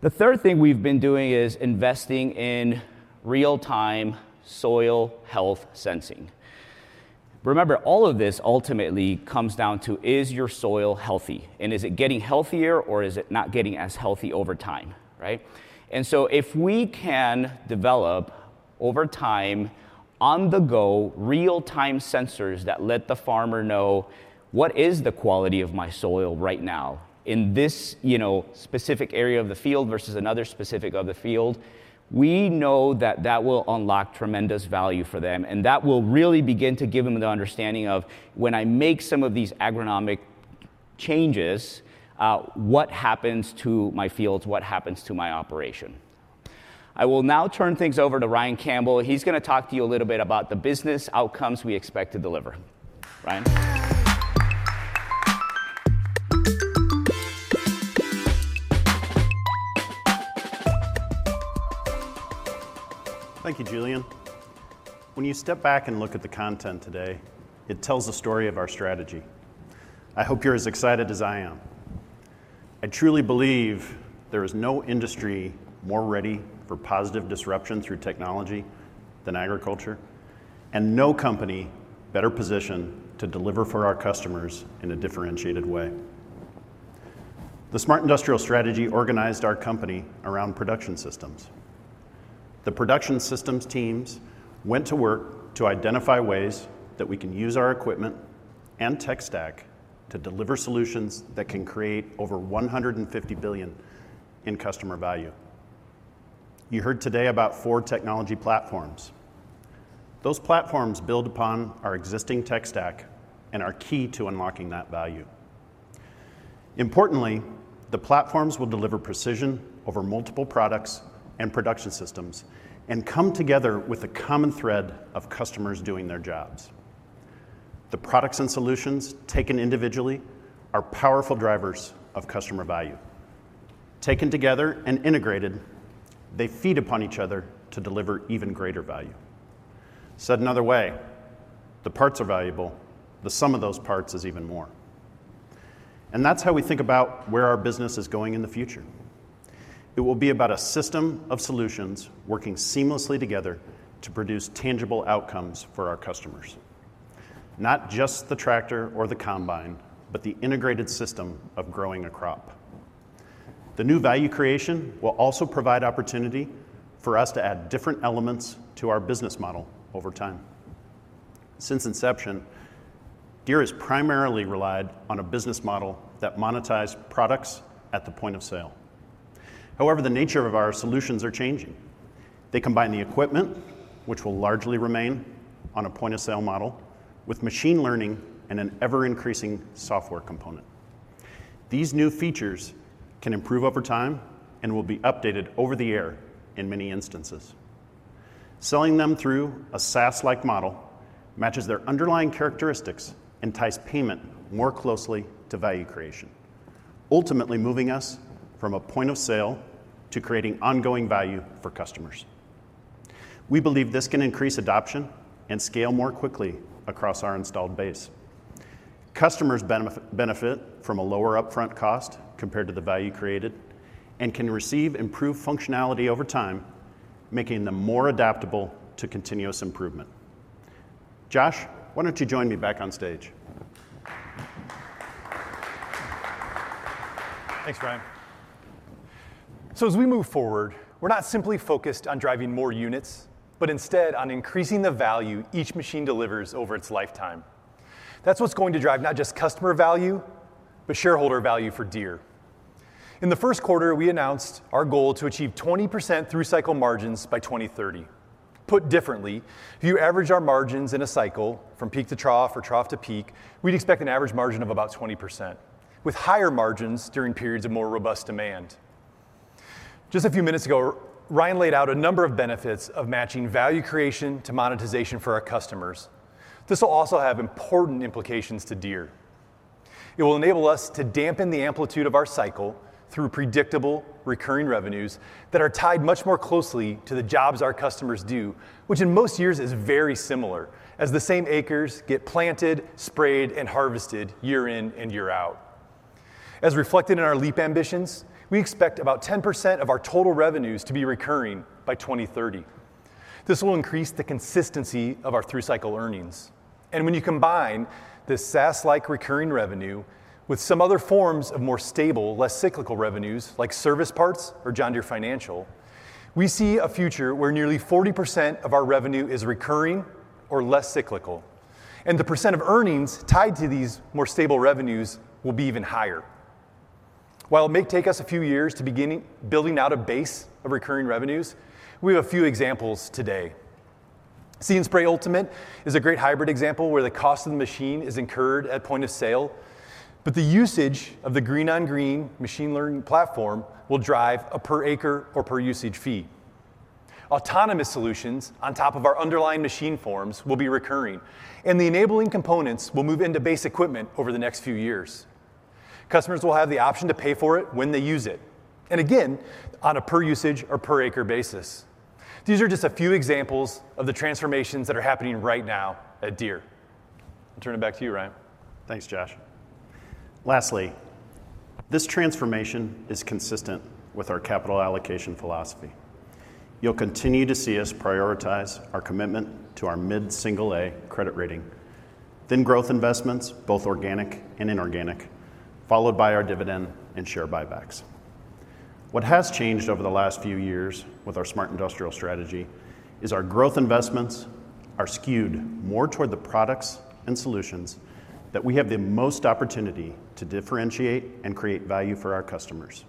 The third thing we've been doing is investing in real-time soil health sensing. Remember, all of this ultimately comes down to is your soil healthy, and is it getting healthier or is it not getting as healthy over time, right? If we can develop over time, on-the-go, real-time sensors that let the farmer know what is the quality of my soil right now in this, you know, specific area of the field versus another specific area of the field, we know that that will unlock tremendous value for them, and that will really begin to give them the understanding of when I make some of these agronomic changes, what happens to my fields, what happens to my operation. I will now turn things over to Ryan Campbell. He's gonna talk to you a little bit about the business outcomes we expect to deliver. Ryan? Thank you, Julian. When you step back and look at the content today, it tells the story of our strategy. I hope you're as excited as I am. I truly believe there is no industry more ready for positive disruption through technology than agriculture, and no company better positioned to deliver for our customers in a differentiated way. The Smart Industrial strategy organized our company around production systems. The production systems teams went to work to identify ways that we can use our equipment and tech stack to deliver solutions that can create over $150 billion in customer value. You heard today about four technology platforms. Those platforms build upon our existing tech stack and are key to unlocking that value. Importantly, the platforms will deliver precision over multiple products and production systems and come together with a common thread of customers doing their jobs. The products and solutions taken individually are powerful drivers of customer value. Taken together and integrated, they feed upon each other to deliver even greater value. Said another way, the parts are valuable. The sum of those parts is even more. That's how we think about where our business is going in the future. It will be about a system of solutions working seamlessly together to produce tangible outcomes for our customers. Not just the tractor or the combine, but the integrated system of growing a crop. The new value creation will also provide opportunity for us to add different elements to our business model over time. Since inception, Deere has primarily relied on a business model that monetized products at the point of sale. However, the nature of our solutions are changing. They combine the equipment, which will largely remain on a point of sale model, with machine learning and an ever-increasing software component. These new features can improve over time and will be updated over the air in many instances. Selling them through a SaaS-like model matches their underlying characteristics and ties payment more closely to value creation, ultimately moving us from a point of sale to creating ongoing value for customers. We believe this can increase adoption and scale more quickly across our installed base. Customers benefit from a lower upfront cost compared to the value created and can receive improved functionality over time, making them more adaptable to continuous improvement. Josh, why don't you join me back on stage? Thanks, Ryan. As we move forward, we're not simply focused on driving more units, but instead on increasing the value each machine delivers over its lifetime. That's what's going to drive not just customer value, but shareholder value for Deere. In the first quarter, we announced our goal to achieve 20% through cycle margins by 2030. Put differently, if you average our margins in a cycle from peak to trough or trough to peak, we'd expect an average margin of about 20%, with higher margins during periods of more robust demand. Just a few minutes ago, Ryan laid out a number of benefits of matching value creation to monetization for our customers. This will also have important implications to Deere. It will enable us to dampen the amplitude of our cycle through predictable recurring revenues that are tied much more closely to the jobs our customers do, which in most years is very similar as the same acres get planted, sprayed, and harvested year in and year out. As reflected in our Leap ambitions, we expect about 10% of our total revenues to be recurring by 2030. This will increase the consistency of our through cycle earnings. When you combine this SaaS-like recurring revenue with some other forms of more stable, less cyclical revenues, like service parts or John Deere Financial, we see a future where nearly 40% of our revenue is recurring or less cyclical, and the percent of earnings tied to these more stable revenues will be even higher. While it may take us a few years to begin building out a base of recurring revenues, we have a few examples today. See & Spray Ultimate is a great hybrid example where the cost of the machine is incurred at point of sale, but the usage of the green-on-green machine learning platform will drive a per acre or per usage fee. Autonomous solutions on top of our underlying machine forms will be recurring, and the enabling components will move into base equipment over the next few years. Customers will have the option to pay for it when they use it, and again, on a per usage or per acre basis. These are just a few examples of the transformations that are happening right now at Deere. I'll turn it back to you, Ryan. Thanks, Josh. Lastly, this transformation is consistent with our capital allocation philosophy. You'll continue to see us prioritize our commitment to our mid-single A credit rating. Growth investments, both organic and inorganic, followed by our dividend and share buybacks. What has changed over the last few years with our smart industrial strategy is our growth investments are skewed more toward the products and solutions that we have the most opportunity to differentiate and create value for our customers.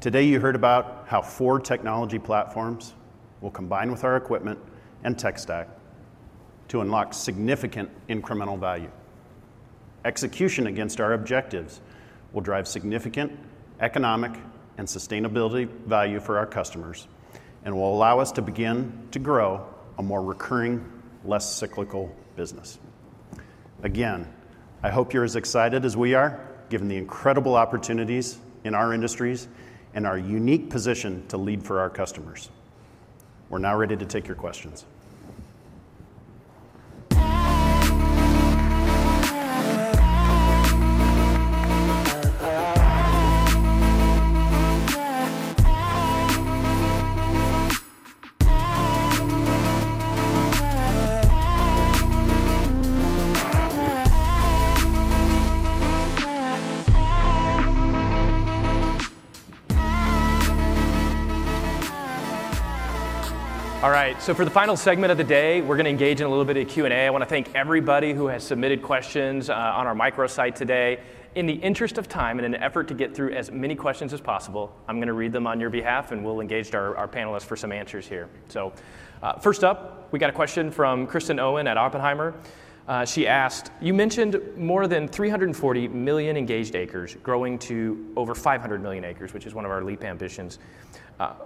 Today, you heard about how four technology platforms will combine with our equipment and tech stack to unlock significant incremental value. Execution against our objectives will drive significant economic and sustainability value for our customers and will allow us to begin to grow a more recurring, less cyclical business. Again, I hope you're as excited as we are, given the incredible opportunities in our industries and our unique position to lead for our customers. We're now ready to take your questions. All right, for the final segment of the day, we're gonna engage in a little bit of Q&A. I wanna thank everybody who has submitted questions on our microsite today. In the interest of time and an effort to get through as many questions as possible, I'm gonna read them on your behalf, and we'll engage our panelists for some answers here. First up, we got a question from Kristen Owen at Oppenheimer. She asked, "You mentioned more than 340 million engaged acres growing to over 500 million acres," which is one of our Leap ambitions.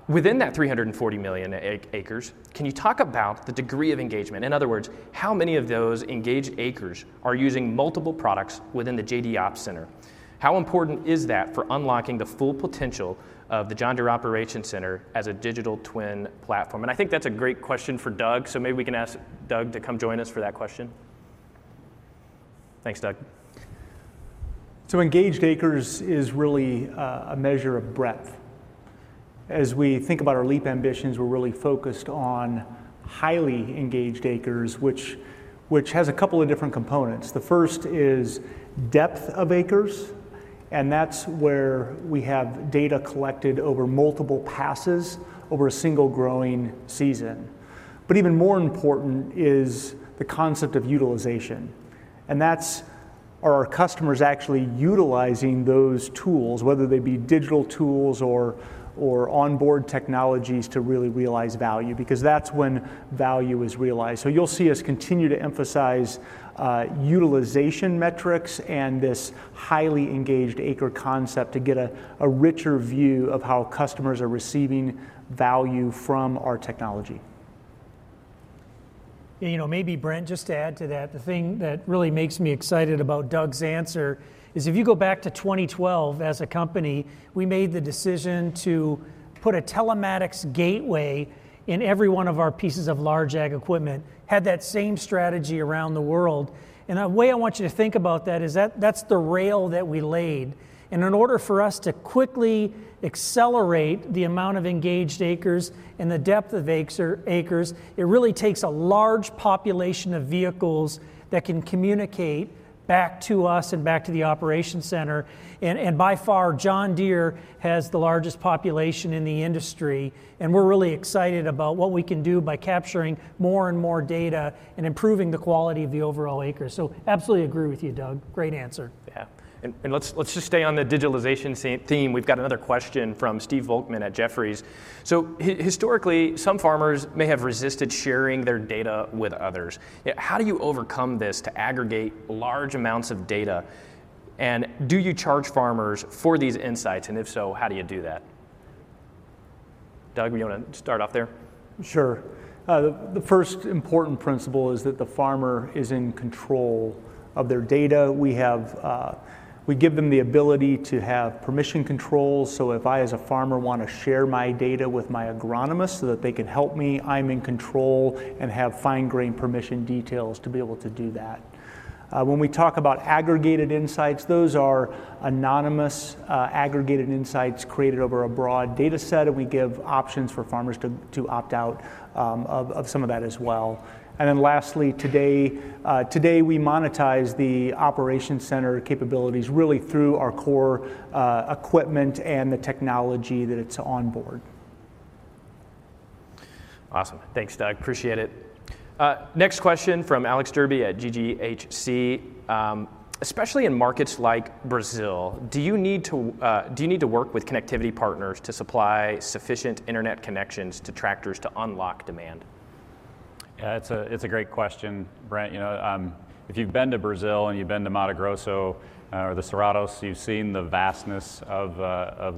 "Within that 340 million acres, can you talk about the degree of engagement? In other words, how many of those engaged acres are using multiple products within the JD Ops Center? How important is that for unlocking the full potential of the John Deere Operations Center as a digital twin platform?" I think that's a great question for Doug, so maybe we can ask Doug to come join us for that question. Thanks, Doug. Engaged acres is really a measure of breadth. As we think about our leap ambitions, we're really focused on highly engaged acres, which has a couple of different components. The first is depth of acres, and that's where we have data collected over multiple passes over a single growing season. Even more important is the concept of utilization, and that's where our customers are actually utilizing those tools, whether they be digital tools or onboard technologies to really realize value because that's when value is realized. You'll see us continue to emphasize utilization metrics and this highly engaged acre concept to get a richer view of how customers are receiving value from our technology. You know, maybe Brent, just to add to that, the thing that really makes me excited about Doug's answer is if you go back to 2012 as a company, we made the decision to put a telematics gateway in every one of our pieces of large ag equipment, had that same strategy around the world. The way I want you to think about that is that that's the rail that we laid. In order for us to quickly accelerate the amount of engaged acres and the depth of acres, it really takes a large population of vehicles that can communicate back to us and back to the Operations Center. By far, John Deere has the largest population in the industry, and we're really excited about what we can do by capturing more and more data and improving the quality of the overall acres. Absolutely agree with you, Doug. Great answer. Let's just stay on the digitalization theme. We've got another question from Stephen Volkmann at Jefferies. Historically, some farmers may have resisted sharing their data with others. Yeah, how do you overcome this to aggregate large amounts of data, and do you charge farmers for these insights? And if so, how do you do that? Doug, you wanna start off there? Sure. The first important principle is that the farmer is in control of their data. We have, we give them the ability to have permission control. If I, as a farmer, wanna share my data with my agronomist so that they can help me, I'm in control and have fine-grain permission details to be able to do that. When we talk about aggregated insights, those are anonymous, aggregated insights created over a broad data set, and we give options for farmers to opt out of some of that as well. Lastly, today we monetize the Operations Center capabilities really through our core equipment and the technology that it's onboard. Awesome. Thanks, Doug. Appreciate it. Next question from Alex Derby at G.research. Especially in markets like Brazil, do you need to work with connectivity partners to supply sufficient internet connections to tractors to unlock demand? Yeah, it's a great question, Brent. You know, if you've been to Brazil, and you've been to Mato Grosso or the Cerrado, you've seen the vastness of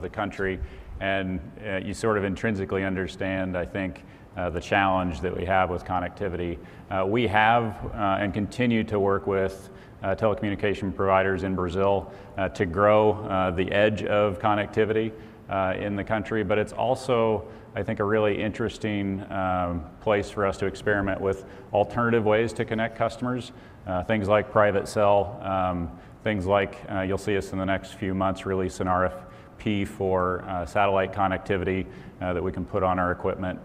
the country, and you sort of intrinsically understand, I think, the challenge that we have with connectivity. We have and continue to work with telecommunication providers in Brazil to grow the edge of connectivity in the country. But it's also, I think, a really interesting place for us to experiment with alternative ways to connect customers, things like private cell, things like, you'll see us in the next few months release an RFP for satellite connectivity that we can put on our equipment.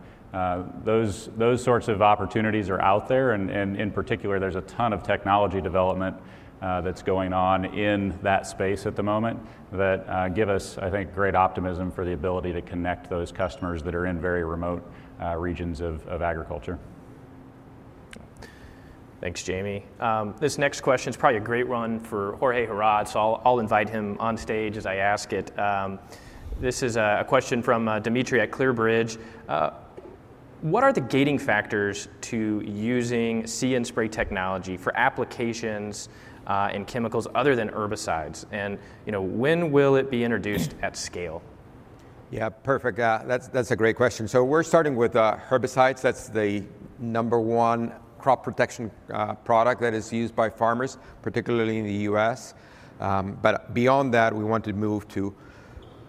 Those sorts of opportunities are out there and in particular, there's a ton of technology development that's going on in that space at the moment that give us, I think, great optimism for the ability to connect those customers that are in very remote regions of agriculture. Thanks, Jamie. This next question is probably a great one for Jorge Heraud, so I'll invite him on stage as I ask it. This is a question from Dimitri at ClearBridge. What are the gating factors to using See & Spray technology for applications in chemicals other than herbicides? And you know, when will it be introduced at scale? Yeah. Perfect. That's a great question. We're starting with herbicides. That's the number one crop protection product that is used by farmers, particularly in the U.S. Beyond that, we want to move to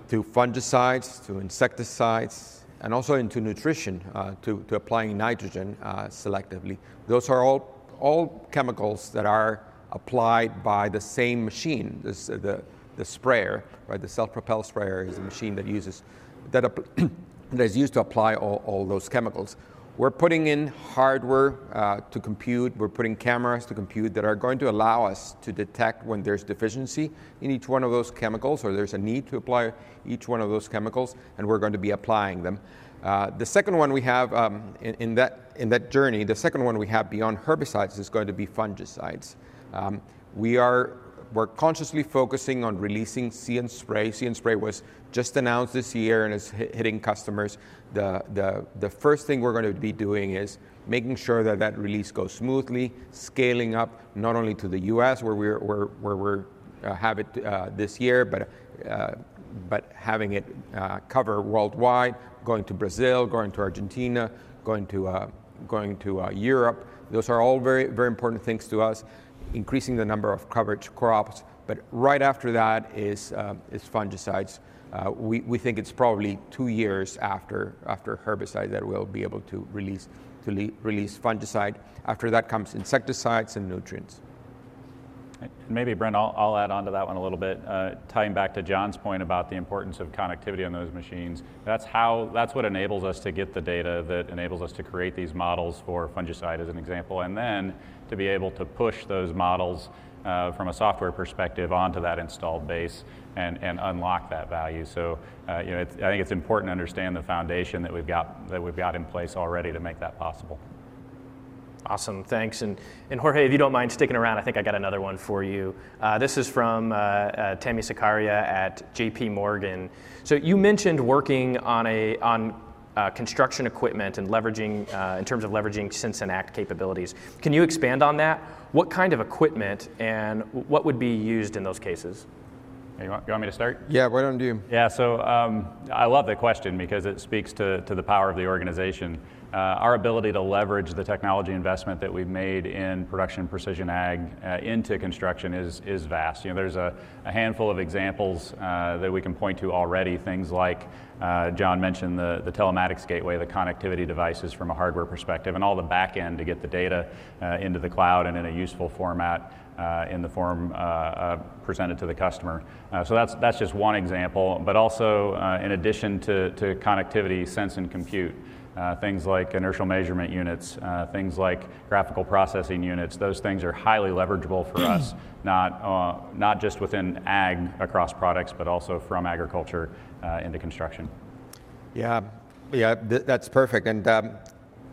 fungicides, to insecticides, and also into nutrition, to applying nitrogen selectively. Those are all chemicals that are applied by the same machine, the sprayer, right? The self-propelled sprayer is a machine that is used to apply all those chemicals. We're putting in hardware to compute. We're putting cameras to compute that are going to allow us to detect when there's deficiency in each one of those chemicals or there's a need to apply each one of those chemicals, and we're going to be applying them. The second one we have in that journey beyond herbicides is going to be fungicides. We're consciously focusing on releasing See & Spray. See & Spray was just announced this year and is hitting customers. The first thing we're gonna be doing is making sure that that release goes smoothly, scaling up not only to the U.S. where we have it this year, but having it cover worldwide, going to Brazil, going to Argentina, going to Europe. Those are all very important things to us, increasing the number of coverage crops. Right after that is fungicides. We think it's probably two years after herbicide that we'll be able to release fungicide. After that comes insecticides and nutrients. Maybe Brent, I'll add onto that one a little bit, tying back to John's point about the importance of connectivity on those machines. That's what enables us to get the data that enables us to create these models for fungicide, as an example. To be able to push those models from a software perspective onto that installed base and unlock that value. You know, I think it's important to understand the foundation that we've got in place already to make that possible. Awesome. Thanks. Jorge, if you don't mind sticking around, I think I got another one for you. This is from Tami Zakaria at J.P Morgan. You mentioned working on construction equipment and leveraging, in terms of leveraging sense and act capabilities. Can you expand on that? What kind of equipment, and what would be used in those cases? You want me to start? Yeah. Right on cue. Yeah. I love the question because it speaks to the power of the organization. Our ability to leverage the technology investment that we've made in production precision ag into construction is vast. You know, there's a handful of examples that we can point to already. Things like John mentioned the telematics gateway, the connectivity devices from a hardware perspective, and all the backend to get the data into the cloud and in a useful format in the form presented to the customer. That's just one example. Also in addition to connectivity, sense and compute. Things like inertial measurement units, things like graphics processing units, those things are highly leverageable for us, not just within ag across products, but also from agriculture into construction. Yeah. That's perfect.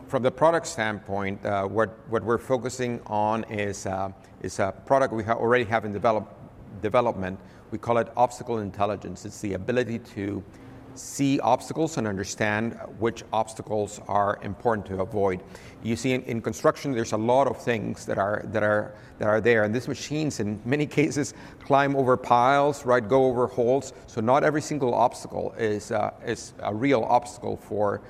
From the product standpoint, what we're focusing on is a product we already have in development. We call it obstacle intelligence. It's the ability to see obstacles and understand which obstacles are important to avoid. You see, in construction, there's a lot of things that are there. These machines, in many cases, climb over piles, right? Go over holes. Not every single obstacle is a real obstacle for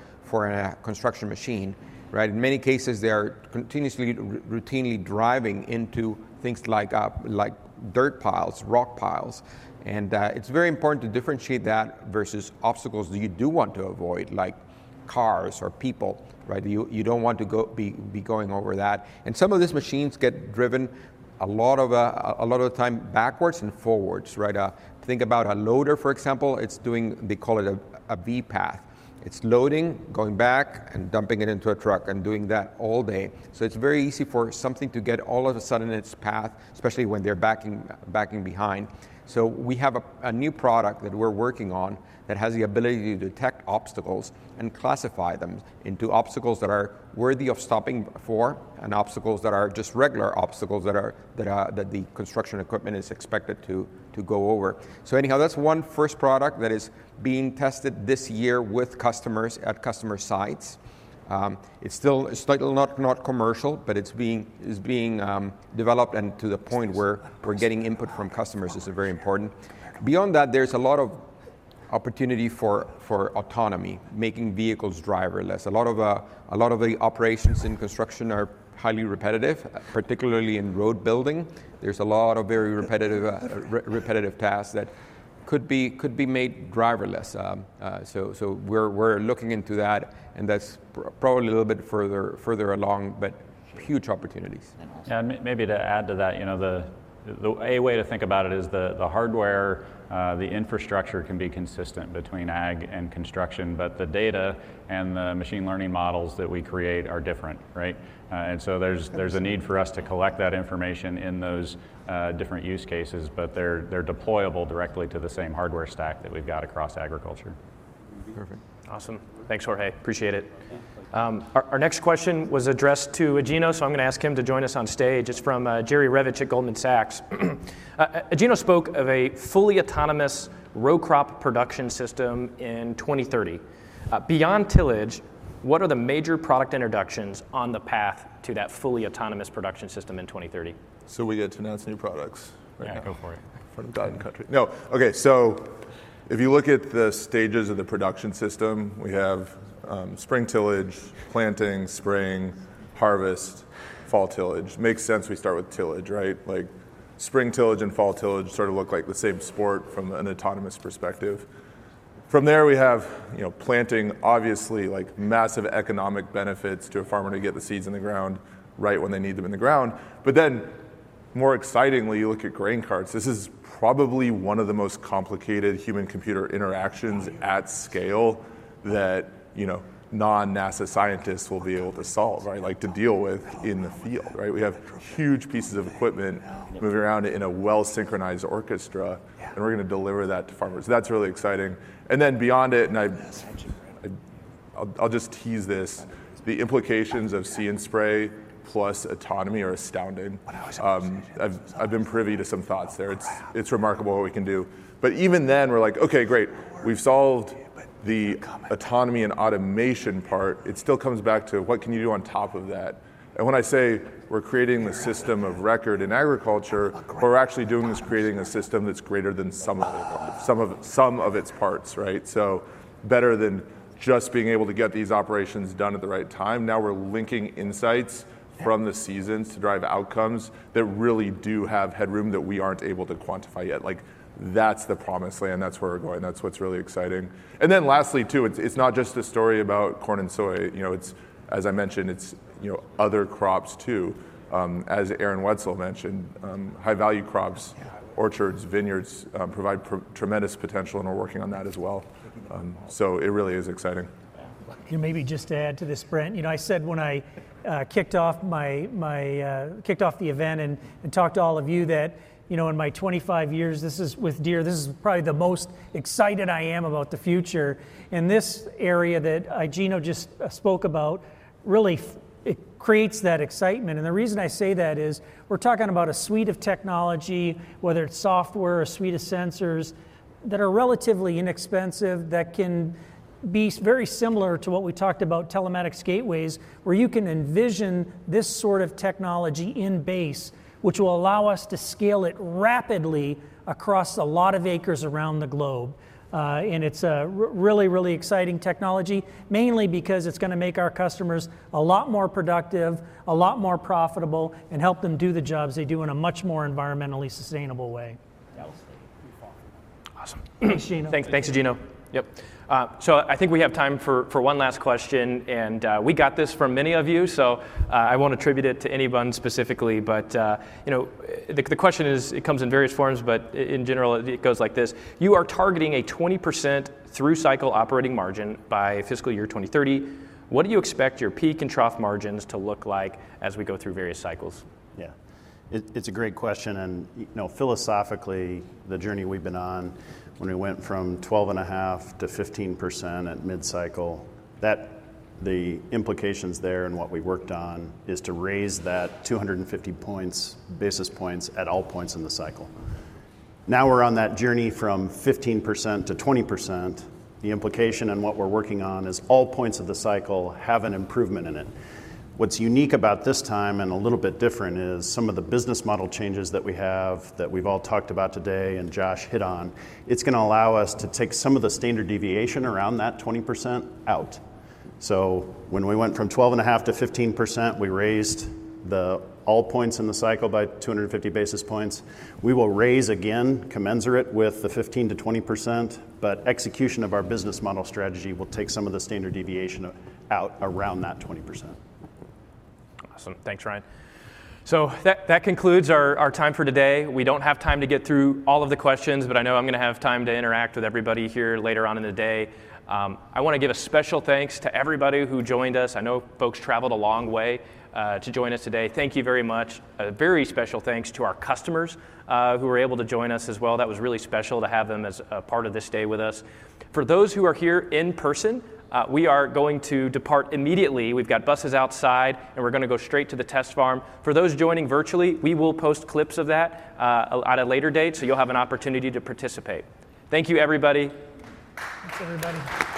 a construction machine, right? In many cases, they are continuously routinely driving into things like dirt piles, rock piles. It's very important to differentiate that versus obstacles that you do want to avoid, like cars or people, right? You don't want to go, be going over that. Some of these machines get driven a lot of the time backwards and forwards, right? Think about a loader, for example. It's doing, they call it a V path. It's loading, going back, and dumping it into a truck, and doing that all day. It's very easy for something to get all of a sudden in its path, especially when they're backing behind. We have a new product that we're working on that has the ability to detect obstacles and classify them into obstacles that are worthy of stopping for and obstacles that are just regular obstacles that the construction equipment is expected to go over. Anyhow, that's one first product that is being tested this year with customers at customer sites. It's still not commercial, but it's being developed and to the point where we're getting input from customers, which is very important. Beyond that, there's a lot of opportunity for autonomy, making vehicles driverless. A lot of the operations in construction are highly repetitive, particularly in road building. There's a lot of very repetitive tasks that could be made driverless. We're looking into that, and that's probably a little bit further along, but huge opportunities. Yeah, maybe to add to that, you know, a way to think about it is the hardware, the infrastructure can be consistent between ag and construction, but the data and the machine learning models that we create are different, right? There's a need for us to collect that information in those different use cases, but they're deployable directly to the same hardware stack that we've got across agriculture. Perfect. Awesome. Thanks, Jorge. Appreciate it. Our next question was addressed to Igino Cafiero, so I'm gonna ask him to join us on stage. It's from Jerry Revich at Goldman Sachs. Igino Cafiero spoke of a fully autonomous row crop production system in 2030. Beyond tillage, what are the major product introductions on the path to that fully autonomous production system in 2030? We get to announce new products, right? Yeah, go for it. From Deere Country. No. Okay. If you look at the stages of the production system, we have spring tillage, planting, spraying, harvest, fall tillage. Makes sense we start with tillage, right? Like spring tillage and fall tillage sort of look like the same sort from an autonomous perspective. From there, we have, you know, planting, obviously, like massive economic benefits to a farmer to get the seeds in the ground right when they need them in the ground. But then more excitingly, you look at grain carts. This is probably one of the most complicated human-computer interactions at scale that, you know, non-NASA scientists will be able to solve, right? Like to deal with in the field, right? We have huge pieces of equipment moving around in a well-synchronized orchestra, and we're gonna deliver that to farmers. That's really exciting. Beyond it, I'll just tease this. The implications of See & Spray plus autonomy are astounding. I've been privy to some thoughts there. It's remarkable what we can do. But even then we're like, "Okay, great, we've solved the autonomy and automation part." It still comes back to what can you do on top of that? When I say we're creating the system of record in agriculture, what we're actually doing is creating a system that's greater than some of its parts, right? Better than just being able to get these operations done at the right time, now we're linking insights from the seasons to drive outcomes that really do have headroom that we aren't able to quantify yet. Like that's the promised land. That's where we're going. That's what's really exciting. Lastly too, it's not just a story about corn and soy. You know, it's, as I mentioned, you know, other crops too. As Aaron Wetzel mentioned, high value crops, orchards, vineyards provide tremendous potential, and we're working on that as well. It really is exciting. Maybe just to add to this, Brent, you know, I said when I kicked off the event and talked to all of you that, you know, in my 25 years with Deere, this is probably the most excited I am about the future. This area that Gino just spoke about really creates that excitement. The reason I say that is we're talking about a suite of technology, whether it's software or a suite of sensors, that are relatively inexpensive, that can be very similar to what we talked about, telematics gateways, where you can envision this sort of technology in base, which will allow us to scale it rapidly across a lot of acres around the globe. It's really, really exciting technology, mainly because it's gonna make our customers a lot more productive, a lot more profitable, and help them do the jobs they do in a much more environmentally sustainable way. Awesome. Thanks, Gino. Thanks. Thanks, Gino. Yep. I think we have time for one last question, and we got this from many of you, so I won't attribute it to anyone specifically. You know, the question is, it comes in various forms, but in general it goes like this: you are targeting a 20% through cycle operating margin by fiscal year 2030. What do you expect your peak and trough margins to look like as we go through various cycles? Yeah. It's a great question, and you know, philosophically, the journey we've been on when we went from 12.5% to 15% at mid cycle, the implications there and what we worked on is to raise that 250 basis points at all points in the cycle. Now we're on that journey from 15% to 20%, the implication and what we're working on is all points of the cycle have an improvement in it. What's unique about this time and a little bit different is some of the business model changes that we have that we've all talked about today and Josh hit on, it's gonna allow us to take some of the standard deviation around that 20% out. When we went from 12.5% to 15%, we raised the all points in the cycle by 250 basis points. We will raise again commensurate with the 15%-20%, but execution of our business model strategy will take some of the standard deviation out around that 20%. Awesome. Thanks, Ryan. That concludes our time for today. We don't have time to get through all of the questions, but I know I'm gonna have time to interact with everybody here later on in the day. I wanna give a special thanks to everybody who joined us. I know folks traveled a long way to join us today. Thank you very much. A very special thanks to our customers who were able to join us as well. That was really special to have them as a part of this day with us. For those who are here in person, we are going to depart immediately. We've got buses outside, and we're gonna go straight to the test farm. For those joining virtually, we will post clips of that at a later date, so you'll have an opportunity to participate. Thank you, everybody. Thanks, everybody.